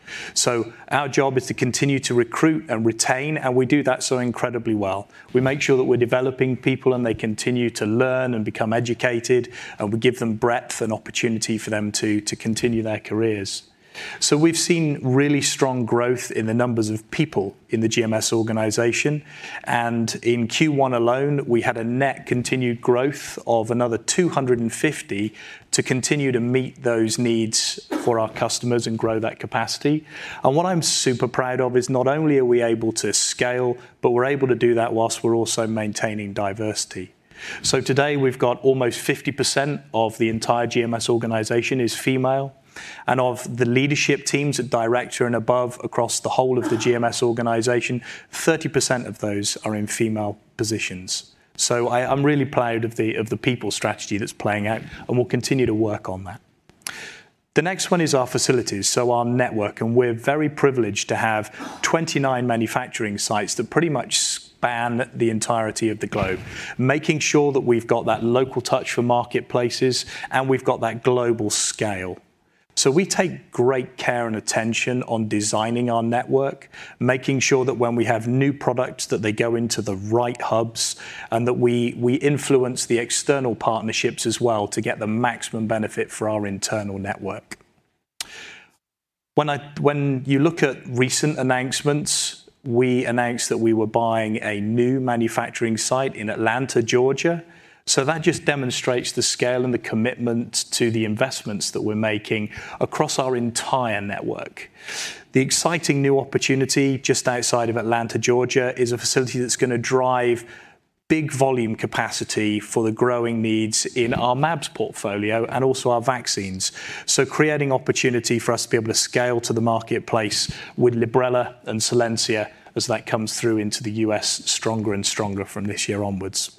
Speaker 10: Our job is to continue to recruit and retain, and we do that so incredibly well. We make sure that we're developing people, and they continue to learn and become educated, and we give them breadth and opportunity for them to continue their careers. We've seen really strong growth in the numbers of people in the GMS organization, and in Q1 alone, we had a net continued growth of another 250 to continue to meet those needs for our customers and grow that capacity. What I'm super proud of is not only are we able to scale, but we're able to do that whilst we're also maintaining diversity. Today we've got almost 50% of the entire GMS organization is female, and of the leadership teams at director and above, across the whole of the GMS organization, 30% of those are in female positions. I'm really proud of the people strategy that's playing out, and we'll continue to work on that. The next one is our facilities, our network. We're very privileged to have 29 manufacturing sites that pretty much span the entirety of the globe, making sure that we've got that local touch for marketplaces, and we've got that global scale. We take great care and attention on designing our network, making sure that when we have new products, that they go into the right hubs and that we influence the external partnerships as well to get the maximum benefit for our internal network. When you look at recent announcements, we announced that we were buying a new manufacturing site in Atlanta, Georgia. That just demonstrates the scale and the commitment to the investments that we're making across our entire network. The exciting new opportunity just outside of Atlanta, Georgia, is a facility that's gonna drive big volume capacity for the growing needs in our mAbs portfolio and also our vaccines. Creating opportunity for us to be able to scale to the marketplace with Librela and Solensia as that comes through into the US stronger and stronger from this year onwards.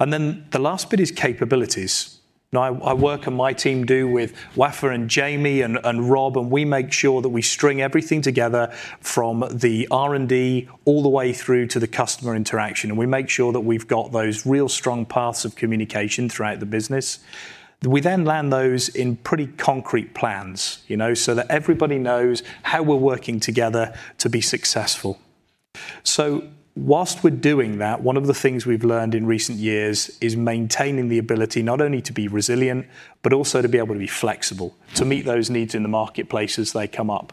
Speaker 10: The last bit is capabilities, and I work, and my team do, with Wafaa, and Jamie, and Rob, and we make sure that we string everything together from the R&D all the way through to the customer interaction, and we make sure that we've got those real strong paths of communication throughout the business. We then land those in pretty concrete plans, you know, so that everybody knows how we're working together to be successful. While we're doing that, one of the things we've learned in recent years is maintaining the ability not only to be resilient but also to be able to be flexible, to meet those needs in the marketplace as they come up.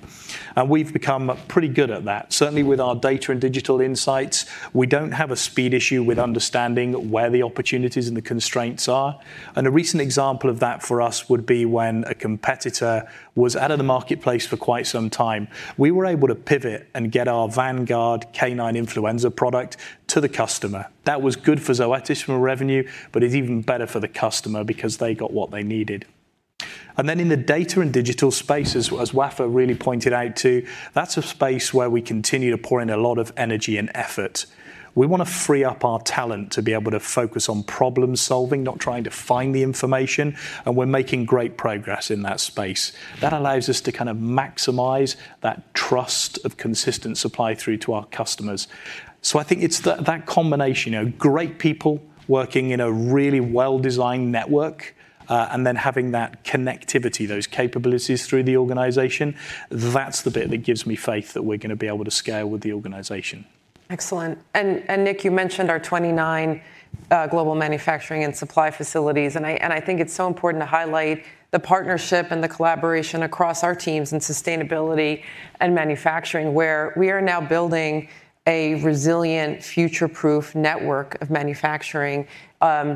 Speaker 10: We've become pretty good at that. Certainly, with our data and digital insights, we don't have a speed issue with understanding where the opportunities and the constraints are, and a recent example of that for us would be when a competitor was out of the marketplace for quite some time. We were able to pivot and get our Vanguard canine influenza product to the customer. That was good for Zoetis from a revenue, but it's even better for the customer because they got what they needed. In the data and digital space, as Wafaa really pointed out too, that's a space where we continue to pour in a lot of energy and effort. We want to free up our talent to be able to focus on problem-solving, not trying to find the information, and we're making great progress in that space. That allows us to kind of maximize that trust of consistent supply through to our customers. I think it's that combination, you know, great people working in a really well-designed network, and then having that connectivity, those capabilities through the organization. That's the bit that gives me faith that we're gonna be able to scale with the organization.
Speaker 7: Excellent. Nick, you mentioned our 29 Global Manufacturing and Supply facilities, I think it's so important to highlight the partnership and the collaboration across our teams in sustainability and manufacturing, where we are now building a resilient, future-proof network of manufacturing,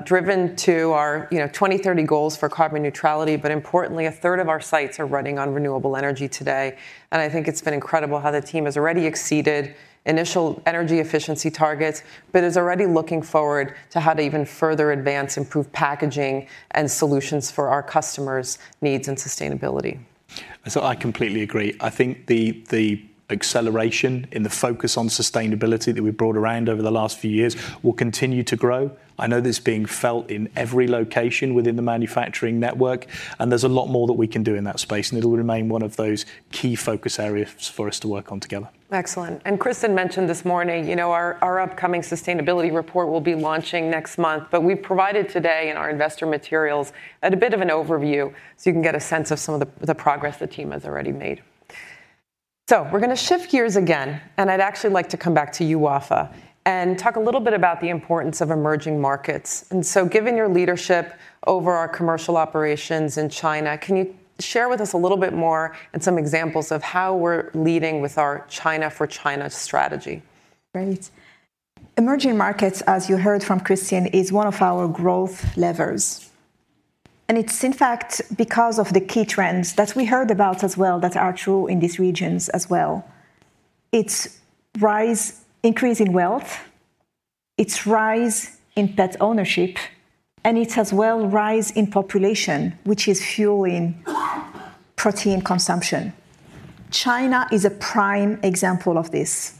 Speaker 7: driven to our, you know, 2030 goals for carbon neutrality. Importantly, a third of our sites are running on renewable energy today, and I think it's been incredible how the team has already exceeded initial energy efficiency targets, but is already looking forward to how to even further advance improved packaging and solutions for our customers' needs and sustainability.
Speaker 10: I completely agree. I think the acceleration in the focus on sustainability that we've brought around over the last few years will continue to grow. I know this is being felt in every location within the manufacturing network, and there's a lot more that we can do in that space, and it'll remain one of those key focus areas for us to work on together.
Speaker 7: Excellent. Kristin mentioned this morning, you know, our upcoming sustainability report will be launching next month. We've provided today in our investor materials, at a bit of an overview, so you can get a sense of some of the progress the team has already made. We're gonna shift gears again, and I'd actually like to come back to you, Wafaa, and talk a little bit about the importance of emerging markets. Given your leadership over our commercial operations in China, can you share with us a little bit more and some examples of how we're leading with our China for China strategy?
Speaker 9: Great. Emerging markets, as you heard from Kristin Peck, is one of our growth levers, it's in fact because of the key trends that we heard about as well that are true in these regions as well. It's increase in wealth, it's rise in pet ownership, it's as well, rise in population, which is fueling protein consumption. China is a prime example of this.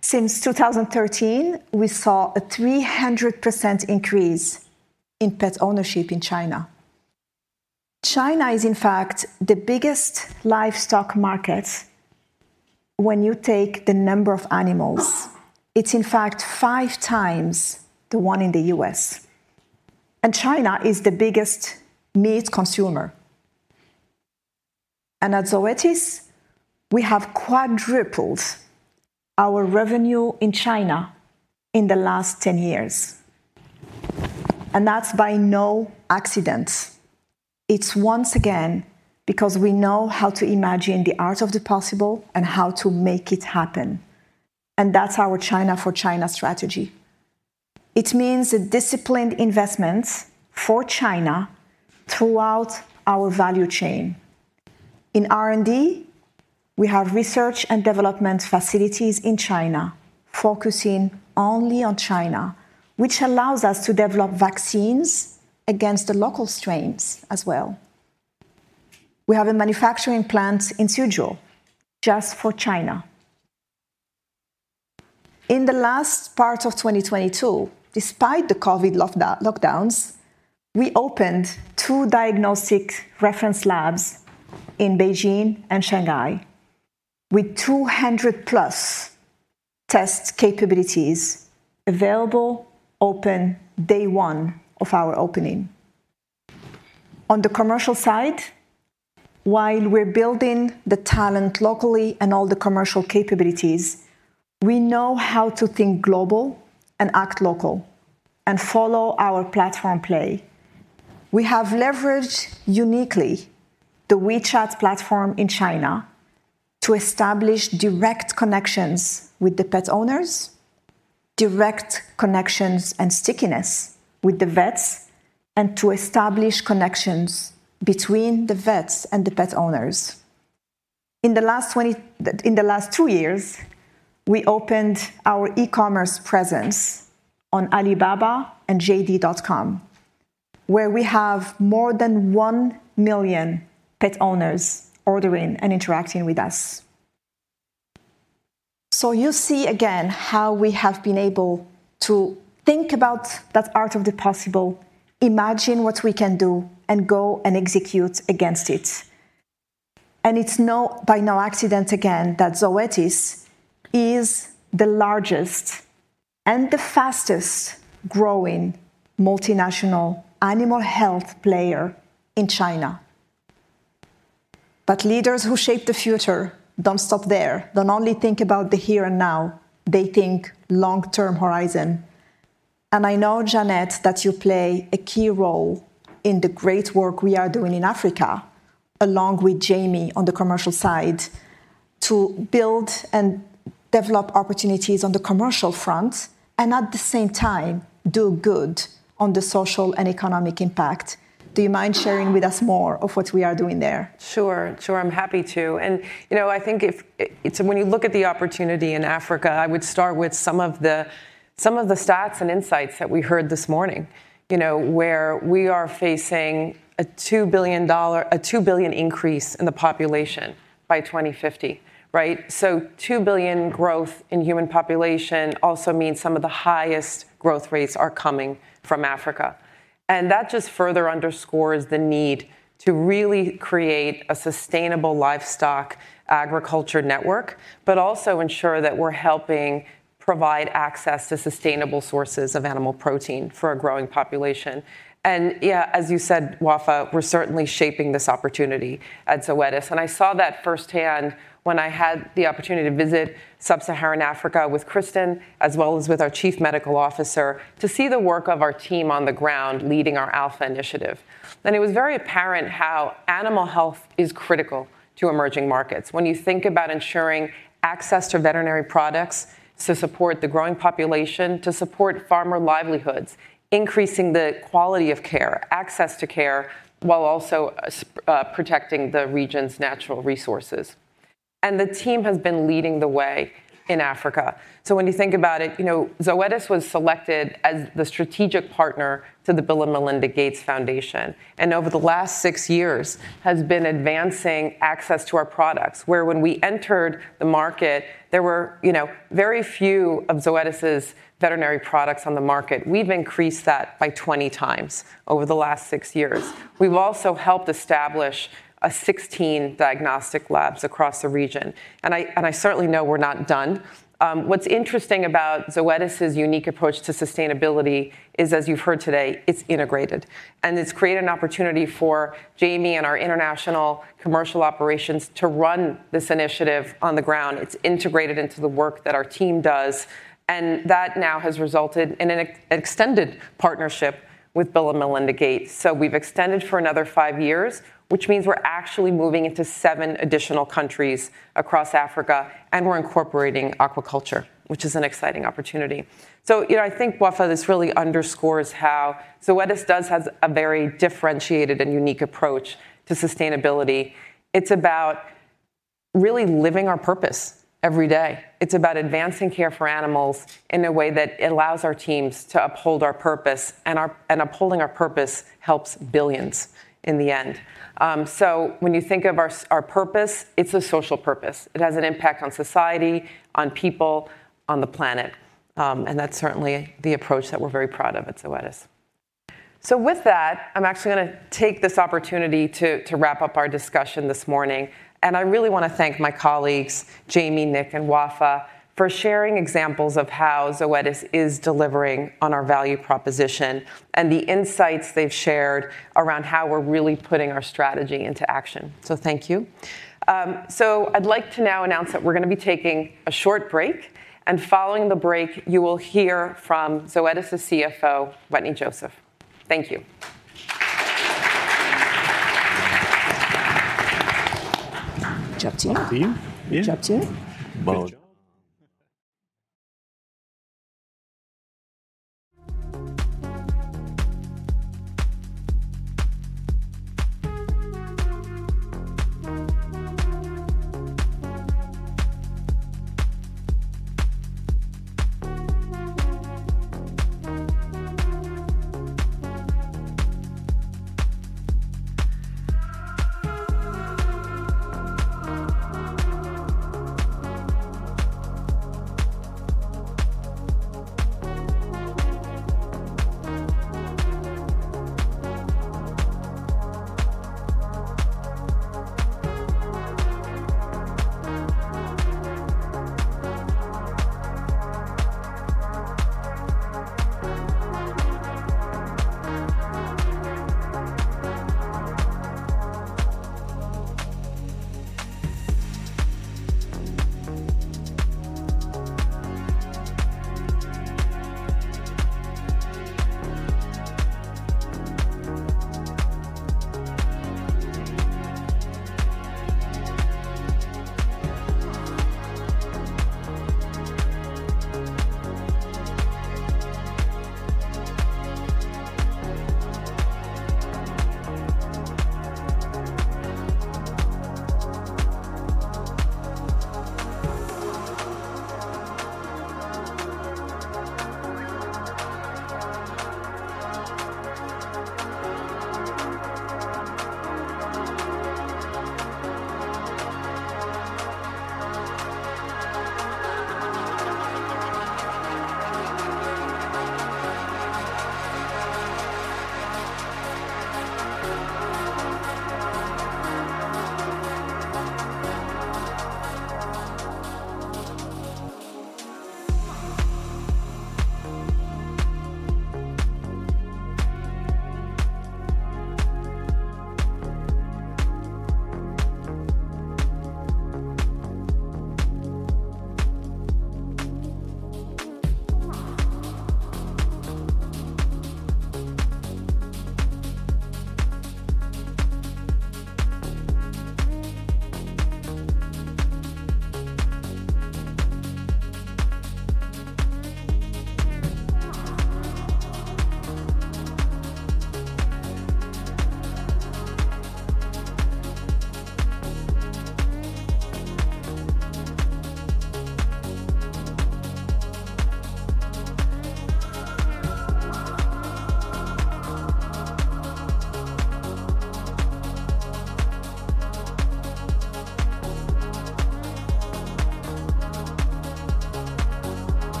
Speaker 9: Since 2013, we saw a 300% increase in pet ownership in China. China is in fact the biggest livestock market when you take the number of animals. It's in fact 5 times the one in the U.S., China is the biggest meat consumer. At Zoetis, we have quadrupled our revenue in China in the last 10 years, that's by no accident. It's once again, because we know how to imagine the art of the possible and how to make it happen, and that's our China for China strategy. It means a disciplined investment for China throughout our value chain. In R&D, we have research and development facilities in China, focusing only on China, which allows us to develop vaccines against the local strains as well. We have a manufacturing plant in Suzhou just for China. In the last part of 2022, despite the Covid lockdowns, we opened two diagnostic reference labs in Beijing and Shanghai, with 200+ test capabilities available open day one of our opening. On the commercial side, while we're building the talent locally and all the commercial capabilities, we know how to think global and act local and follow our platform play. We have leveraged uniquely the WeChat platform in China to establish direct connections with the pet owners, direct connections and stickiness with the vets, and to establish connections between the vets and the pet owners. In the last two years, we opened our e-commerce presence on Alibaba and JD.com, where we have more than 1 million pet owners ordering and interacting with us. You see again, how we have been able to think about that art of the possible, imagine what we can do, and go and execute against it. It's by no accident, again, that Zoetis is the largest and the fastest-growing multinational animal health player in China. Leaders who shape the future don't stop there, don't only think about the here and now, they think long-term horizon. I know, Jeannette, that you play a key role in the great work we are doing in Africa, along with Jamie on the commercial side, to build and develop opportunities on the commercial front and at the same time, do good on the social and economic impact. Do you mind sharing with us more of what we are doing there?
Speaker 7: Sure, sure. I'm happy to. You know, I think if when you look at the opportunity in Africa, I would start with some of the stats and insights that we heard this morning. You know, where we are facing a 2 billion increase in the population by 2050, right? 2 billion growth in human population also means some of the highest growth rates are coming from Africa. That just further underscores the need to really create a sustainable livestock agriculture network, but also ensure that we're helping provide access to sustainable sources of animal protein for a growing population. Yeah, as you said, Wafaa, we're certainly shaping this opportunity at Zoetis, and I saw that firsthand when I had the opportunity to visit sub-Saharan Africa with Kristin Peck, as well as with our chief medical officer, to see the work of our team on the ground leading our A.L.P.H.A. initiative. It was very apparent how animal health is critical to emerging markets. When you think about ensuring access to veterinary products to support the growing population, to support farmer livelihoods, increasing the quality of care, access to care, while also protecting the region's natural resources. The team has been leading the way in Africa. When you think about it, you know, Zoetis was selected as the strategic partner to the Bill & Melinda Gates Foundation, and over the last six years, has been advancing access to our products, where when we entered the market, there were, you know, very few of Zoetis' veterinary products on the market. We've increased that by 20 times over the last 6 years. We've also helped establish 16 diagnostic labs across the region, and I certainly know we're not done. What's interesting about Zoetis' unique approach to sustainability is, as you've heard today, it's integrated, and it's created an opportunity for Jamie and our international commercial operations to run this initiative on the ground. It's integrated into the work that our team does, that now has resulted in an extended partnership with Bill & Melinda Gates. We've extended for another five years, which means we're actually moving into seven additional countries across Africa, and we're incorporating aquaculture, which is an exciting opportunity. You know, I think, Wafaa, this really underscores how Zoetis has a very differentiated and unique approach to sustainability. It's about really living our purpose every day. It's about advancing care for animals in a way that allows our teams to uphold our purpose, and upholding our purpose helps billions in the end. When you think of our purpose, it's a social purpose. It has an impact on society, on people, on the planet, and that's certainly the approach that we're very proud of at Zoetis. With that, I'm actually gonna take this opportunity to wrap up our discussion this morning, and I really want to thank my colleagues, Jamie, Nick, and Wafaa, for sharing examples of how Zoetis is delivering on our value proposition and the insights they've shared around how we're really putting our strategy into action. Thank you. I'd like to now announce that we're going to be taking a short break, and following the break, you will hear from Zoetis' CFO, Wetteny Joseph. Thank you. Job to you. Up to you.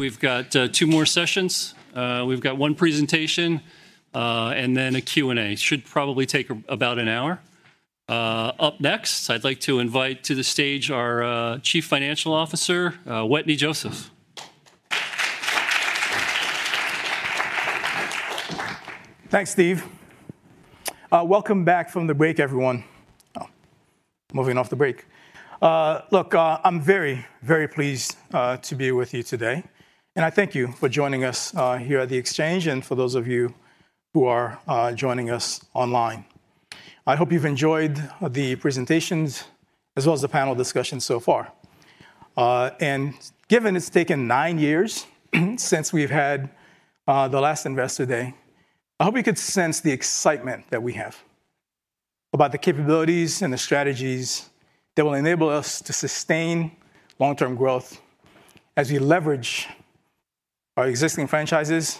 Speaker 7: Yeah. Job to you? Both.
Speaker 1: Here, we've got two more sessions. We've got 1 presentation and then a Q&A. Should probably take about 1 hour. Up next, I'd like to invite to the stage our Chief Financial Officer, Wetteny Joseph.
Speaker 11: Thanks, Steve. Welcome back from the break, everyone. Moving off the break. Look, I'm very, very pleased to be with you today, and I thank you for joining us here at the Exchange, and for those of you who are joining us online. I hope you've enjoyed the presentations as well as the panel discussion so far. Given it's taken nine years since we've had the last Investor Day, I hope you could sense the excitement that we have about the capabilities and the strategies that will enable us to sustain long-term growth as we leverage our existing franchises,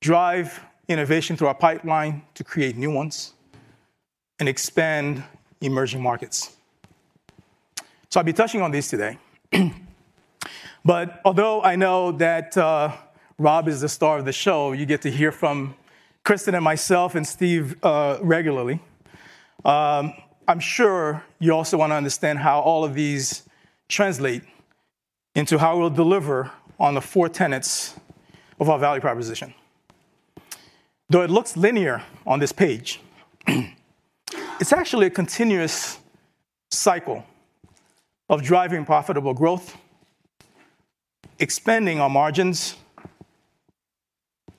Speaker 11: drive innovation through our pipeline to create new ones, and expand emerging markets. I'll be touching on these today. Although I know that Rob is the star of the show, you get to hear from Kristin and myself and Steve regularly, I'm sure you also want to understand how all of these translate into how we'll deliver on the four tenets of our value proposition. It looks linear on this page, it's actually a continuous cycle of driving profitable growth, expanding our margins,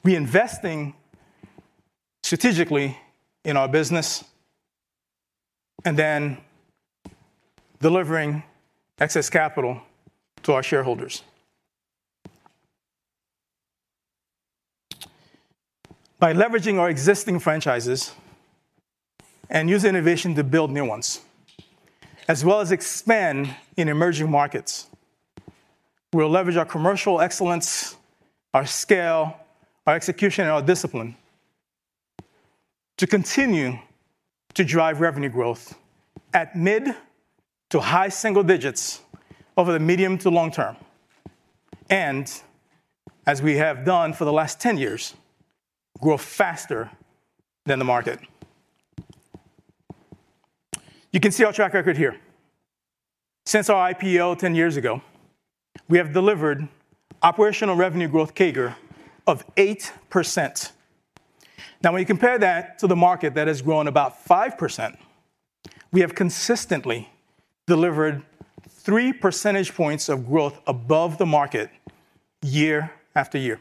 Speaker 11: reinvesting strategically in our business, and then delivering excess capital to our shareholders. By leveraging our existing franchises and use innovation to build new ones, as well as expand in emerging markets, we'll leverage our commercial excellence, our scale, our execution, and our discipline to continue to drive revenue growth at mid to high single digits over the medium to long term, and, as we have done for the last 10 years, grow faster than the market. You can see our track record here. Since our IPO 10 years ago, we have delivered operational revenue growth CAGR of 8%. When you compare that to the market, that has grown about 5%, we have consistently delivered three percentage points of growth above the market year after year.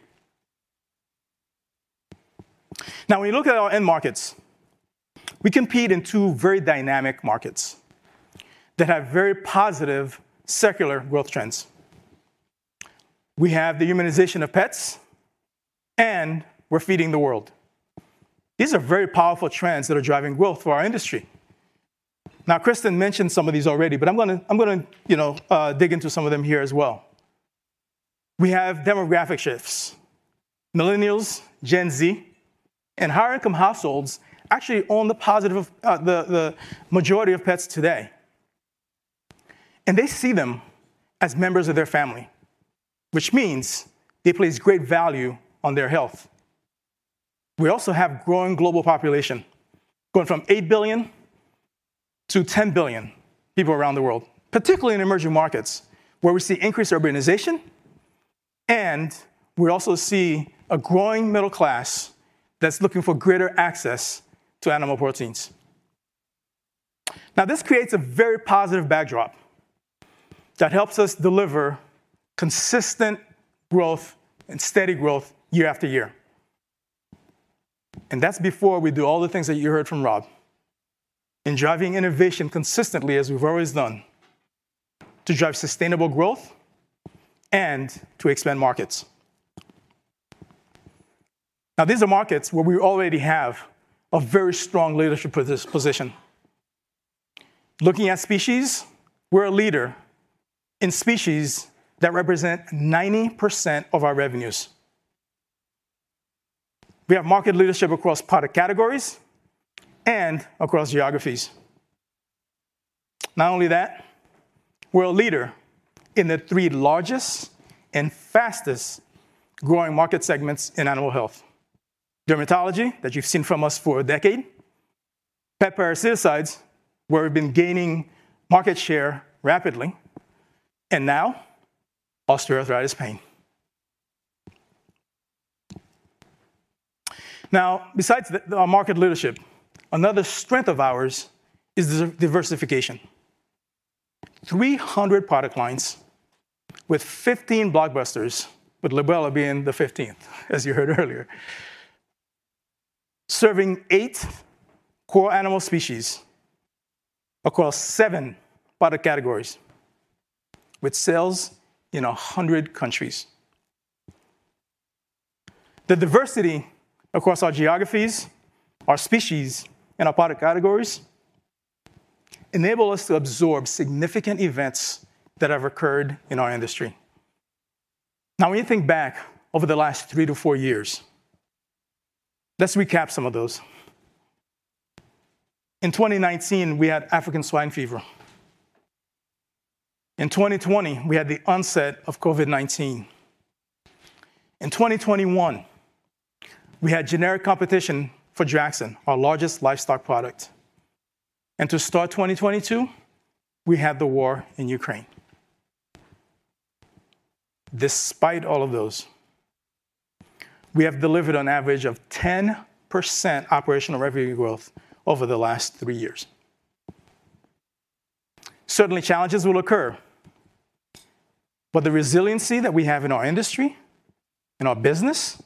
Speaker 11: When you look at our end markets, we compete in two very dynamic markets that have very positive secular growth trends. We have the humanization of pets, and we're feeding the world. These are very powerful trends that are driving growth for our industry. Kristin mentioned some of these already, but I'm gonna, you know, dig into some of them here as well. We have demographic shifts. Millennials, Gen Z, and higher income households actually own the positive of, the majority of pets today, and they see them as members of their family, which means they place great value on their health. We also have growing global population, going from 8 billion to 10 billion people around the world, particularly in emerging markets, where we see increased urbanization, and we also see a growing middle class that's looking for greater access to animal proteins. This creates a very positive backdrop that helps us deliver consistent growth and steady growth year after year. That's before we do all the things that you heard from Rob in driving innovation consistently, as we've always done, to drive sustainable growth and to expand markets. These are markets where we already have a very strong leadership position. Looking at species, we're a leader in species that represent 90% of our revenues. We have market leadership across product categories and across geographies. Not only that, we're a leader in the three largest and fastest-growing market segments in animal health: dermatology, that you've seen from us for a decade, pet parasiticides, where we've been gaining market share rapidly, and now osteoarthritis pain. Besides our market leadership, another strength of ours is diversification. 300 product lines with 15 blockbusters, with Librela being the 15th, as you heard earlier. Serving 8 core animal species across 7 product categories, with sales in 100 countries. The diversity across our geographies, our species, and our product categories enable us to absorb significant events that have occurred in our industry. When you think back over the last three to four years, let's recap some of those. In 2019, we had African swine fever. In 2020, we had the onset of COVID-19. In 2021, we had generic competition for Draxxin, our largest livestock product. To start 2022, we had the war in Ukraine. Despite all of those, we have delivered an average of 10% operational revenue growth over the last three years. Certainly, challenges will occur, the resiliency that we have in our industry, in our business,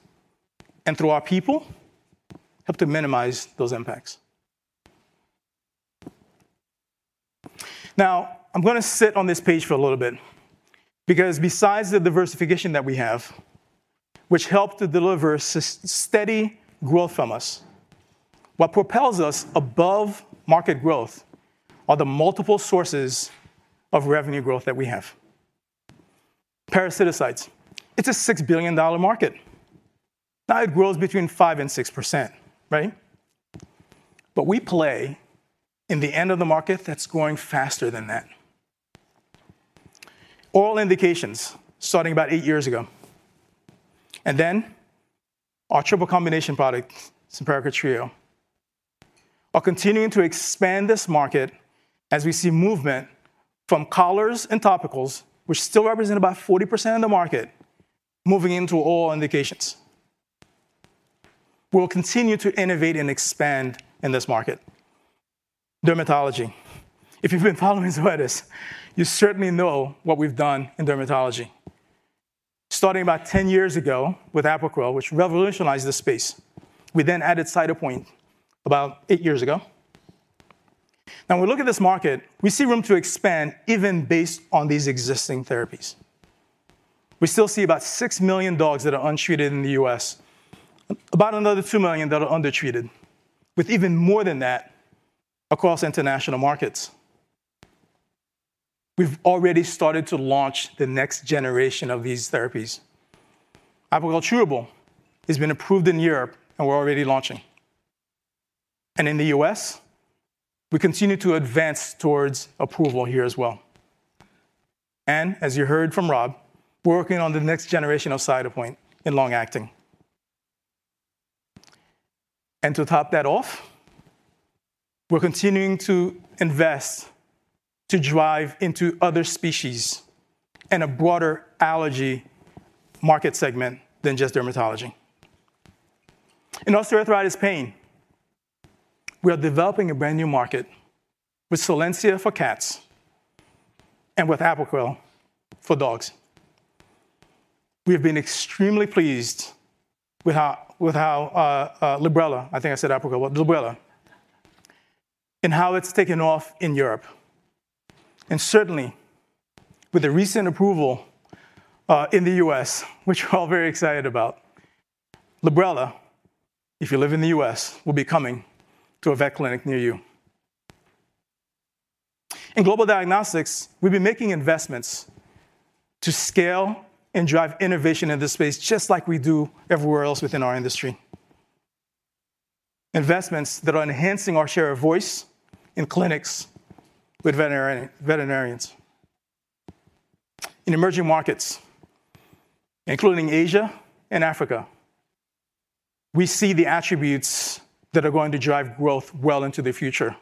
Speaker 11: and through our people, help to minimize those impacts. I'm gonna sit on this page for a little bit, because besides the diversification that we have, which helped to deliver steady growth from us, what propels us above market growth are the multiple sources of revenue growth that we have. Parasiticides, it's a $6 billion market. It grows between 5% and 6%, right? We play in the end of the market that's growing faster than that. Oral indications, starting about eight years ago, and then our triple combination product, Simparica Trio, are continuing to expand this market as we see movement from collars and topicals, which still represent about 40% of the market, moving into oral indications. We'll continue to innovate and expand in this market. Dermatology. If you've been following Zoetis, you certainly know what we've done in dermatology. Starting about 10 years ago with Apoquel, which revolutionized the space, we then added Cytopoint about eight years ago. When we look at this market, we see room to expand, even based on these existing therapies. We still see about 6 million dogs that are untreated in the U.S., about another 2 million that are undertreated, with even more than that across international markets. We've already started to launch the next generation of these therapies. Apoquel Chewable has been approved in Europe, and we're already launching. In the US, we continue to advance towards approval here as well. As you heard from Rob Polzer, we're working on the next generation of Cytopoint in long-acting. To top that off, we're continuing to invest to drive into other species and a broader allergy market segment than just dermatology. In osteoarthritis pain, we are developing a brand-new market with Solensia for cats and with Librela for dogs. We have been extremely pleased with how Librela... I think I said Apoquel. Librela, and how it's taken off in Europe, and certainly with the recent approval in the US, which we're all very excited about. Librela, if you live in the US, will be coming to a vet clinic near you. In global diagnostics, we've been making investments to scale and drive innovation in this space, just like we do everywhere else within our industry, investments that are enhancing our share of voice in clinics with veterinarians. In emerging markets, including Asia and Africa, we see the attributes that are going to drive growth well into the future.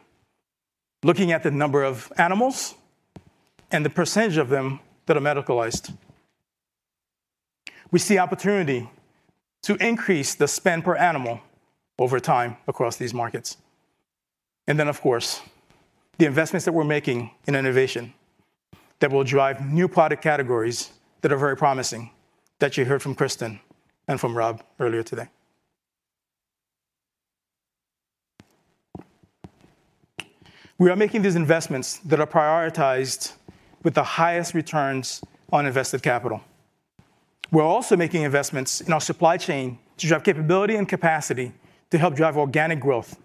Speaker 11: Looking at the number of animals and the percentage of them that are medicalized, we see opportunity to increase the spend per animal over time across these markets. Of course, the investments that we're making in innovation that will drive new product categories that are very promising, that you heard from Kristin and from Rob earlier today. We are making these investments that are prioritized with the highest returns on invested capital. We're also making investments in our supply chain to drive capability and capacity to help drive organic growth,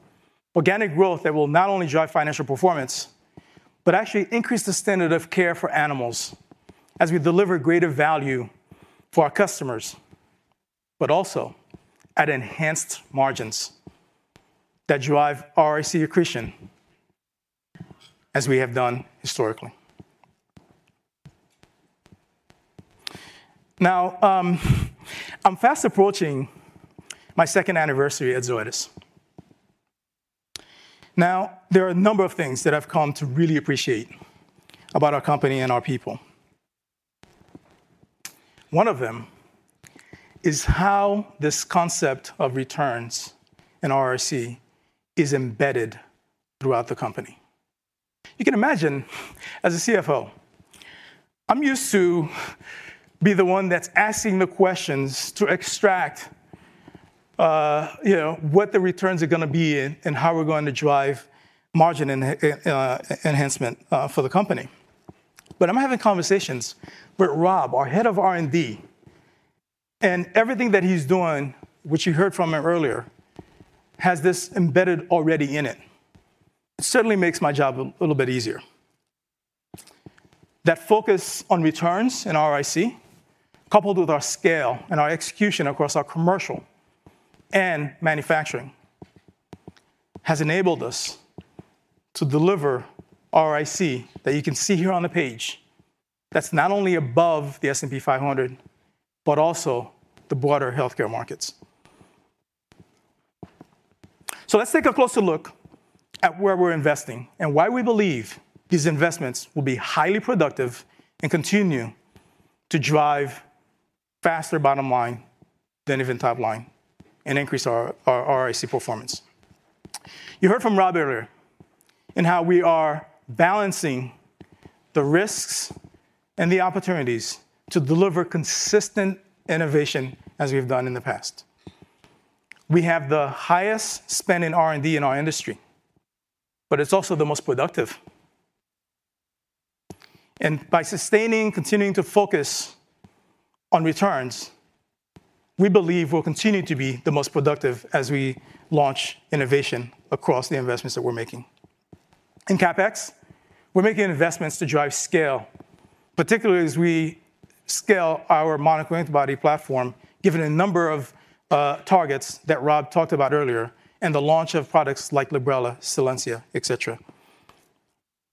Speaker 11: organic growth that will not only drive financial performance, but actually increase the standard of care for animals as we deliver greater value for our customers, but also at enhanced margins that drive ROIC accretion, as we have done historically. I'm fast approaching my 2nd anniversary at Zoetis. There are a number of things that I've come to really appreciate about our company and our people. One of them is how this concept of returns and ROIC is embedded throughout the company. You can imagine, as a CFO, I'm used to be the one that's asking the questions to extract, you know, what the returns are gonna be and how we're going to drive margin enhancement for the company. I'm having conversations with Rob, our head of R&D, and everything that he's doing, which you heard from him earlier, has this embedded already in it. It certainly makes my job a little bit easier. That focus on returns and ROIC, coupled with our scale and our execution across our commercial and manufacturing, has enabled us to deliver ROIC that you can see here on the page, that's not only above the S&P 500, but also the broader healthcare markets. Let's take a closer look at where we're investing and why we believe these investments will be highly productive and continue to drive faster bottom line than even top line and increase our ROIC performance. You heard from Rob earlier in how we are balancing the risks and the opportunities to deliver consistent innovation as we've done in the past. We have the highest spend in R&D in our industry. It's also the most productive. By sustaining, continuing to focus on returns, we believe we'll continue to be the most productive as we launch innovation across the investments that we're making. In CapEx, we're making investments to drive scale, particularly as we scale our monoclonal antibody platform, given a number of targets that Rob talked about earlier, and the launch of products like Librela, Solensia, et cetera.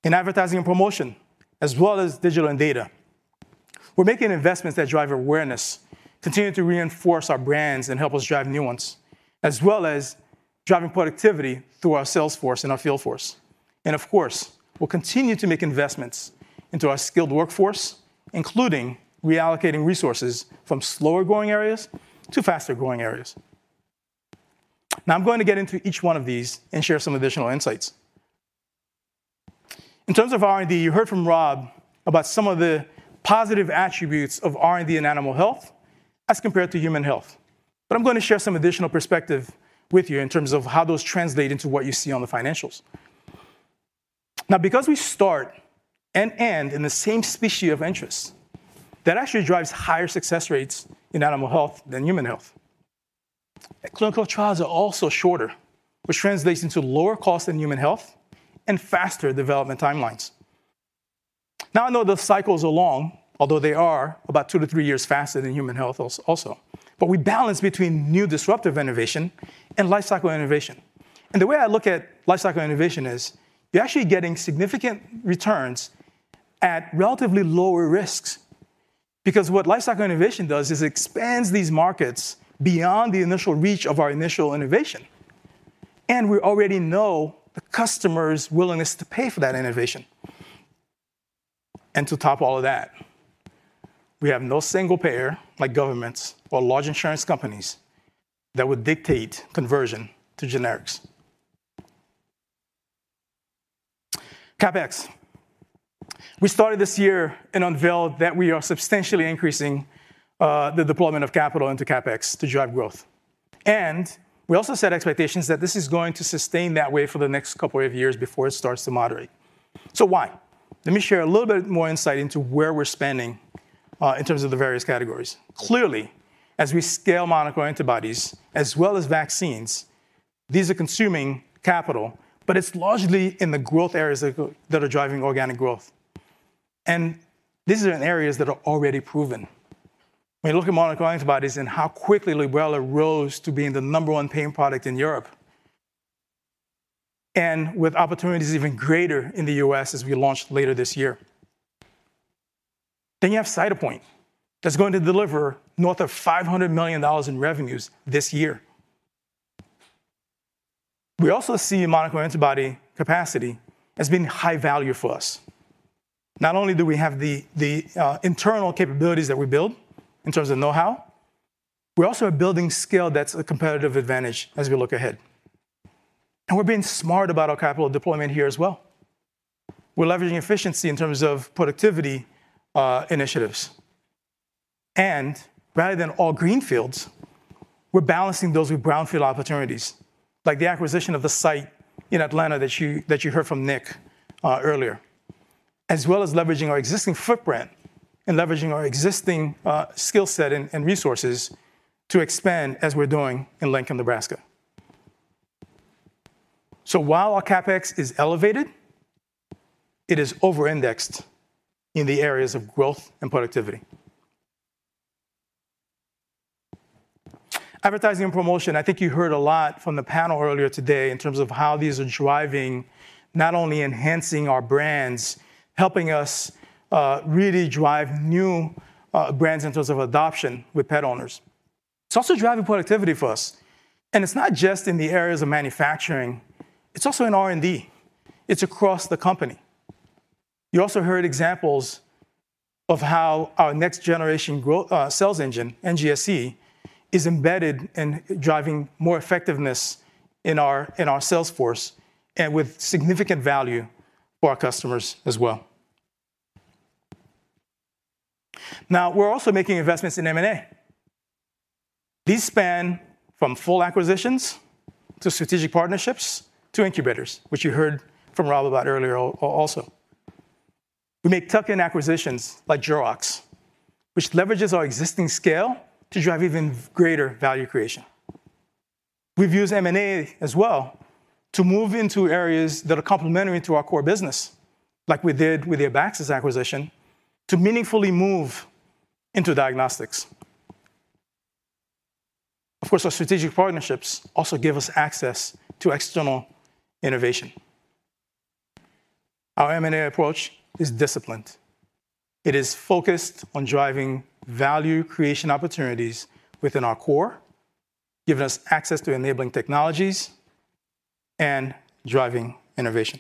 Speaker 11: In advertising and promotion, as well as digital and data, we're making investments that drive awareness, continue to reinforce our brands, and help us drive new ones, as well as driving productivity through our sales force and our field force. Of course, we'll continue to make investments into our skilled workforce, including reallocating resources from slower growing areas to faster growing areas. I'm going to get into each one of these and share some additional insights. In terms of R&D, you heard from Rob about some of the positive attributes of R&D in animal health as compared to human health, but I'm going to share some additional perspective with you in terms of how those translate into what you see on the financials. Because we start and end in the same species of interest, that actually drives higher success rates in animal health than human health. Clinical trials are also shorter, which translates into lower cost than human health and faster development timelines. I know the cycles are long, although they are about two to three years faster than human health also, but we balance between new disruptive innovation and lifecycle innovation. The way I look at lifecycle innovation is you're actually getting significant returns at relatively lower risks, because what lifecycle innovation does is expands these markets beyond the initial reach of our initial innovation, and we already know the customer's willingness to pay for that innovation. To top all of that, we have no single payer, like governments or large insurance companies, that would dictate conversion to generics. CapEx. We started this year and unveiled that we are substantially increasing the deployment of capital into CapEx to drive growth. We also set expectations that this is going to sustain that way for the next couple of years before it starts to moderate. Why? Let me share a little bit more insight into where we're spending in terms of the various categories. Clearly, as we scale monoclonal antibodies as well as vaccines, these are consuming capital, but it's largely in the growth areas that are driving organic growth. These are in areas that are already proven. When you look at monoclonal antibodies and how quickly Librela rose to being the number one pain product in Europe, and with opportunities even greater in the U.S. as we launch later this year. You have Cytopoint, that's going to deliver north of $500 million in revenues this year. We also see monoclonal antibody capacity as being high value for us. Not only do we have the internal capabilities that we build in terms of know-how, we also are building scale that's a competitive advantage as we look ahead. We're being smart about our capital deployment here as well. We're leveraging efficiency in terms of productivity initiatives. Rather than all greenfields, we're balancing those with brownfield opportunities, like the acquisition of the site in Atlanta that you heard from Nick earlier, as well as leveraging our existing footprint and leveraging our existing skill set and resources to expand as we're doing in Lincoln, Nebraska. While our CapEx is elevated, it is over-indexed in the areas of growth and productivity. Advertising and promotion, I think you heard a lot from the panel earlier today in terms of how these are driving, not only enhancing our brands, helping us really drive new brands in terms of adoption with pet owners. It's also driving productivity for us, and it's not just in the areas of manufacturing, it's also in R&D. It's across the company. You also heard examples of how our Next Generation Sales Engine, NGSE, is embedded in driving more effectiveness in our sales force, and with significant value for our customers as well. We're also making investments in M&A. These span from full acquisitions to strategic partnerships to incubators, which you heard from Rob about earlier also. We make tuck-in acquisitions like Jurox, which leverages our existing scale to drive even greater value creation. We've used M&A as well to move into areas that are complementary to our core business, like we did with the Abaxis acquisition, to meaningfully move into diagnostics. Our strategic partnerships also give us access to external innovation. Our M&A approach is disciplined. It is focused on driving value creation opportunities within our core, giving us access to enabling technologies and driving innovation.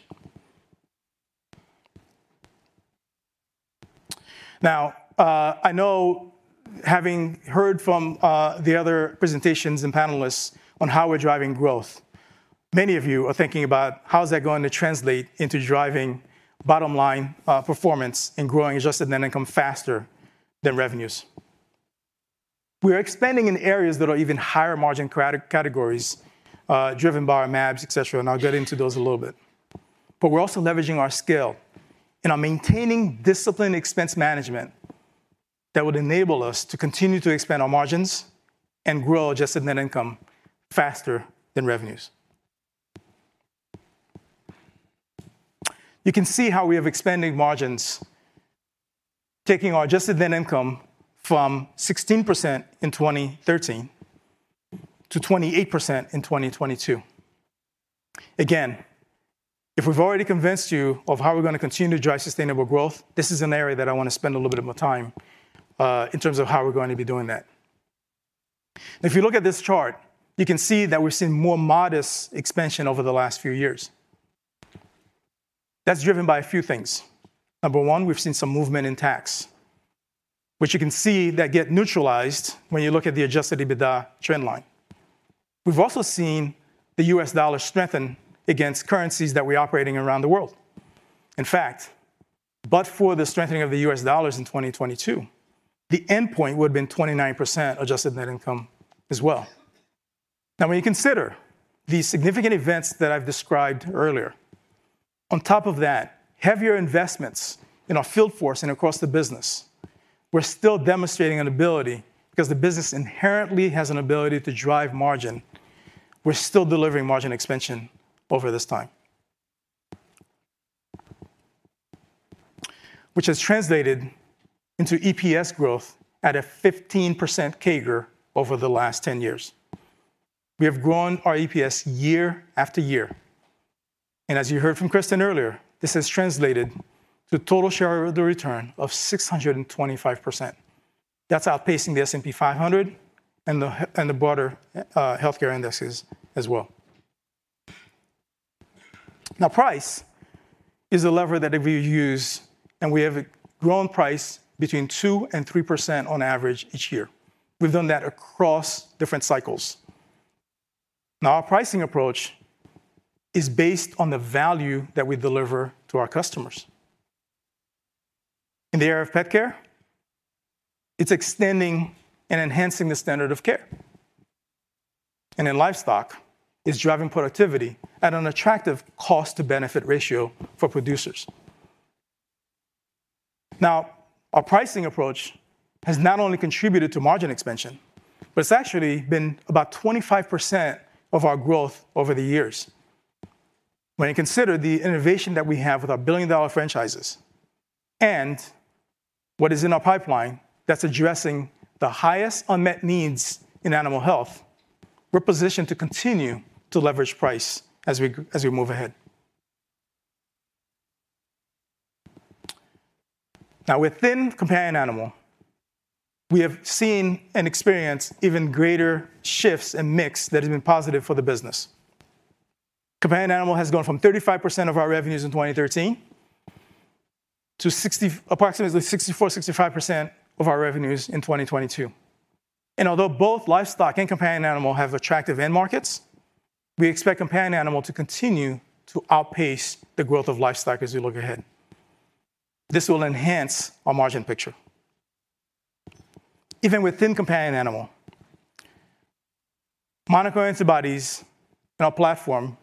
Speaker 11: I know having heard from, the other presentations and panelists on how we're driving growth- many of you are thinking about: How is that going to translate into driving bottom-line, performance and growing adjusted net income faster than revenues? We are expanding in areas that are even higher margin categories, driven by our mAbs, et cetera, and I'll get into those a little bit. We're also leveraging our scale, and are maintaining disciplined expense management that would enable us to continue to expand our margins and grow adjusted net income faster than revenues. You can see how we have expanded margins, taking our adjusted net income from 16% in 2013 to 28% in 2022. If we've already convinced you of how we're going to continue to drive sustainable growth, this is an area that I want to spend a little bit more time in terms of how we're going to be doing that. You look at this chart, you can see that we've seen more modest expansion over the last few years. That's driven by a few things. Number one, we've seen some movement in tax, which you can see that get neutralized when you look at the adjusted EBITDA trend line. We've also seen the U.S. dollar strengthen against currencies that we're operating around the world. In fact, for the strengthening of the U.S. dollars in 2022, the endpoint would have been 29% adjusted net income as well. When you consider the significant events that I've described earlier, on top of that, heavier investments in our field force and across the business, we're still demonstrating an ability, because the business inherently has an ability to drive margin. We're still delivering margin expansion over this time. Which has translated into EPS growth at a 15% CAGR over the last 10 years. We have grown our EPS year after year, and as you heard from Kristin earlier, this has translated to total shareholder return of 625%. That's outpacing the S&P 500 and the broader healthcare indexes as well. Price is a lever that if we use, and we have grown price between 2% and 3% on average each year. We've done that across different cycles. Now, our pricing approach is based on the value that we deliver to our customers. In the area of pet care, it's extending and enhancing the standard of care, and in livestock, it's driving productivity at an attractive cost-to-benefit ratio for producers. Now, our pricing approach has not only contributed to margin expansion, but it's actually been about 25% of our growth over the years. When you consider the innovation that we have with our billion-dollar franchises and what is in our pipeline, that's addressing the highest unmet needs in animal health, we're positioned to continue to leverage price as we as we move ahead. Now, within companion animal, we have seen and experienced even greater shifts in mix that has been positive for the business. Companion animal has gone from 35% of our revenues in 2013 to approximately 64%-65% of our revenues in 2022. Although both livestock and companion animal have attractive end markets, we expect companion animal to continue to outpace the growth of livestock as we look ahead. This will enhance our margin picture. Even within companion animal, monoclonal antibodies in our platform,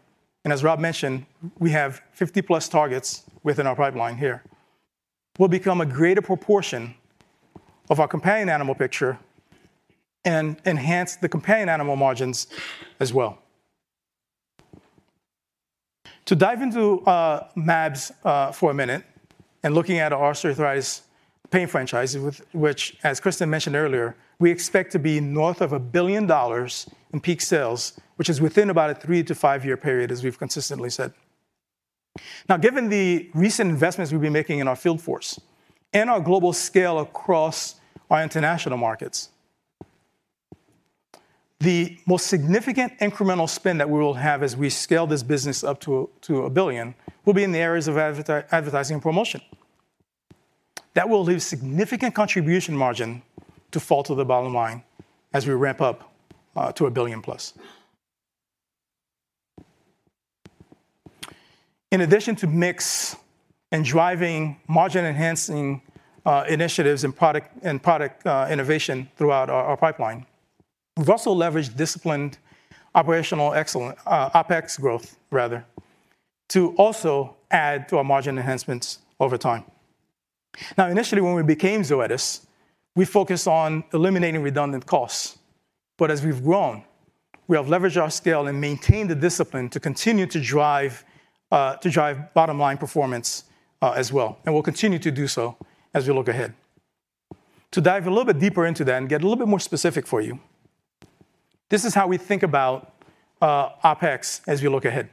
Speaker 11: and as Rob mentioned, we have 50-plus targets within our pipeline here, will become a greater proportion of our companion animal picture and enhance the companion animal margins as well. To dive into mAbs for a minute, and looking at our osteoarthritis pain franchise, with which, as Kristen mentioned earlier, we expect to be north of $1 billion in peak sales, which is within about a three to five year period, as we've consistently said. Given the recent investments we've been making in our field force and our global scale across our international markets, the most significant incremental spend that we will have as we scale this business up to a $1 billion, will be in the areas of advertising and promotion. That will leave significant contribution margin to fall to the bottom line as we ramp up to a $1 billion plus. In addition to mix and driving margin-enhancing initiatives and product innovation throughout our pipeline, we've also leveraged disciplined operational excellence, OpEx growth, rather, to also add to our margin enhancements over time. Initially, when we became Zoetis, we focused on eliminating redundant costs, but as we've grown, we have leveraged our scale and maintained the discipline to continue to drive bottom-line performance as well, and we'll continue to do so as we look ahead. To dive a little bit deeper into that and get a little bit more specific for you, this is how we think about OpEx as we look ahead.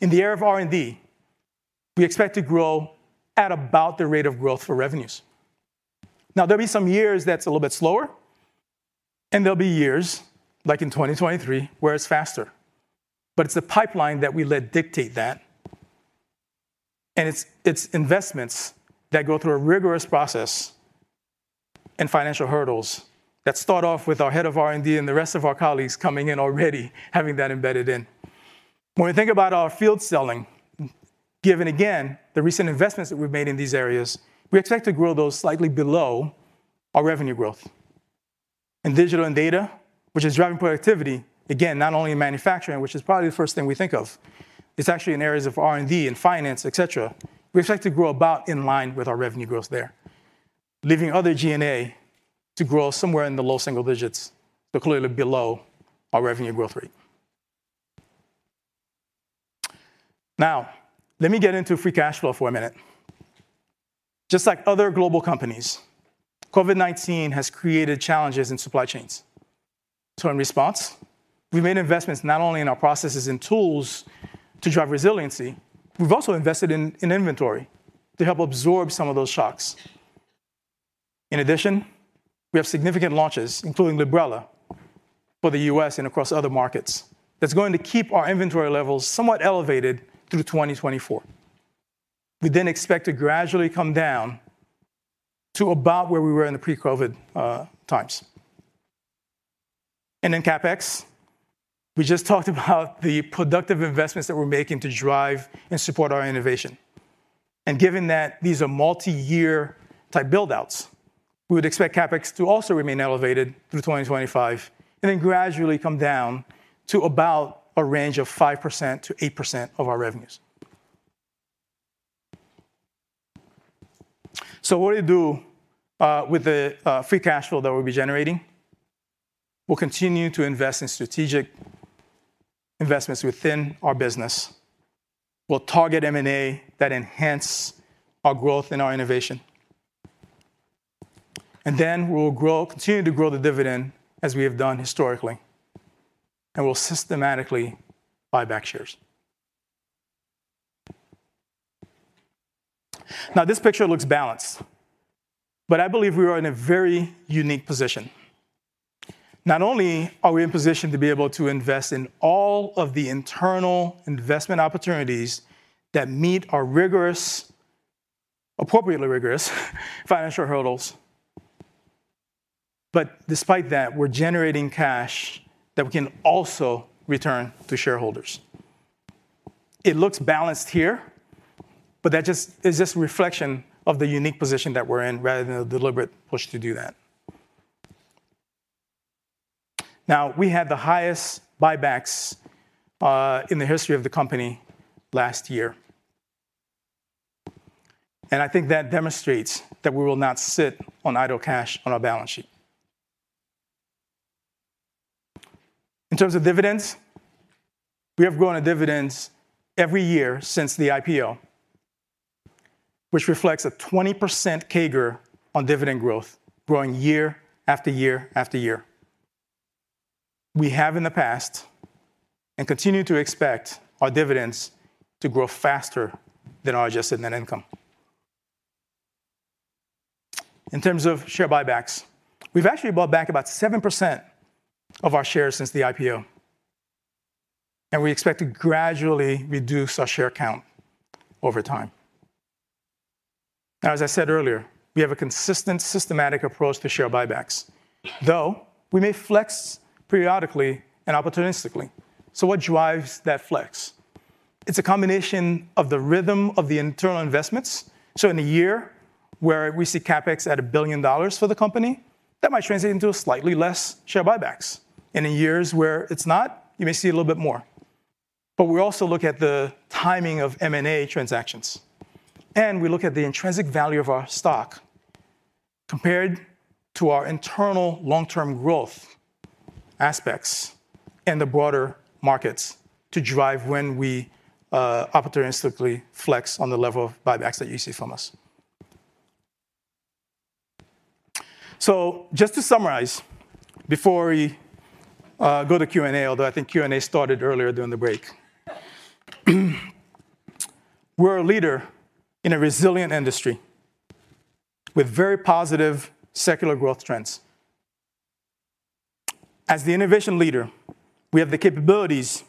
Speaker 11: In the area of R&D, we expect to grow at about the rate of growth for revenues. There'll be some years that's a little bit slower, and there'll be years, like in 2023, where it's faster, but it's the pipeline that we let dictate that. It's investments that go through a rigorous process and financial hurdles that start off with our head of R&D and the rest of our colleagues coming in already having that embedded in. When we think about our field selling, given, again, the recent investments that we've made in these areas, we expect to grow those slightly below our revenue growth. In digital and data, which is driving productivity, again, not only in manufacturing, which is probably the first thing we think of, it's actually in areas of R&D and finance, et cetera. We expect to grow about in line with our revenue growth there, leaving other G&A to grow somewhere in the low single digits, but clearly below our revenue growth rate. Let me get into free cash flow for a minute. Just like other global companies, COVID-19 has created challenges in supply chains. In response, we made investments not only in our processes and tools to drive resiliency, we've also invested in inventory to help absorb some of those shocks. In addition, we have significant launches, including Librela, for the U.S. and across other markets. That's going to keep our inventory levels somewhat elevated through 2024. We then expect to gradually come down to about where we were in the pre-COVID times. In CapEx, we just talked about the productive investments that we're making to drive and support our innovation. Given that these are multi-year type build-outs, we would expect CapEx to also remain elevated through 2025 and then gradually come down to about a range of 5%-8% of our revenues. What do we do with the free cash flow that we'll be generating? We'll continue to invest in strategic investments within our business. We'll target M&A that enhance our growth and our innovation. We will continue to grow the dividend as we have done historically, and we'll systematically buy back shares. This picture looks balanced, but I believe we are in a very unique position. Not only are we in a position to be able to invest in all of the internal investment opportunities that meet our rigorous, appropriately rigorous, financial hurdles, but despite that, we're generating cash that we can also return to shareholders. It looks balanced here, but that is just a reflection of the unique position that we're in, rather than a deliberate push to do that. We had the highest buybacks in the history of the company last year. I think that demonstrates that we will not sit on idle cash on our balance sheet. In terms of dividends, we have grown our dividends every year since the IPO, which reflects a 20% CAGR on dividend growth, growing year after year after year. We have in the past, and continue to expect our dividends to grow faster than our adjusted net income. In terms of share buybacks, we've actually bought back about 7% of our shares since the IPO, and we expect to gradually reduce our share count over time. As I said earlier, we have a consistent, systematic approach to share buybacks, though we may flex periodically and opportunistically. What drives that flex? It's a combination of the rhythm of the internal investments. In a year where we see CapEx at $1 billion for the company, that might translate into a slightly less share buybacks. In years where it's not, you may see a little bit more. We also look at the timing of M&A transactions, and we look at the intrinsic value of our stock compared to our internal long-term growth aspects and the broader markets to drive when we opportunistically flex on the level of buybacks that you see from us. Just to summarize, before we go to Q&A, although I think Q&A started earlier during the break. We're a leader in a resilient industry with very positive secular growth trends. As the innovation leader, we have the capabilities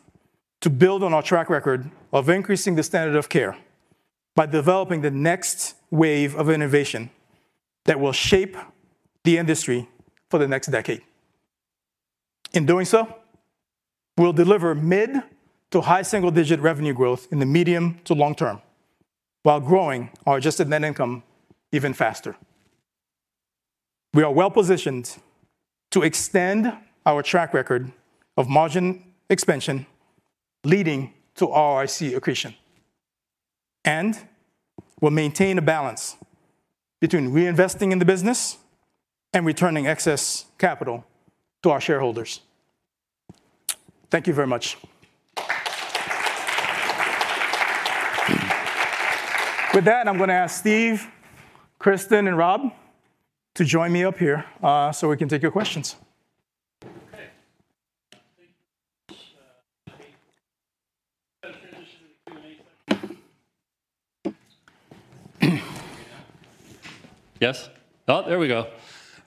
Speaker 11: to build on our track record of increasing the standard of care by developing the next wave of innovation that will shape the industry for the next decade. We'll deliver mid to high single-digit revenue growth in the medium to long term, while growing our adjusted net income even faster. We are well-positioned to extend our track record of margin expansion, leading to ROIC accretion, and we'll maintain a balance between reinvesting in the business and returning excess capital to our shareholders. Thank you very much. I'm gonna ask Steve, Kristin, and Rob to join me up here, so we can take your questions.
Speaker 1: Okay. Thank you, Pete. Let's transition to the Q&A section. Yes? Oh, there we go. All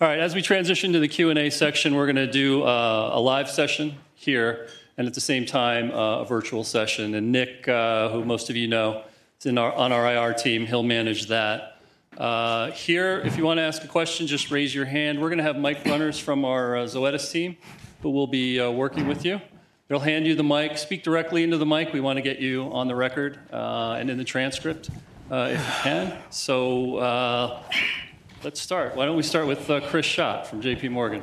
Speaker 1: right, as we transition to the Q&A section, we're gonna do a live session here, and at the same time, a virtual session. Nick, who most of you know, is on our IR team, he'll manage that. Here, if you wanna ask a question, just raise your hand. We're gonna have mic runners from our Zoetis team, who will be working with you. They'll hand you the mic. Speak directly into the mic. We wanna get you on the record, and in the transcript, if you can. Let's start. Why don't we start with Chris Schott from J.P. Morgan?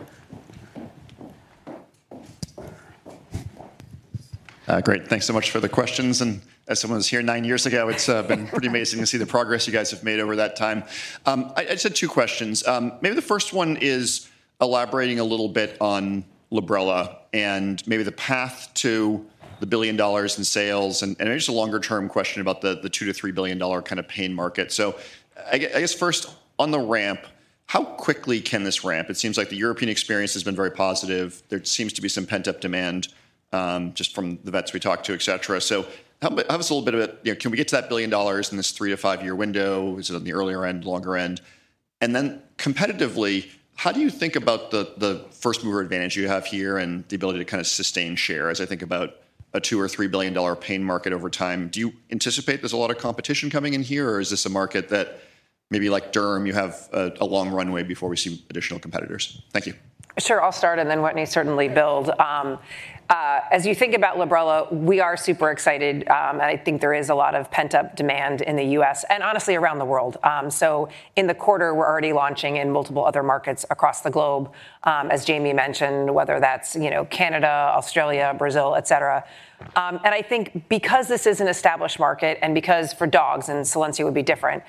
Speaker 12: Great. Thanks so much for the questions, and as someone who was here nine years ago, it's been pretty amazing to see the progress you guys have made over that time. I just had 2 questions. Maybe the first one is elaborating a little bit on Librela and maybe the path to the $1 billion in sales, and just a longer-term question about the $2 billion-$3 billion kind of pain market. I guess first, on the ramp, how quickly can this ramp? It seems like the European experience has been very positive. There seems to be some pent-up demand, just from the vets we talked to, et cetera. Give us a little bit of it. You know, can we get to that $1 billion in this 3- to 5-year window? Is it on the earlier end, longer end? Competitively, how do you think about the first mover advantage you have here and the ability to kind of sustain share? As I think about a $2 or $3 billion pain market over time, do you anticipate there's a lot of competition coming in here, or is this a market that maybe like derm, you have a long runway before we see additional competitors? Thank you.
Speaker 2: Sure, I'll start and then Wetteny can certainly build. As you think about Librela, we are super excited, and I think there is a lot of pent-up demand in the U.S. and honestly, around the world. In the quarter, we're already launching in multiple other markets across the globe, as Jamie mentioned, whether that's, you know, Canada, Australia, Brazil, et cetera. I think because this is an established market and because for dogs, and Solensia would be different,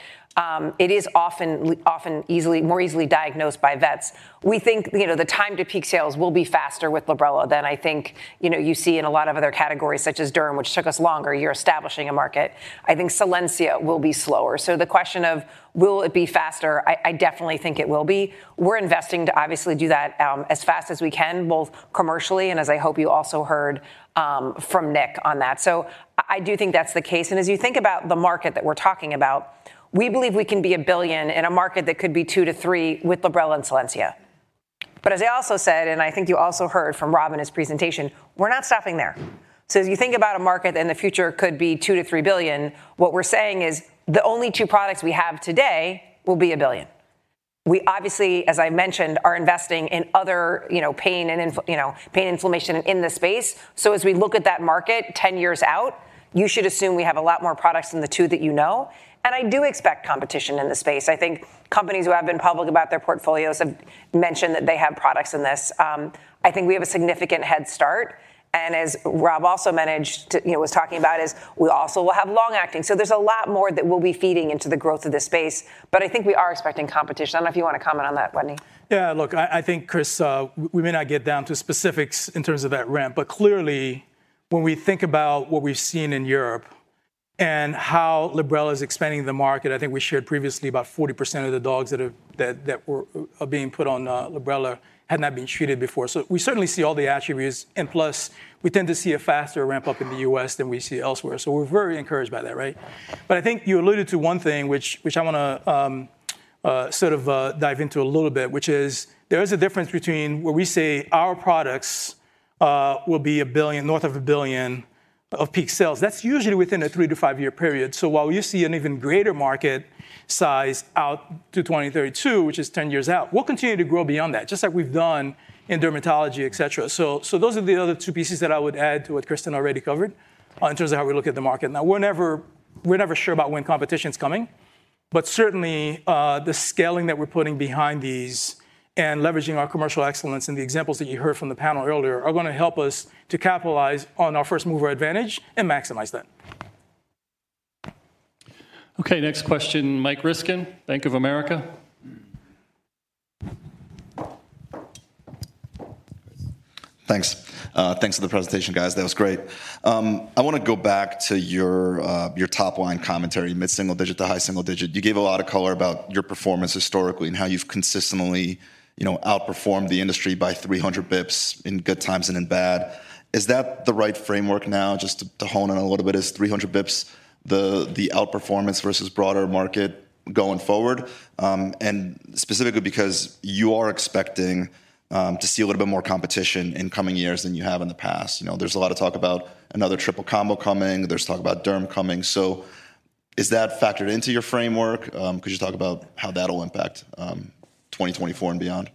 Speaker 2: it is often easily, more easily diagnosed by vets. We think, you know, the time to peak sales will be faster with Librela than I think, you know, you see in a lot of other categories, such as derm, which took us longer. You're establishing a market. I think Solensia will be slower. The question of will it be faster, I definitely think it will be. We're investing to obviously do that, as fast as we can, both commercially and as I hope you also heard, from Nick on that. I do think that's the case, as you think about the market that we're talking about, we believe we can be $1 billion in a market that could be $2 billion-$3 billion with Librela and Solensia. As I also said, I think you also heard from Rob in his presentation, we're not stopping there. As you think about a market in the future, could be $2 billion-$3 billion, what we're saying is the only two products we have today will be $1 billion. We obviously, as I mentioned, are investing in other, you know, pain and you know, pain inflammation in this space. As we look at that market 10 years out, you should assume we have a lot more products than the two that you know, and I do expect competition in this space. I think companies who have been public about their portfolios have mentioned that they have products in this. I think we have a significant head start, and as Rob also was talking about is we also will have long-acting. There's a lot more that will be feeding into the growth of this space, but I think we are expecting competition. I don't know if you want to comment on that, Wetteny.
Speaker 11: I think, Chris, we may not get down to specifics in terms of that ramp, clearly, when we think about what we've seen in Europe and how Librela is expanding the market, I think we shared previously about 40% of the dogs that are being put on Librela had not been treated before. We certainly see all the attributes, and plus, we tend to see a faster ramp-up in the U.S. than we see elsewhere. We're very encouraged by that, right? I think you alluded to one thing which I wanna dive into a little bit, which is there is a difference between where we say our products will be $1 billion, north of $1 billion of peak sales. That's usually within a three to five year period. While you see an even greater market size out to 2032, which is 10 years out, we'll continue to grow beyond that, just like we've done in dermatology, et cetera. Those are the other two pieces that I would add to what Kristin already covered, in terms of how we look at the market. Now, we're never sure about when competition's coming, but certainly, the scaling that we're putting behind these and leveraging our commercial excellence and the examples that you heard from the panel earlier are gonna help us to capitalize on our first mover advantage and maximize that.
Speaker 1: Okay, next question, Michael Ryskin, Bank of America.
Speaker 13: Thanks. Thanks for the presentation, guys. That was great. I wanna go back to your top-line commentary, mid-single digit to high single digit. You gave a lot of color about your performance historically and how you've consistently, you know, outperformed the industry by 300 basis points in good times and in bad. Is that the right framework now, just to hone in a little bit? Is 300 basis points the outperformance versus broader market going forward? Specifically because you are expecting to see a little bit more competition in coming years than you have in the past. You know, there's a lot of talk about another triple combo coming. There's talk about derm coming. Is that factored into your framework? Could you talk about how that'll impact 2024 and beyond?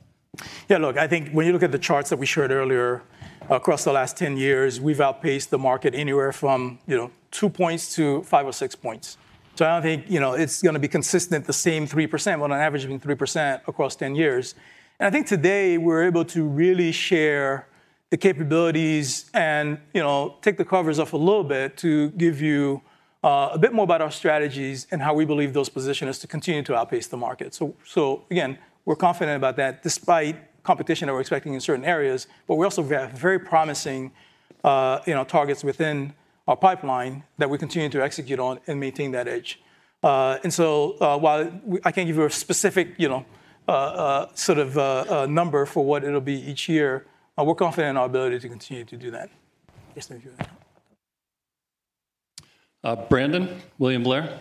Speaker 11: Yeah, look, I think when you look at the charts that we showed earlier, across the last 10 years, we've outpaced the market anywhere from, you know, 2 points to 5 or 6 points. I don't think, you know, it's gonna be consistent, the same 3%, on an average of 3% across 10 years. I think today we're able to really share the capabilities and, you know, take the covers off a little bit to give you a bit more about our strategies and how we believe those position us to continue to outpace the market. Again, we're confident about that, despite competition that we're expecting in certain areas, but we also have very promising, you know, targets within our pipeline that we continue to execute on and maintain that edge. While we... I can't give you a specific, you know, sort of number for what it'll be each year, we're confident in our ability to continue to do that.
Speaker 1: Yes, thank you. Brandon, William Blair?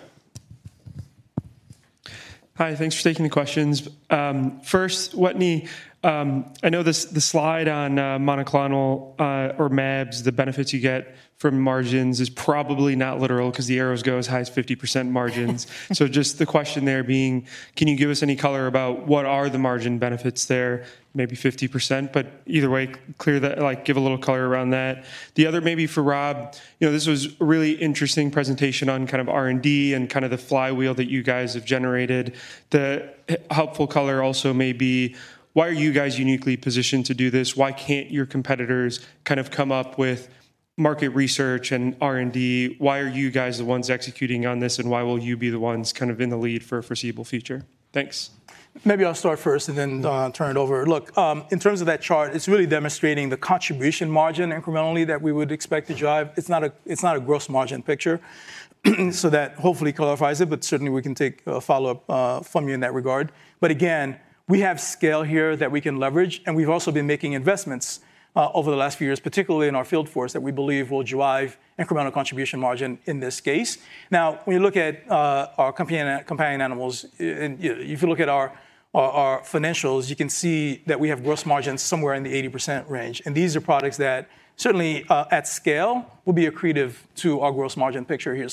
Speaker 14: Hi, thanks for taking the questions. First, Wetteny, I know this, the slide on monoclonal or mAbs, the benefits you get from margins is probably not literal, 'cause the arrows go as high as 50% margins. Just the question there being: can you give us any color about what are the margin benefits there? Maybe 50%, but either way, clear that. Like, give a little color around that. The other maybe for Rob, you know, this was a really interesting presentation on kind of R&D and kind of the flywheel that you guys have generated. Helpful color also may be: why are you guys uniquely positioned to do this? Why can't your competitors kind of come up with market research and R&D? Why are you guys the ones executing on this, and why will you be the ones kind of in the lead for the foreseeable future? Thanks.
Speaker 11: Maybe I'll start first and then turn it over. Look, in terms of that chart, it's really demonstrating the contribution margin incrementally that we would expect to drive. It's not a gross margin picture, so that hopefully clarifies it, but certainly we can take a follow-up from you in that regard. Again, we have scale here that we can leverage, and we've also been making investments over the last few years, particularly in our field force, that we believe will drive incremental contribution margin in this case. Now, when you look at our companion animals, if you look at our financials, you can see that we have gross margins somewhere in the 80% range, and these are products that certainly, at scale, will be accretive to our gross margin picture here.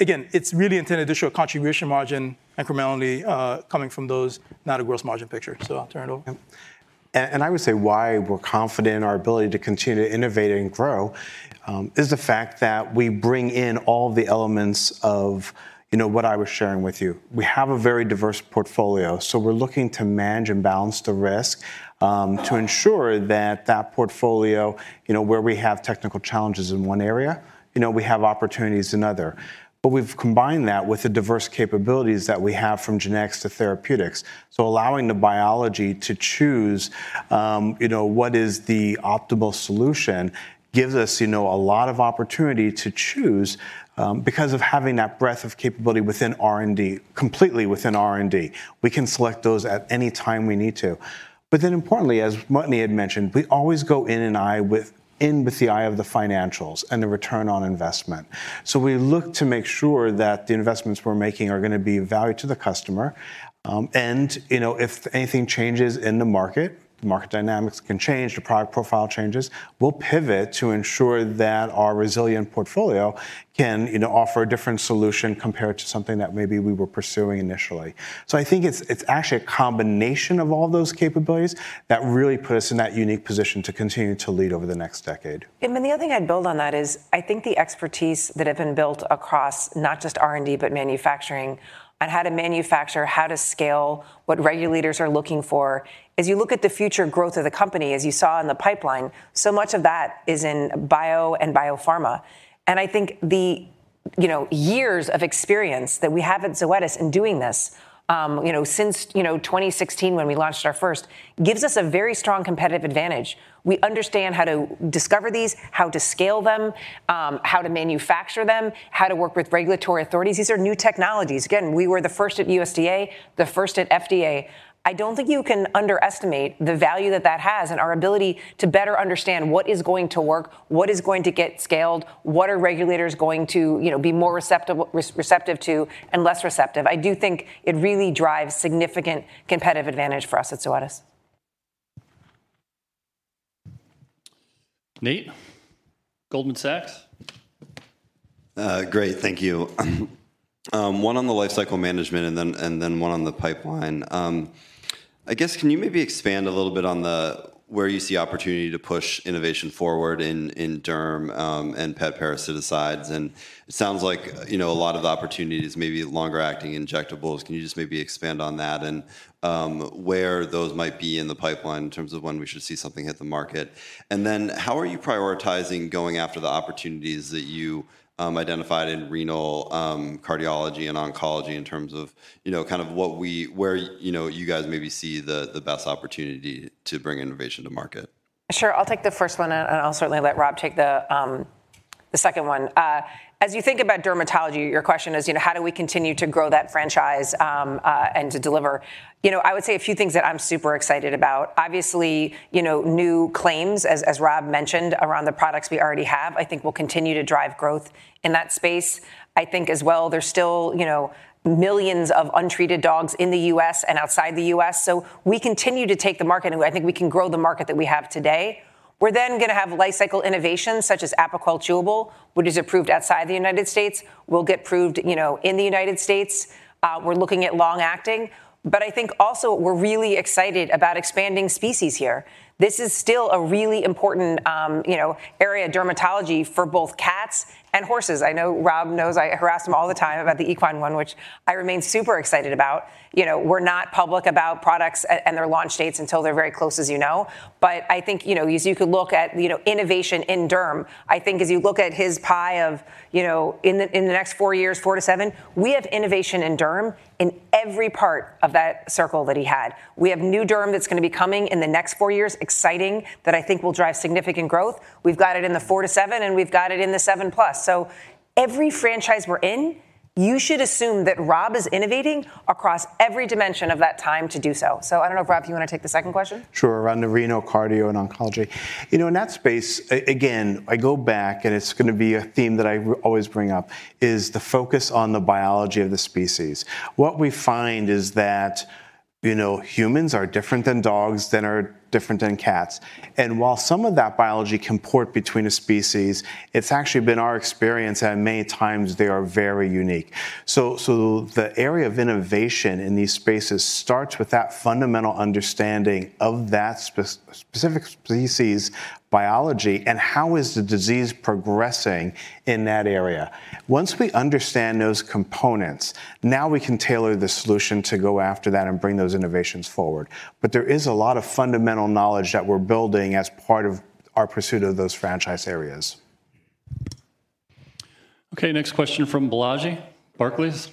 Speaker 11: Again, it's really intended to show a contribution margin incrementally, coming from those, not a gross margin picture. I'll turn it over.
Speaker 6: I would say why we're confident in our ability to continue to innovate and grow is the fact that we bring in all the elements of, you know, what I was sharing with you. We have a very diverse portfolio, so we're looking to manage and balance the risk to ensure that that portfolio, you know, where we have technical challenges in one area, you know, we have opportunities in other. We've combined that with the diverse capabilities that we have, from genetics to therapeutics. Allowing the biology to choose, you know, what is the optimal solution gives us, you know, a lot of opportunity to choose because of having that breadth of capability within R&D, completely within R&D. We can select those at any time we need to. Importantly, as Wetteny had mentioned, we always go in with the eye of the financials and the return on investment. We look to make sure that the investments we're making are going to be of value to the customer. You know, if anything changes in the market, the market dynamics can change, the product profile changes, we'll pivot to ensure that our resilient portfolio can, you know, offer a different solution compared to something that maybe we were pursuing initially. I think it's actually a combination of all those capabilities that really put us in that unique position to continue to lead over the next decade.
Speaker 2: The other thing I'd build on that is, I think the expertise that have been built across not just R&D, but manufacturing, on how to manufacture, how to scale, what regulators are looking for, as you look at the future growth of the company, as you saw in the pipeline, so much of that is in bio and biopharma. I think the years of experience that we have at Zoetis in doing this, since 2016, when we launched our first, gives us a very strong competitive advantage. We understand how to discover these, how to scale them, how to manufacture them, how to work with regulatory authorities. These are new technologies. Again, we were the first at USDA, the first at FDA. I don't think you can underestimate the value that that has and our ability to better understand what is going to work, what is going to get scaled, what are regulators going to, you know, be more receptive to and less receptive. I do think it really drives significant competitive advantage for us at Zoetis.
Speaker 1: Nate, Goldman Sachs?
Speaker 15: Great, thank you. One on the lifecycle management, and then one on the pipeline. I guess, can you maybe expand a little bit on where you see opportunity to push innovation forward in derm and pet parasiticides? It sounds like, you know, a lot of the opportunities may be longer-acting injectables. Can you just maybe expand on that and where those might be in the pipeline in terms of when we should see something hit the market? How are you prioritizing going after the opportunities that you identified in renal, cardiology and oncology in terms of, you know, where, you know, you guys maybe see the best opportunity to bring innovation to market?
Speaker 2: Sure. I'll take the first one. I'll certainly let Rob take the second one. As you think about dermatology, your question is, you know, how do we continue to grow that franchise, and to deliver? You know, I would say a few things that I'm super excited about. Obviously, you know, new claims, as Rob mentioned, around the products we already have, I think will continue to drive growth in that space. I think as well, there's still, you know, millions of untreated dogs in the U.S. and outside the U.S. We continue to take the market. I think we can grow the market that we have today. We're going to have lifecycle innovations, such as Apoquel Chewable, which is approved outside the United States, will get approved, you know, in the United States. We're looking at long-acting, but I think also we're really excited about expanding species here. This is still a really important, you know, area of dermatology for both cats and horses. I know Rob knows I harass him all the time about the equine one, which I remain super excited about. You know, we're not public about products and their launch dates until they're very close, as you know. I think, you know, as you could look at, you know, innovation in derm, I think as you look at his pie of, you know, in the, in the next four years, four to seven, we have innovation in derm in every part of that circle that he had. We have new derm that's going to be coming in the next 4 years, exciting, that I think will drive significant growth. We've got it in the four to seven, and we've got it in the 7-plus. Every franchise we're in. You should assume that Rob is innovating across every dimension of that time to do so. I don't know, Rob, if you want to take the second question?
Speaker 11: Sure, around the renal, cardio, and oncology. You know, in that space, again, I go back, and it's going to be a theme that I will always bring up, is the focus on the biology of the species. What we find is that, you know, humans are different than dogs, than are different than cats. While some of that biology can port between the species, it's actually been our experience at many times they are very unique. So the area of innovation in these spaces starts with that fundamental understanding of that specific species' biology and how is the disease progressing in that area. Once we understand those components, now we can tailor the solution to go after that and bring those innovations forward. There is a lot of fundamental knowledge that we're building as part of our pursuit of those franchise areas.
Speaker 1: Okay, next question from Balaji, Barclays.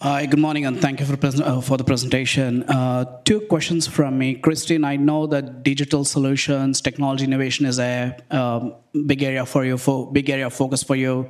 Speaker 16: Hi, good morning, thank you for the presentation. Two questions from me. Kristin, I know that digital solutions, technology innovation is a big area of focus for you.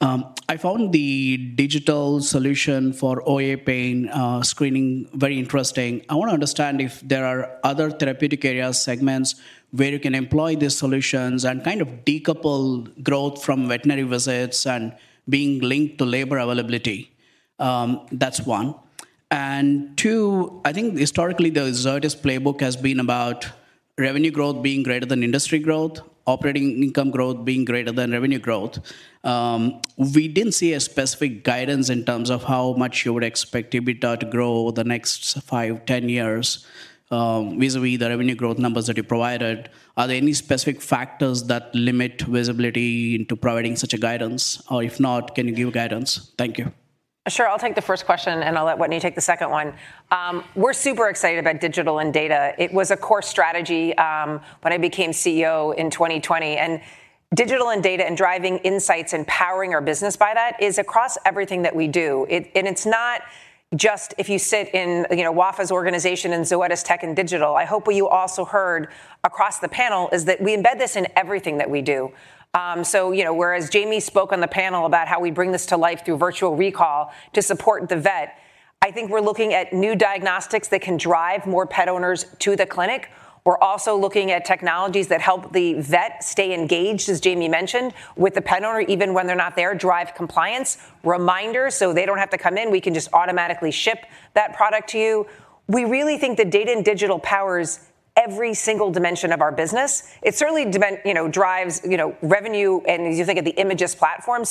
Speaker 16: I found the digital solution for OA pain screening very interesting. I want to understand if there are other therapeutic areas, segments, where you can employ these solutions and kind of decouple growth from veterinary visits and being linked to labor availability. That's one. Two, I think historically, the Zoetis playbook has been about revenue growth being greater than industry growth, operating income growth being greater than revenue growth. We didn't see a specific guidance in terms of how much you would expect EBITDA to grow the next 5, 10 years, vis-à-vis the revenue growth numbers that you provided. Are there any specific factors that limit visibility into providing such a guidance? If not, can you give guidance? Thank you.
Speaker 2: Sure. I'll take the first question, and I'll let Wetteny take the second one. We're super excited about digital and data. It was a core strategy when I became CEO in 2020, and digital and data and driving insights and powering our business by that is across everything that we do. And it's not just if you sit in, you know, Wafaa's organization in Zoetis Tech and Digital. I hope what you also heard across the panel is that we embed this in everything that we do. You know, whereas Jamie spoke on the panel about how we bring this to life through Virtual Recall to support the vet, I think we're looking at new diagnostics that can drive more pet owners to the clinic. We're also looking at technologies that help the vet stay engaged, as Jamie mentioned, with the pet owner, even when they're not there, drive compliance, reminders, so they don't have to come in. We can just automatically ship that product to you. We really think that data and digital powers every single dimension of our business. It certainly, you know, drives, you know, revenue, and you think of the IMAGYST platform.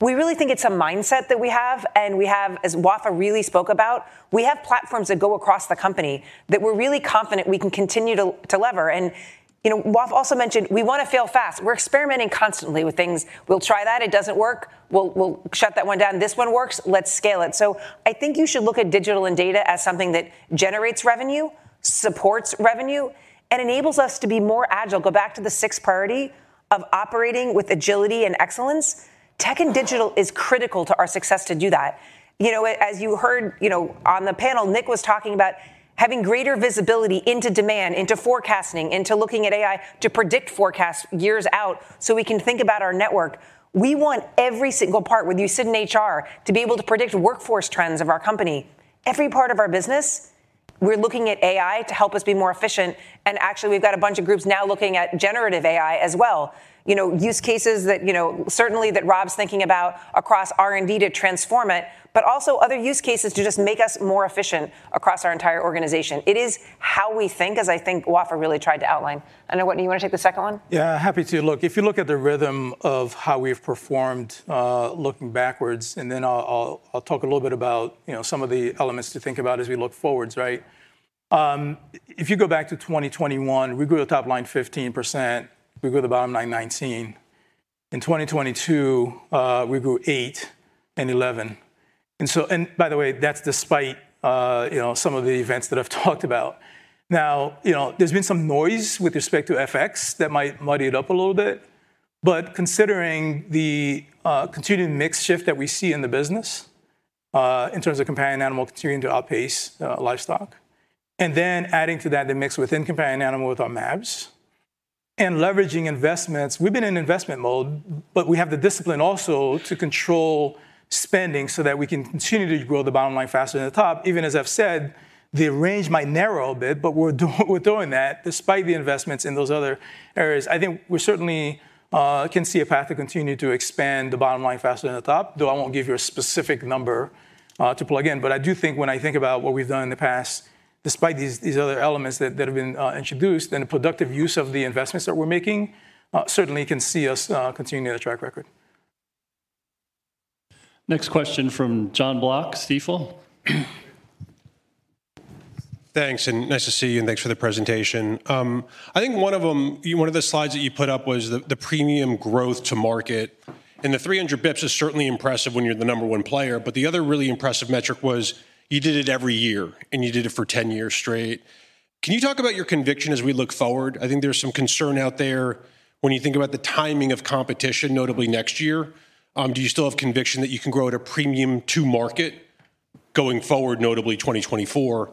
Speaker 2: We really think it's a mindset that we have, and we have, as Wafaa really spoke about, we have platforms that go across the company that we're really confident we can continue to lever. You know, Wafaa also mentioned, we want to fail fast. We're experimenting constantly with things. We'll try that. It doesn't work? We'll shut that one down. This one works? Let's scale it. I think you should look at digital and data as something that generates revenue, supports revenue, and enables us to be more agile. Go back to the sixth priority of operating with agility and excellence. Tech and digital is critical to our success to do that. You know, as you heard, you know, on the panel, Nick was talking about having greater visibility into demand, into forecasting, into looking at AI to predict forecast years out, so we can think about our network. We want every single part, whether you sit in HR, to be able to predict workforce trends of our company. Every part of our business, we're looking at AI to help us be more efficient, and actually, we've got a bunch of groups now looking at generative AI as well. You know, use cases that, you know, certainly that Rob's thinking about across R&D to transform it, but also other use cases to just make us more efficient across our entire organization. It is how we think, as I think Wafaa really tried to outline. I don't know, Whitney, you want to take the second one?
Speaker 11: Yeah, happy to. Look, if you look at the rhythm of how we've performed, looking backwards, and then I'll talk a little bit about, you know, some of the elements to think about as we look forwards, right? If you go back to 2021, we grew the top line 15%, we grew the bottom line 19%. In 2022, we grew 8% and 11%. By the way, that's despite, you know, some of the events that I've talked about. Now, you know, there's been some noise with respect to FX that might muddy it up a little bit, but considering the continuing mix shift that we see in the business, in terms of companion animal continuing to outpace livestock, and then adding to that, the mix within companion animal with our mAbs and leveraging investments. We've been in investment mode, but we have the discipline also to control spending so that we can continue to grow the bottom line faster than the top. Even as I've said, the range might narrow a bit, but we're doing that despite the investments in those other areas. I think we certainly can see a path to continue to expand the bottom line faster than the top, though I won't give you a specific number to plug in. I do think when I think about what we've done in the past, despite these other elements that have been introduced, and the productive use of the investments that we're making, certainly can see us continuing at a track record.
Speaker 1: Next question from Jonathan Block, Stifel.
Speaker 17: Thanks, nice to see you, and thanks for the presentation. I think one of the slides that you put up was the premium growth to market, the 300 bips is certainly impressive when you're the number 1 player, the other really impressive metric was you did it every year, and you did it for 10 years straight. Can you talk about your conviction as we look forward? I think there's some concern out there when you think about the timing of competition, notably next year. Do you still have conviction that you can grow at a premium to market? going forward, notably 2024.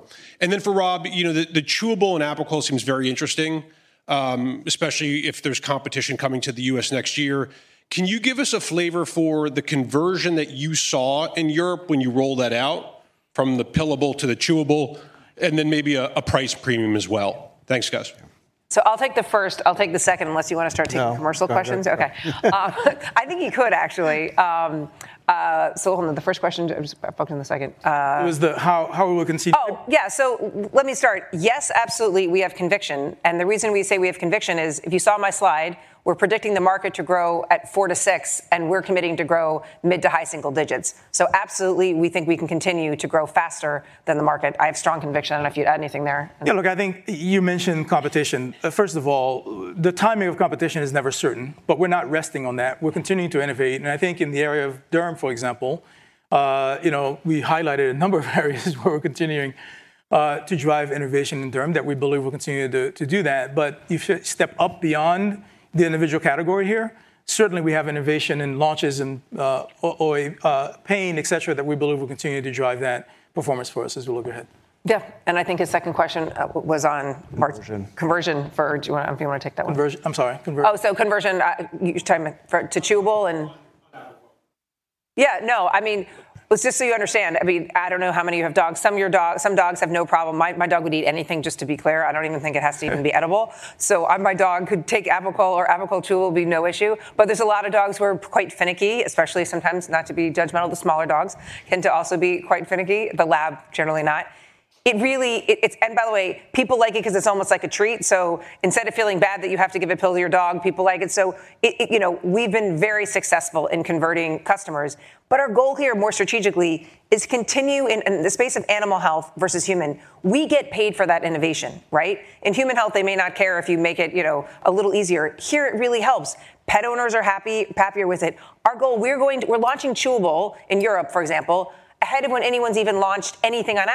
Speaker 17: For Rob, you know, the chewable and Apoquel seems very interesting, especially if there's competition coming to the U.S. next year. Can you give us a flavor for the conversion that you saw in Europe when you rolled that out from the pillable to the chewable, and then maybe a price premium as well? Thanks, guys.
Speaker 2: I'll take the first. I'll take the second, unless you want to start.
Speaker 11: No
Speaker 2: commercial questions?
Speaker 11: Go ahead.
Speaker 2: Okay. I think he could actually. Hold on, the first question, I just, I forgot the second.
Speaker 17: It was the how we were going to see...
Speaker 2: Oh, yeah, let me start. Yes, absolutely, we have conviction, the reason we say we have conviction is, if you saw my slide, we're predicting the market to grow at 4%-6%, and we're committing to grow mid to high single digits. Absolutely, we think we can continue to grow faster than the market. I have strong conviction. I don't know if you'd add anything there.
Speaker 11: Look, I think you mentioned competition. First of all, the timing of competition is never certain, but we're not resting on that. We're continuing to innovate, I think in the area of derm, for example, you know, we highlighted a number of areas where we're continuing to drive innovation in derm that we believe will continue to do that. If you step up beyond the individual category here, certainly we have innovation and launches in OI, pain, et cetera, that we believe will continue to drive that performance for us as we look ahead.
Speaker 2: Yeah, I think his second question was on.
Speaker 11: Conversion...
Speaker 2: conversion for do you wanna, if you wanna take that one?
Speaker 11: Conversion. I'm sorry, conversion.
Speaker 2: Oh, conversion, you talking about for to chewable... Yeah, no, I mean, just so you understand, I mean, I don't know how many of you have dogs. Some dogs have no problem. My dog would eat anything, just to be clear. I don't even think it has to even be edible. I, my dog could take Apoquel or Apoquel Chewable, it would be no issue. There's a lot of dogs who are quite finicky, especially sometimes, not to be judgmental, to smaller dogs, tend to also be quite finicky. The lab, generally not. It really. By the way, people like it 'cause it's almost like a treat, instead of feeling bad that you have to give a pill to your dog, people like it. It, you know, we've been very successful in converting customers. Our goal here, more strategically, is continue in the space of animal health versus human, we get paid for that innovation, right? In human health, they may not care if you make it, you know, a little easier. Here, it really helps. Pet owners are happy, happier with it. Our goal, we're launching Apoquel Chewable in Europe, for example, ahead of when anyone's even launched anything on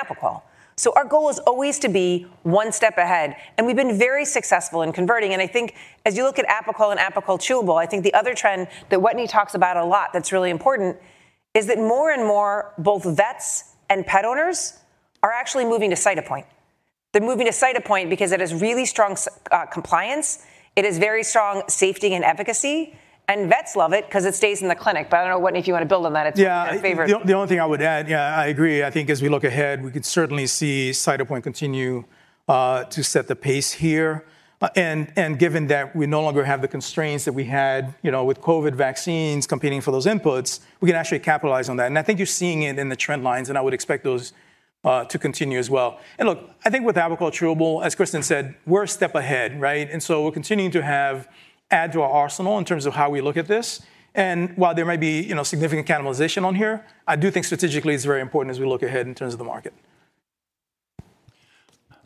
Speaker 2: Apoquel. Our goal is always to be one step ahead, and we've been very successful in converting, and I think as you look at Apoquel and Apoquel Chewable, I think the other trend that Wetteny talks about a lot that's really important is that more and more, both vets and pet owners are actually moving to Cytopoint. They're moving to Cytopoint because it has really strong compliance, it is very strong safety and efficacy, and vets love it 'cause it stays in the clinic. I don't know, Wetteny, if you want to build on that?
Speaker 11: Yeah...
Speaker 2: a favorite.
Speaker 11: The only thing I would add, yeah, I agree. I think as we look ahead, we can certainly see Cytopoint continue to set the pace here. Given that we no longer have the constraints that we had, you know, with COVID vaccines competing for those inputs, we can actually capitalize on that, and I think you're seeing it in the trend lines, and I would expect those to continue as well. Look, I think with Apoquel Chewable, as Kristin said, we're a step ahead, right? So we're continuing to have add to our arsenal in terms of how we look at this. While there might be, you know, significant cannibalization on here, I do think strategically it's very important as we look ahead in terms of the market.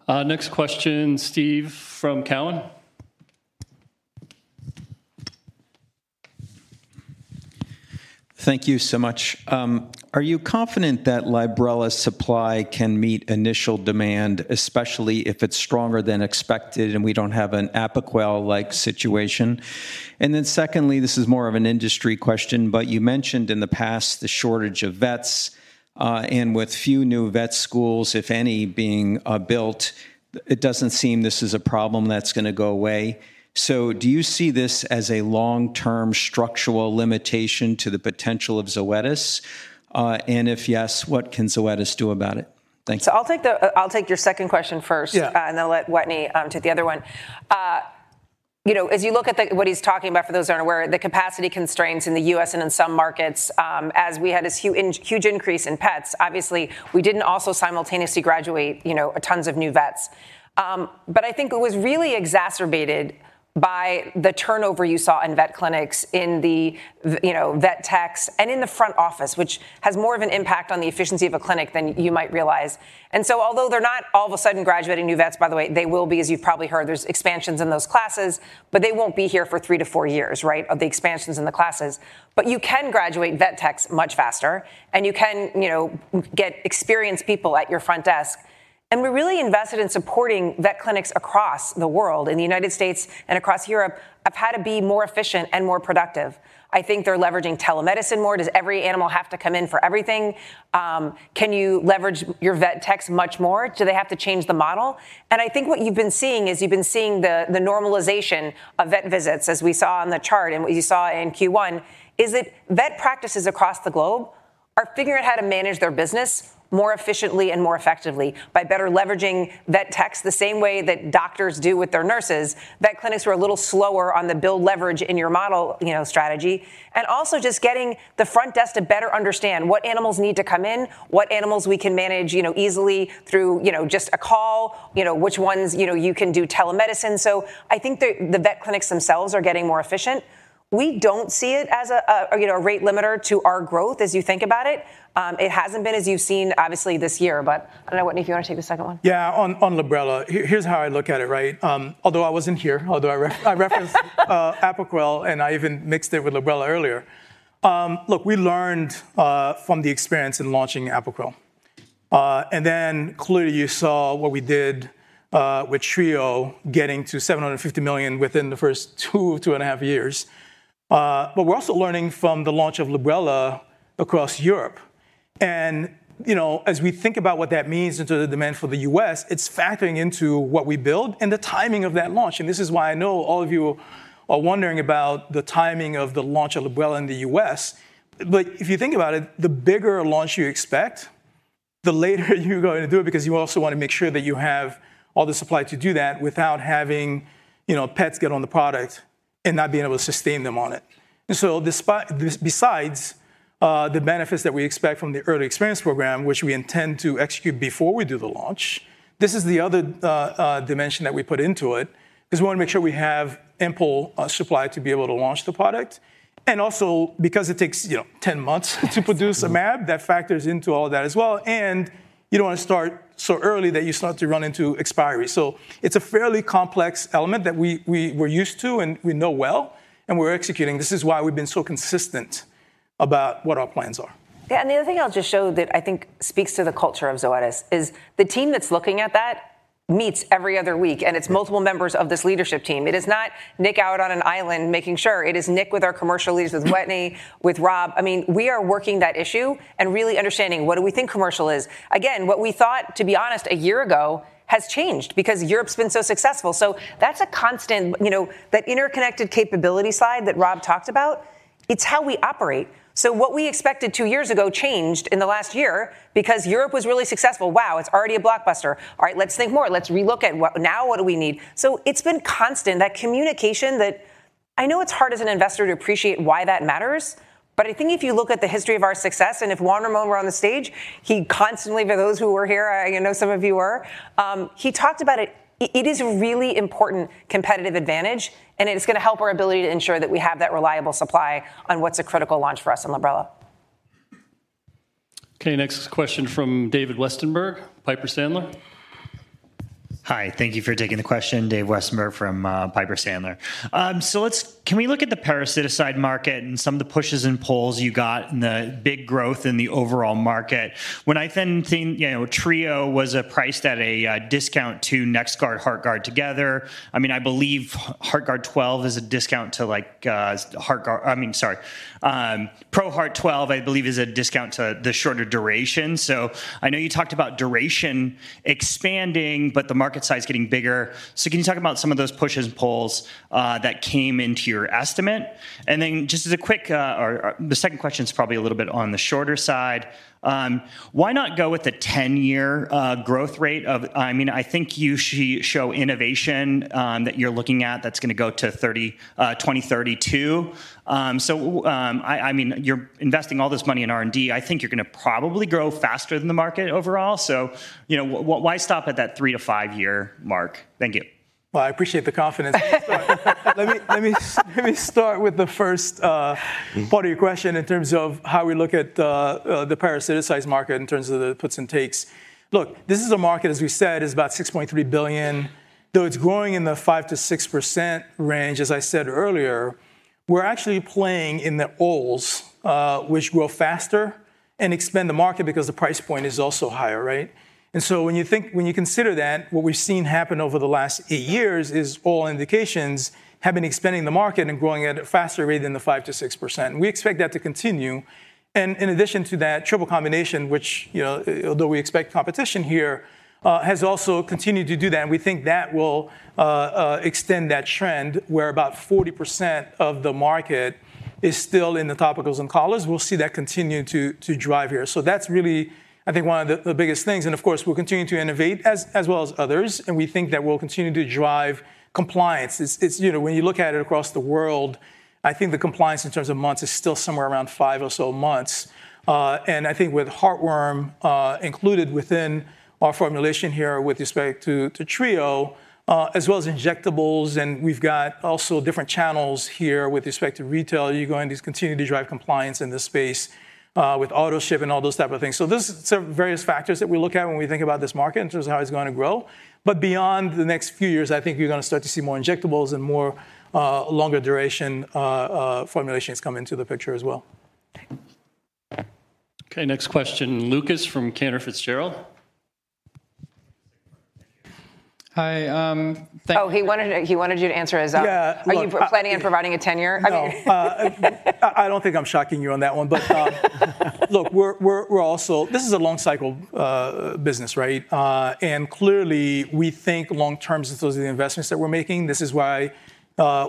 Speaker 1: Next question, Steve from Cowen.
Speaker 18: Thank you so much. Are you confident that Librela supply can meet initial demand, especially if it's stronger than expected and we don't have an Apoquel-like situation? Secondly, this is more of an industry question, but you mentioned in the past the shortage of vets, and with few new vet schools, if any, being built, it doesn't seem this is a problem that's gonna go away. Do you see this as a long-term structural limitation to the potential of Zoetis? If yes, what can Zoetis do about it? Thanks.
Speaker 2: I'll take your second question first.
Speaker 18: Yeah
Speaker 2: let Wetteny take the other one. As you look at what he's talking about, for those who aren't aware, the capacity constraints in the U.S. and in some markets, as we had this huge increase in pets, obviously, we didn't also simultaneously graduate, you know, tons of new vets. I think it was really exacerbated by the turnover you saw in vet clinics, in the, you know, vet techs, and in the front office, which has more of an impact on the efficiency of a clinic than you might realize. Although they're not all of a sudden graduating new vets, they will be, as you've probably heard, there's expansions in those classes, but they won't be here for 3-4 years of the expansions in the classes. You can graduate vet techs much faster, and you can, you know, get experienced people at your front desk. We really invested in supporting vet clinics across the world, in the United States and across Europe, of how to be more efficient and more productive. I think they're leveraging telemedicine more. Does every animal have to come in for everything? Can you leverage your vet techs much more? Do they have to change the model? I think what you've been seeing is you've been seeing the normalization of vet visits, as we saw on the chart and what you saw in Q1, is that vet practices across the globe are figuring out how to manage their business more efficiently and more effectively by better leveraging vet techs, the same way that doctors do with their nurses. Vet clinics were a little slower on the build leverage in your model, you know, strategy, also just getting the front desk to better understand what animals need to come in, what animals we can manage, you know, easily through, you know, just a call, you know, which ones, you know, you can do telemedicine. I think the vet clinics themselves are getting more efficient. We don't see it as a, you know, a rate limiter to our growth, as you think about it. It hasn't been, as you've seen, obviously this year. I don't know, Wetteny, if you want to take the second one?
Speaker 11: Yeah, on Librela. Here's how I look at it, right? Although I wasn't here, although I referenced Apoquel, and I even mixed it with Librela earlier. Look, we learned from the experience in launching Apoquel. Then clearly you saw what we did with Trio getting to $750 million within the first two and a half years. We're also learning from the launch of Librela across Europe, you know, as we think about what that means into the demand for the US, it's factoring into what we build and the timing of that launch. This is why I know all of you are wondering about the timing of the launch of Librela in the US. If you think about it, the bigger launch you expect, the later you're going to do it, because you also want to make sure that you have all the supply to do that without having, you know, pets get on the product and not being able to sustain them on it. Besides the benefits that we expect from the early experience program, which we intend to execute before we do the launch, this is the other dimension that we put into it, is we want to make sure we have ample supply to be able to launch the product, and also because it takes, you know, 10 months to produce a mab, that factors into all that as well. You don't want to start so early that you start to run into expiry. It's a fairly complex element that we're used to and we know well, and we're executing. This is why we've been so consistent about what our plans are.
Speaker 2: Yeah, the other thing I'll just show that I think speaks to the culture of Zoetis is the team that's looking at that meets every other week.
Speaker 11: Right
Speaker 2: It's multiple members of this leadership team. It is not Nick out on an island making sure. It is Nick with our commercial leads, with Whitney, with Rob. I mean, we are working that issue and really understanding what do we think commercial is. Again, what we thought, to be honest, a year ago has changed because Europe's been so successful. That's a constant, you know, that interconnected capability slide that Rob talked about, it's how we operate. What we expected two years ago changed in the last year because Europe was really successful. Wow, it's already a blockbuster. All right, let's think more. Let's relook at what... now what do we need? It's been constant, that communication, that... I know it's hard as an investor to appreciate why that matters, but I think if you look at the history of our success, and if Juan Ramón were on the stage, he constantly, for those who were here, I, you know, some of you were, he talked about it. It is a really important competitive advantage, and it is gonna help our ability to ensure that we have that reliable supply on what's a critical launch for us on Librela.
Speaker 1: Next question from David Westenberg, Piper Sandler.
Speaker 19: Hi, thank you for taking the question. Dave Westenberg from Piper Sandler. Can we look at the parasiticide market and some of the pushes and pulls you got and the big growth in the overall market? When I then think, you know, Trio was priced at a discount to NexGard and Heartgard together, I mean, I believe HEARTGARD Plus is a discount to like Heartgard... I mean, sorry, ProHeart 12, I believe, is a discount to the shorter duration. I know you talked about duration expanding, but the market size getting bigger. Can you talk about some of those pushes and pulls that came into your estimate? Just as a quick, or the second question is probably a little bit on the shorter side. Why not go with the 10-year growth rate? I mean, I think you show innovation that you're looking at, that's gonna go to 30, 2032. So, I mean, you're investing all this money in R&D. I think you're gonna probably grow faster than the market overall, so, you know, why stop at that 3-to-5-year mark? Thank you.
Speaker 11: Well, I appreciate the confidence. Let me start with the first part of your question in terms of how we look at the parasiticides market, in terms of the puts and takes. Look, this is a market, as we said, is about $6.3 billion, though it's growing in the 5%-6% range, as I said earlier. We're actually playing in the orals, which grow faster and expand the market because the price point is also higher, right? When you consider that, what we've seen happen over the last eight years is all indications have been expanding the market and growing at a faster rate than the 5%-6%, and we expect that to continue. In addition to that triple combination, which, you know, although we expect competition here, has also continued to do that, and we think that will extend that trend, where about 40% of the market is still in the topicals and collars. We'll see that continue to drive here. That's really, I think, one of the biggest things, and of course, we'll continue to innovate as well as others, and we think that we'll continue to drive compliance. It's, you know, when you look at it across the world, I think the compliance in terms of months is still somewhere around 5 or so months. I think with heartworm included within our formulation here with respect to Trio, as well as injectables, and we've got also different channels here with respect to retail, you're going to continue to drive compliance in this space with autoship and all those type of things. There's some various factors that we look at when we think about this market in terms of how it's going to grow. Beyond the next few years, I think you're going to start to see more injectables and more longer duration formulations come into the picture as well.
Speaker 1: Okay, next question, Lucas from Cantor Fitzgerald.
Speaker 20: Hi.
Speaker 2: Oh, he wanted to, he wanted you to answer his own.
Speaker 11: Yeah. Well.
Speaker 2: Are you planning on providing a tenure? I mean.
Speaker 11: No, I don't think I'm shocking you on that one. Look, we're also... This is a long-cycle business, right? Clearly, we think long term with those are the investments that we're making. This is why,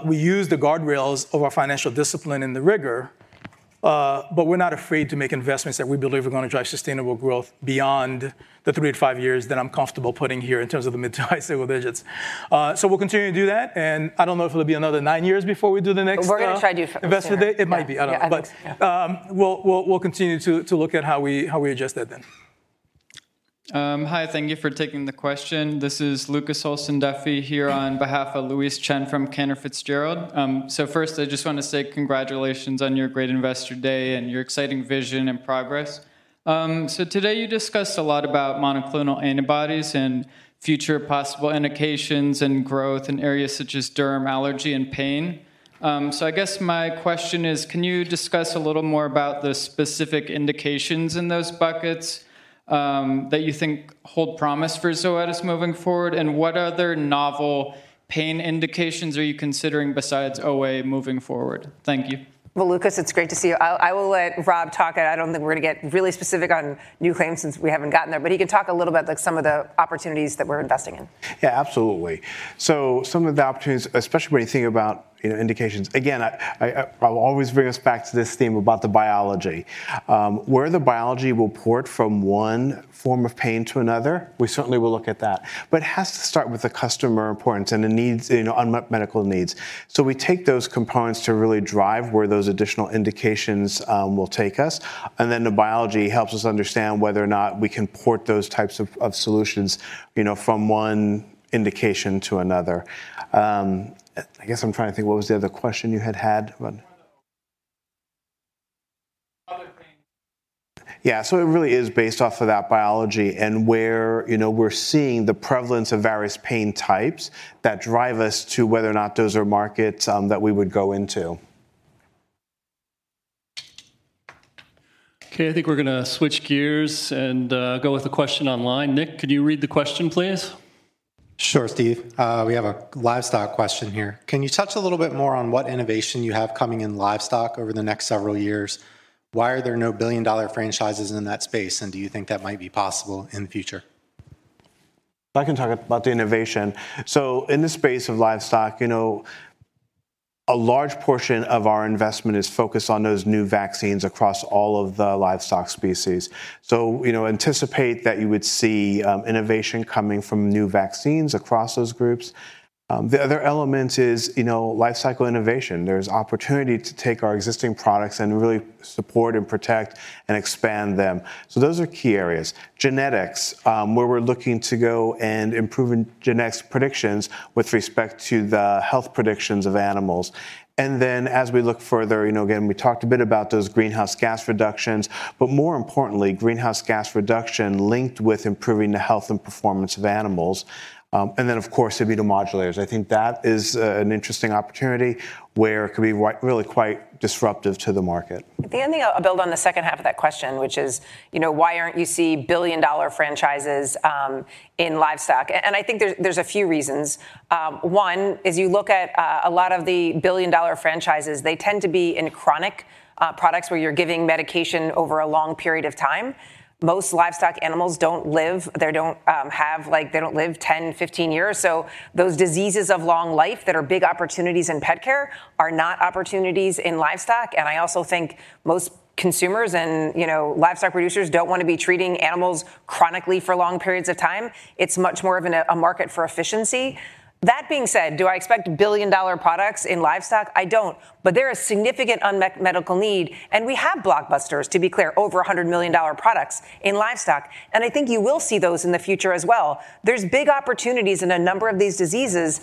Speaker 11: we use the guardrails of our financial discipline and the rigor, but we're not afraid to make investments that we believe are going to drive sustainable growth beyond the three to five years that I'm comfortable putting here in terms of the mid to high single digits. We'll continue to do that, and I don't know if it'll be another nine years before we do the next...
Speaker 2: We're gonna try to do-
Speaker 11: Investor Day. It might be, I don't know.
Speaker 2: Yeah, I think, yeah.
Speaker 11: We'll continue to look at how we adjust that then.
Speaker 20: Hi, thank you for taking the question. This is Lucas Olsen Duffy here on behalf of Louis Chen from Cantor Fitzgerald. First, I just want to say congratulations on your great Investor Day and your exciting vision and progress. Today you discussed a lot about monoclonal antibodies and future possible indications and growth in areas such as derm, allergy, and pain. I guess my question is, can you discuss a little more about the specific indications in those buckets that you think hold promise for Zoetis moving forward? What other novel pain indications are you considering besides OA moving forward? Thank you.
Speaker 2: Well, Lucas, it's great to see you. I will let Rob talk. I don't think we're going to get really specific on new claims since we haven't gotten there, but he can talk a little about, like, some of the opportunities that we're investing in.
Speaker 6: Yeah, absolutely. Some of the opportunities, especially when you think about, you know, indications, again, I'll always bring us back to this theme about the biology. Where the biology will port from one form of pain to another, we certainly will look at that. But it has to start with the customer importance and the needs, you know, unmet medical needs. We take those components to really drive where those additional indications will take us, and then the biology helps us understand whether or not we can port those types of solutions, you know, from one indication to another. I guess I'm trying to think, what was the other question you had had? One- Other things. So it really is based off of that biology and where, you know, we're seeing the prevalence of various pain types that drive us to whether or not those are markets, that we would go into.
Speaker 1: Okay, I think we're going to switch gears and go with a question online. Nick, could you read the question, please?
Speaker 10: Sure, Steve. We have a livestock question here. Can you touch a little bit more on what innovation you have coming in livestock over the next several years? Why are there no billion-dollar franchises in that space, and do you think that might be possible in the future?
Speaker 6: I can talk about the innovation. In the space of livestock, you know, a large portion of our investment is focused on those new vaccines across all of the livestock species. Anticipate that you would see, you know, innovation coming from new vaccines across those groups. The other element is, you know, life cycle innovation. There's opportunity to take our existing products and really support and protect and expand them. Those are key areas. Genetics, where we're looking to go and improve genetics predictions with respect to the health predictions of animals. As we look further, you know, again, we talked a bit about those greenhouse gas reductions, but more importantly, greenhouse gas reduction linked with improving the health and performance of animals. Of course, immunomodulators.I think that is an interesting opportunity where it could be really quite disruptive to the market.
Speaker 2: The only thing I'll build on the second half of that question, which is, you know, why aren't you seeing billion-dollar franchises in livestock? I think there's a few reasons. One is you look at a lot of the billion-dollar franchises, they tend to be in chronic products, where you're giving medication over a long period of time. Most livestock animals don't have, like, they don't live 10, 15 years. Those diseases of long life that are big opportunities in pet care are not opportunities in livestock. I also think most consumers and, you know, livestock producers don't want to be treating animals chronically for long periods of time. It's much more of a market for efficiency. That being said, do I expect billion-dollar products in livestock? I don't. There are significant unmet medical need, We have blockbusters, to be clear, over $100 million products in livestock, I think you will see those in the future as well. There's big opportunities in a number of these diseases.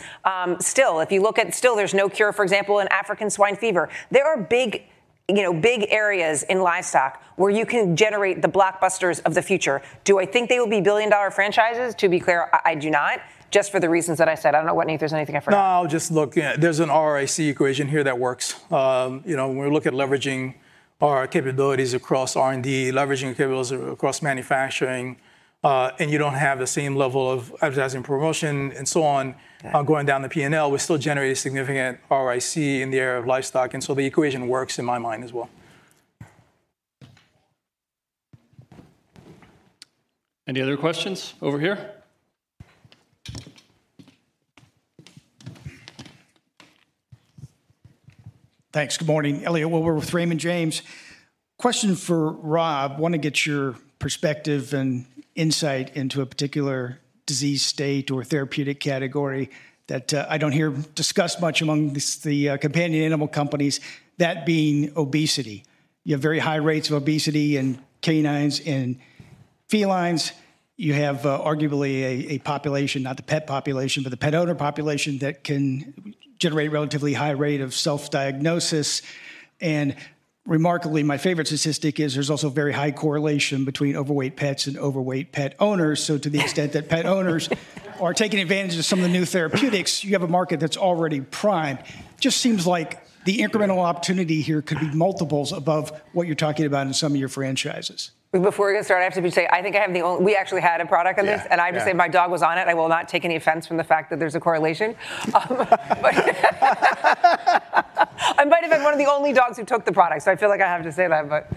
Speaker 2: Still, if you look at... Still, there's no cure, for example, in African swine fever. There are big, you know, big areas in livestock where you can generate the blockbusters of the future. Do I think they will be billion-dollar franchises? To be clear, I do not, just for the reasons that I said. I don't know, Nate, if there's anything I forgot.
Speaker 11: Just look, there's an ROIC equation here that works. You know, when we look at leveraging our capabilities across R&D, leveraging capabilities across manufacturing, you don't have the same level of advertising, promotion, and so on.
Speaker 6: Yeah...
Speaker 11: going down the P&L, we still generate a significant ROIC in the area of livestock, and so the equation works in my mind as well.
Speaker 1: Any other questions? Over here. Thanks. Good morning, Elliot Wilbur with Raymond James. Question for Rob: Want to get your perspective and insight into a particular disease state or therapeutic category that I don't hear discussed much among the companion animal companies, that being obesity. You have very high rates of obesity in canines and felines. You have arguably a population, not the pet population, but the pet owner population, that can generate a relatively high rate of self-diagnosis. Remarkably, my favorite statistic is there's also a very high correlation between overweight pets and overweight pet owners. To the extent that pet owners are taking advantage of some of the new therapeutics, you have a market that's already primed. Just seems like the incremental opportunity here could be multiples above what you're talking about in some of your franchises.
Speaker 2: Before we get started, I have to say, I think I have the only, we actually had a product on this.
Speaker 6: Yeah. Yeah.
Speaker 2: I have to say, my dog was on it. I will not take any offense from the fact that there's a correlation. Might have been one of the only dogs who took the product, so I feel like I have to say that, but.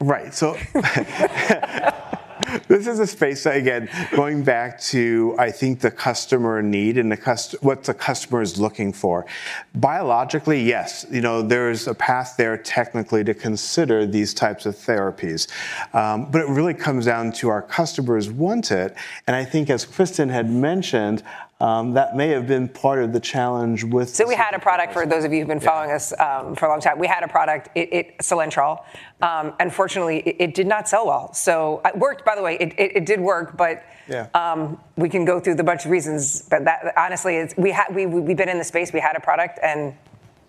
Speaker 6: Right. This is a space that, again, going back to, I think, the customer need and what the customer is looking for. Biologically, yes, you know, there is a path there technically to consider these types of therapies. But it really comes down to our customers want it, and I think, as Kristin had mentioned, that may have been part of the challenge with-
Speaker 2: We had a product, for those of you who've been following us.
Speaker 6: Yeah...
Speaker 2: for a long time. We had a product, it, Slentrol. Unfortunately, it did not sell well, so... It worked, by the way, it did work, but-
Speaker 6: Yeah
Speaker 2: we can go through the bunch of reasons that honestly, it's, we had, we've been in the space, we had a product, and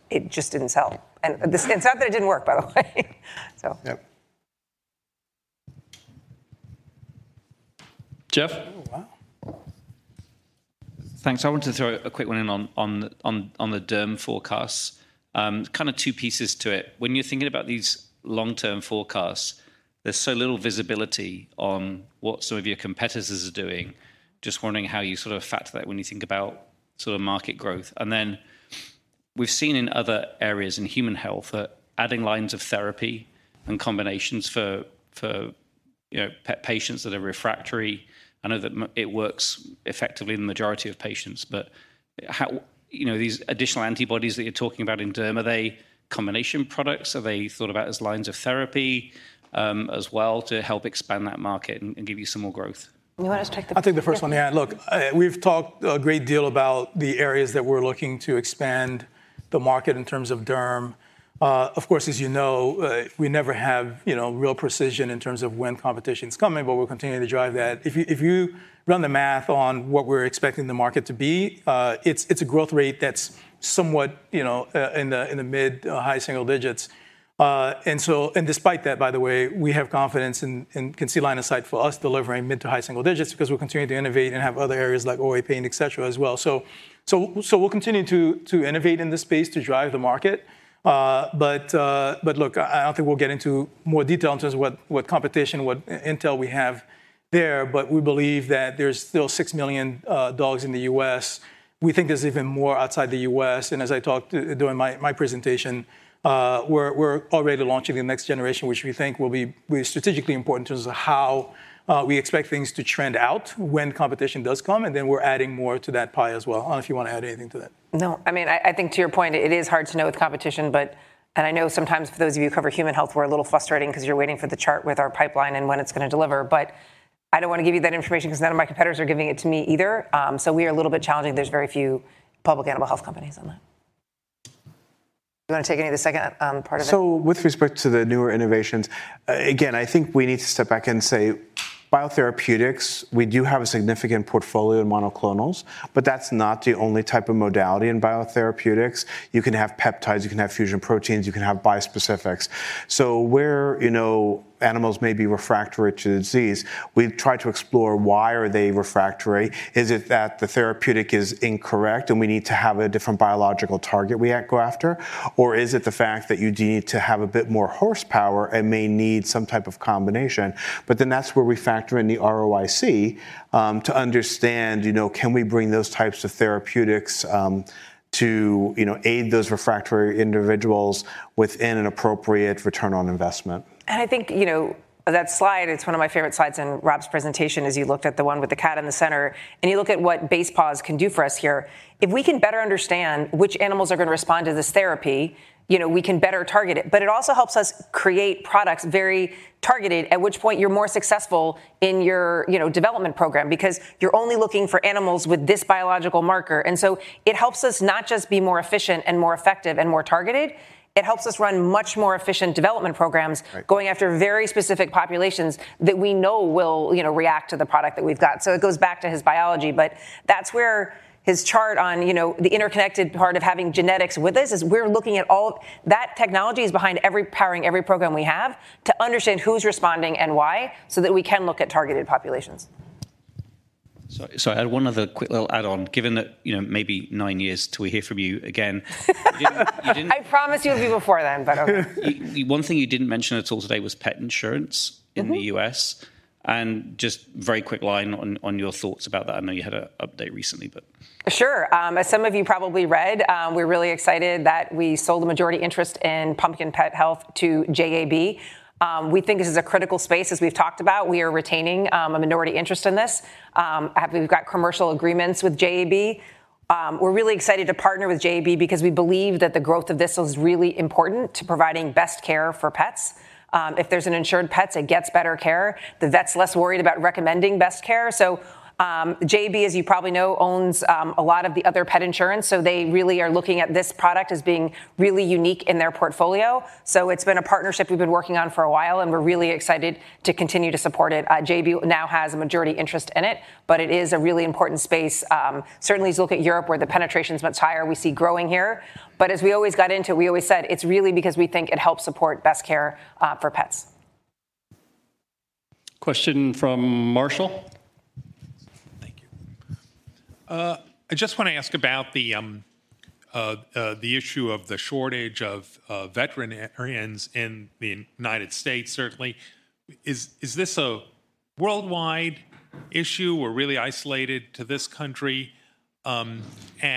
Speaker 2: it just didn't sell. It's not that it didn't work, by the way.
Speaker 6: Yep. Jeff?
Speaker 21: Oh, wow! Thanks. I wanted to throw a quick one in on the derm forecasts. Kind of two pieces to it. When you're thinking about these long-term forecasts, there's so little visibility on what some of your competitors are doing. Just wondering how you sort of factor that when you think about sort of market growth? We've seen in other areas in human health that adding lines of therapy and combinations for, you know, patients that are refractory, I know that it works effectively in the majority of patients. You know, these additional antibodies that you're talking about in derm, are they combination products? Are they thought about as lines of therapy as well to help expand that market and give you some more growth?
Speaker 2: You want us to take the.
Speaker 11: I'll take the first one. We've talked a great deal about the areas that we're looking to expand the market in terms of derm. Of course, as you know, we never have, you know, real precision in terms of when competition's coming, but we're continuing to drive that. If you, if you run the math on what we're expecting the market to be, it's a growth rate that's somewhat, you know, in the, in the mid-high single digits. Despite that, by the way, we have confidence and can see line of sight for us delivering mid to high single digits because we're continuing to innovate and have other areas like OA pain, et cetera, as well. So we'll continue to innovate in this space to drive the market. Look, I don't think we'll get into more detail in terms of what competition, what intel we have there, but we believe that there's still 6 million dogs in the U.S. We think there's even more outside the U.S., and as I talked during my presentation, we're already launching the next generation, which we think will be really strategically important in terms of how we expect things to trend out when competition does come, and then we're adding more to that pie as well. I don't know if you want to add anything to that.
Speaker 2: No. I mean, I think to your point, it is hard to know with competition, but. I know sometimes for those of you who cover human health, we're a little frustrating because you're waiting for the chart with our pipeline and when it's going to deliver, but I don't want to give you that information because none of my competitors are giving it to me either. So we are a little bit challenging. There's very few public animal health companies on that. Do you want to take any of the second part of it?
Speaker 21: With respect to the newer innovations, again, I think we need to step back and say, biotherapeutics, we do have a significant portfolio in monoclonals, but that's not the only type of modality in biotherapeutics. You can have peptides, you can have fusion proteins, you can have bispecifics. Where, you know, animals may be refractory to disease, we've tried to explore why are they refractory? Is it that the therapeutic is incorrect, and we need to have a different biological target we go after? Is it the fact that you need to have a bit more horsepower and may need some type of combination? That's where we factor in the ROIC to understand, you know, can we bring those types of therapeutics to, you know, aid those refractory individuals within an appropriate return on investment.
Speaker 2: I think, you know, that slide, it's one of my favorite slides in Rob's presentation, as you looked at the one with the cat in the center, and you look at what Basepaws can do for us here. If we can better understand which animals are going to respond to this therapy, you know, we can better target it. It also helps us create products very targeted, at which point you're more successful in your, you know, development program because you're only looking for animals with this biological marker. So it helps us not just be more efficient and more effective and more targeted, it helps us run much more efficient development programs.
Speaker 11: Right
Speaker 2: going after very specific populations that we know will, you know, react to the product that we've got. It goes back to his biology, but that's where his chart on, you know, the interconnected part of having genetics with this, is we're looking at all... That technology is behind every, powering every program we have, to understand who's responding and why, so that we can look at targeted populations. Sorry, I had one other quick little add-on, given that, you know, maybe nine years till we hear from you again. I promise you it'll be before then, but okay. One thing you didn't mention at all today was pet insurance. Mm-hmm... in the U.S., and just very quick line on your thoughts about that. I know you had a update recently, but. Sure. As some of you probably read, we're really excited that we sold a majority interest in Pumpkin Pet Insurance to JAB. We think this is a critical space, as we've talked about. We are retaining a minority interest in this. I believe we've got commercial agreements with JAB. We're really excited to partner with JAB because we believe that the growth of this is really important to providing best care for pets. If there's an insured pet, it gets better care. The vet's less worried about recommending best care. JAB, as you probably know, owns a lot of the other pet insurance, so they really are looking at this product as being really unique in their portfolio. It's been a partnership we've been working on for a while, and we're really excited to continue to support it. JAB now has a majority interest in it, but it is a really important space. Certainly, as you look at Europe, where the penetration is much higher, we see growing here. As we always got into, we always said, it's really because we think it helps support best care for pets.
Speaker 11: Question from Marshall?
Speaker 21: Thank you. I just want to ask about the issue of the shortage of veterinarians in the United States, certainly. Is this a worldwide issue or really isolated to this country? Do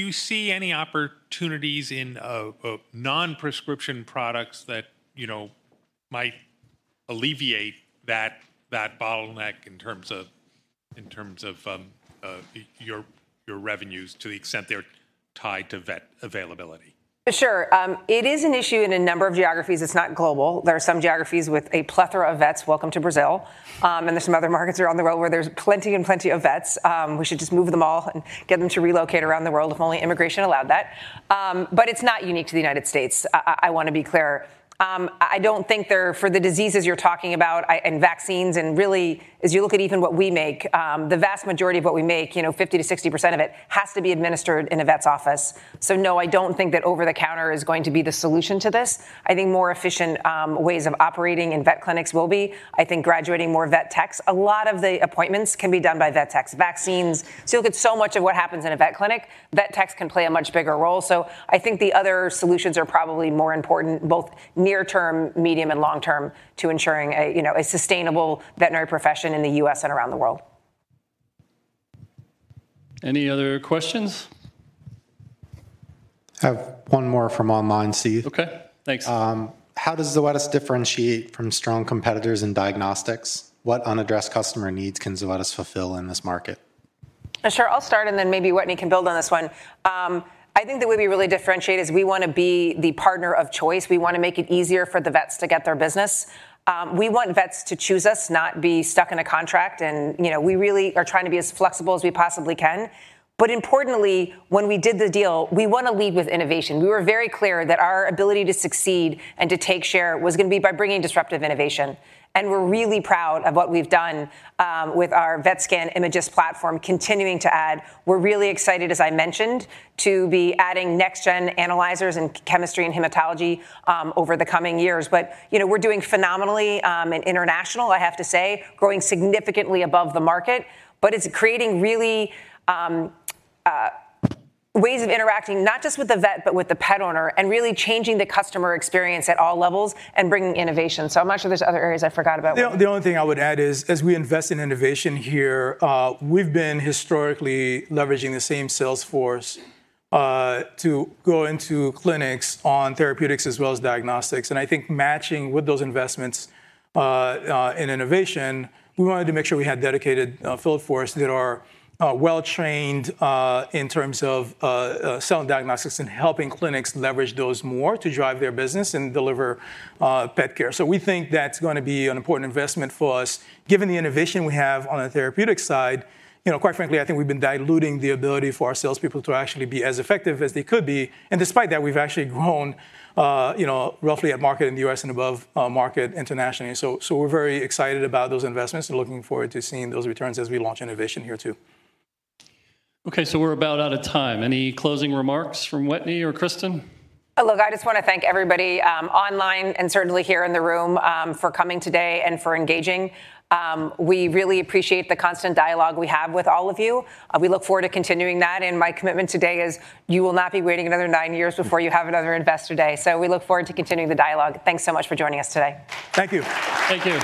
Speaker 21: you see any opportunities in non-prescription products that, you know, might alleviate that bottleneck in terms of, your revenues to the extent they're tied to vet availability?
Speaker 2: Sure. It is an issue in a number of geographies. It's not global. There are some geographies with a plethora of vets. Welcome to Brazil. There's some other markets around the world where there's plenty of vets. We should just move them all and get them to relocate around the world, if only immigration allowed that. It's not unique to the United States. I want to be clear. I don't think for the diseases you're talking about and vaccines, really, as you look at even what we make, the vast majority of what we make, you know, 50%-60% of it has to be administered in a vet's office. No, I don't think that over-the-counter is going to be the solution to this. I think more efficient ways of operating in vet clinics will be. I think graduating more vet techs. A lot of the appointments can be done by vet techs. Vaccines. You look at so much of what happens in a vet clinic, vet techs can play a much bigger role. I think the other solutions are probably more important, both near term, medium, and long term, to ensuring a, you know, a sustainable veterinary profession in the U.S. and around the world.
Speaker 1: Any other questions?
Speaker 6: I have one more from online, Steve.
Speaker 1: Okay, thanks.
Speaker 6: How does Zoetis differentiate from strong competitors in diagnostics? What unaddressed customer needs can Zoetis fulfill in this market?
Speaker 2: Sure, I'll start. Maybe Wetteny can build on this one. I think the way we really differentiate is we wanna be the partner of choice. We wanna make it easier for the vets to get their business. We want vets to choose us, not be stuck in a contract, you know, we really are trying to be as flexible as we possibly can. Importantly, when we did the deal, we wanna lead with innovation. We were very clear that our ability to succeed and to take share was gonna be by bringing disruptive innovation. We're really proud of what we've done with our VETSCAN IMAGYST platform continuing to add. We're really excited, as I mentioned, to be adding next-gen analyzers in chemistry and hematology over the coming years. You know, we're doing phenomenally, in international, I have to say, growing significantly above the market. It's creating really, ways of interacting, not just with the vet, but with the pet owner, and really changing the customer experience at all levels and bringing innovation. I'm not sure there's other areas I forgot about.
Speaker 11: The only thing I would add is, as we invest in innovation here, we've been historically leveraging the same sales force to go into clinics on therapeutics as well as diagnostics. I think matching with those investments in innovation, we wanted to make sure we had dedicated field force that are well-trained in terms of selling diagnostics and helping clinics leverage those more to drive their business and deliver pet care. We think that's gonna be an important investment for us. Given the innovation we have on the therapeutic side, you know, quite frankly, I think we've been diluting the ability for our salespeople to actually be as effective as they could be. Despite that, we've actually grown, you know, roughly at market in the U.S. and above market internationally. We're very excited about those investments and looking forward to seeing those returns as we launch innovation here, too.
Speaker 1: Okay, we're about out of time. Any closing remarks from Whitney or Kristin?
Speaker 2: Look, I just wanna thank everybody, online and certainly here in the room, for coming today and for engaging. We really appreciate the constant dialogue we have with all of you. We look forward to continuing that, and my commitment today is you will not be waiting another 9 years before you have another Investor Day. We look forward to continuing the dialogue. Thanks so much for joining us today.
Speaker 11: Thank you.
Speaker 1: Thank you.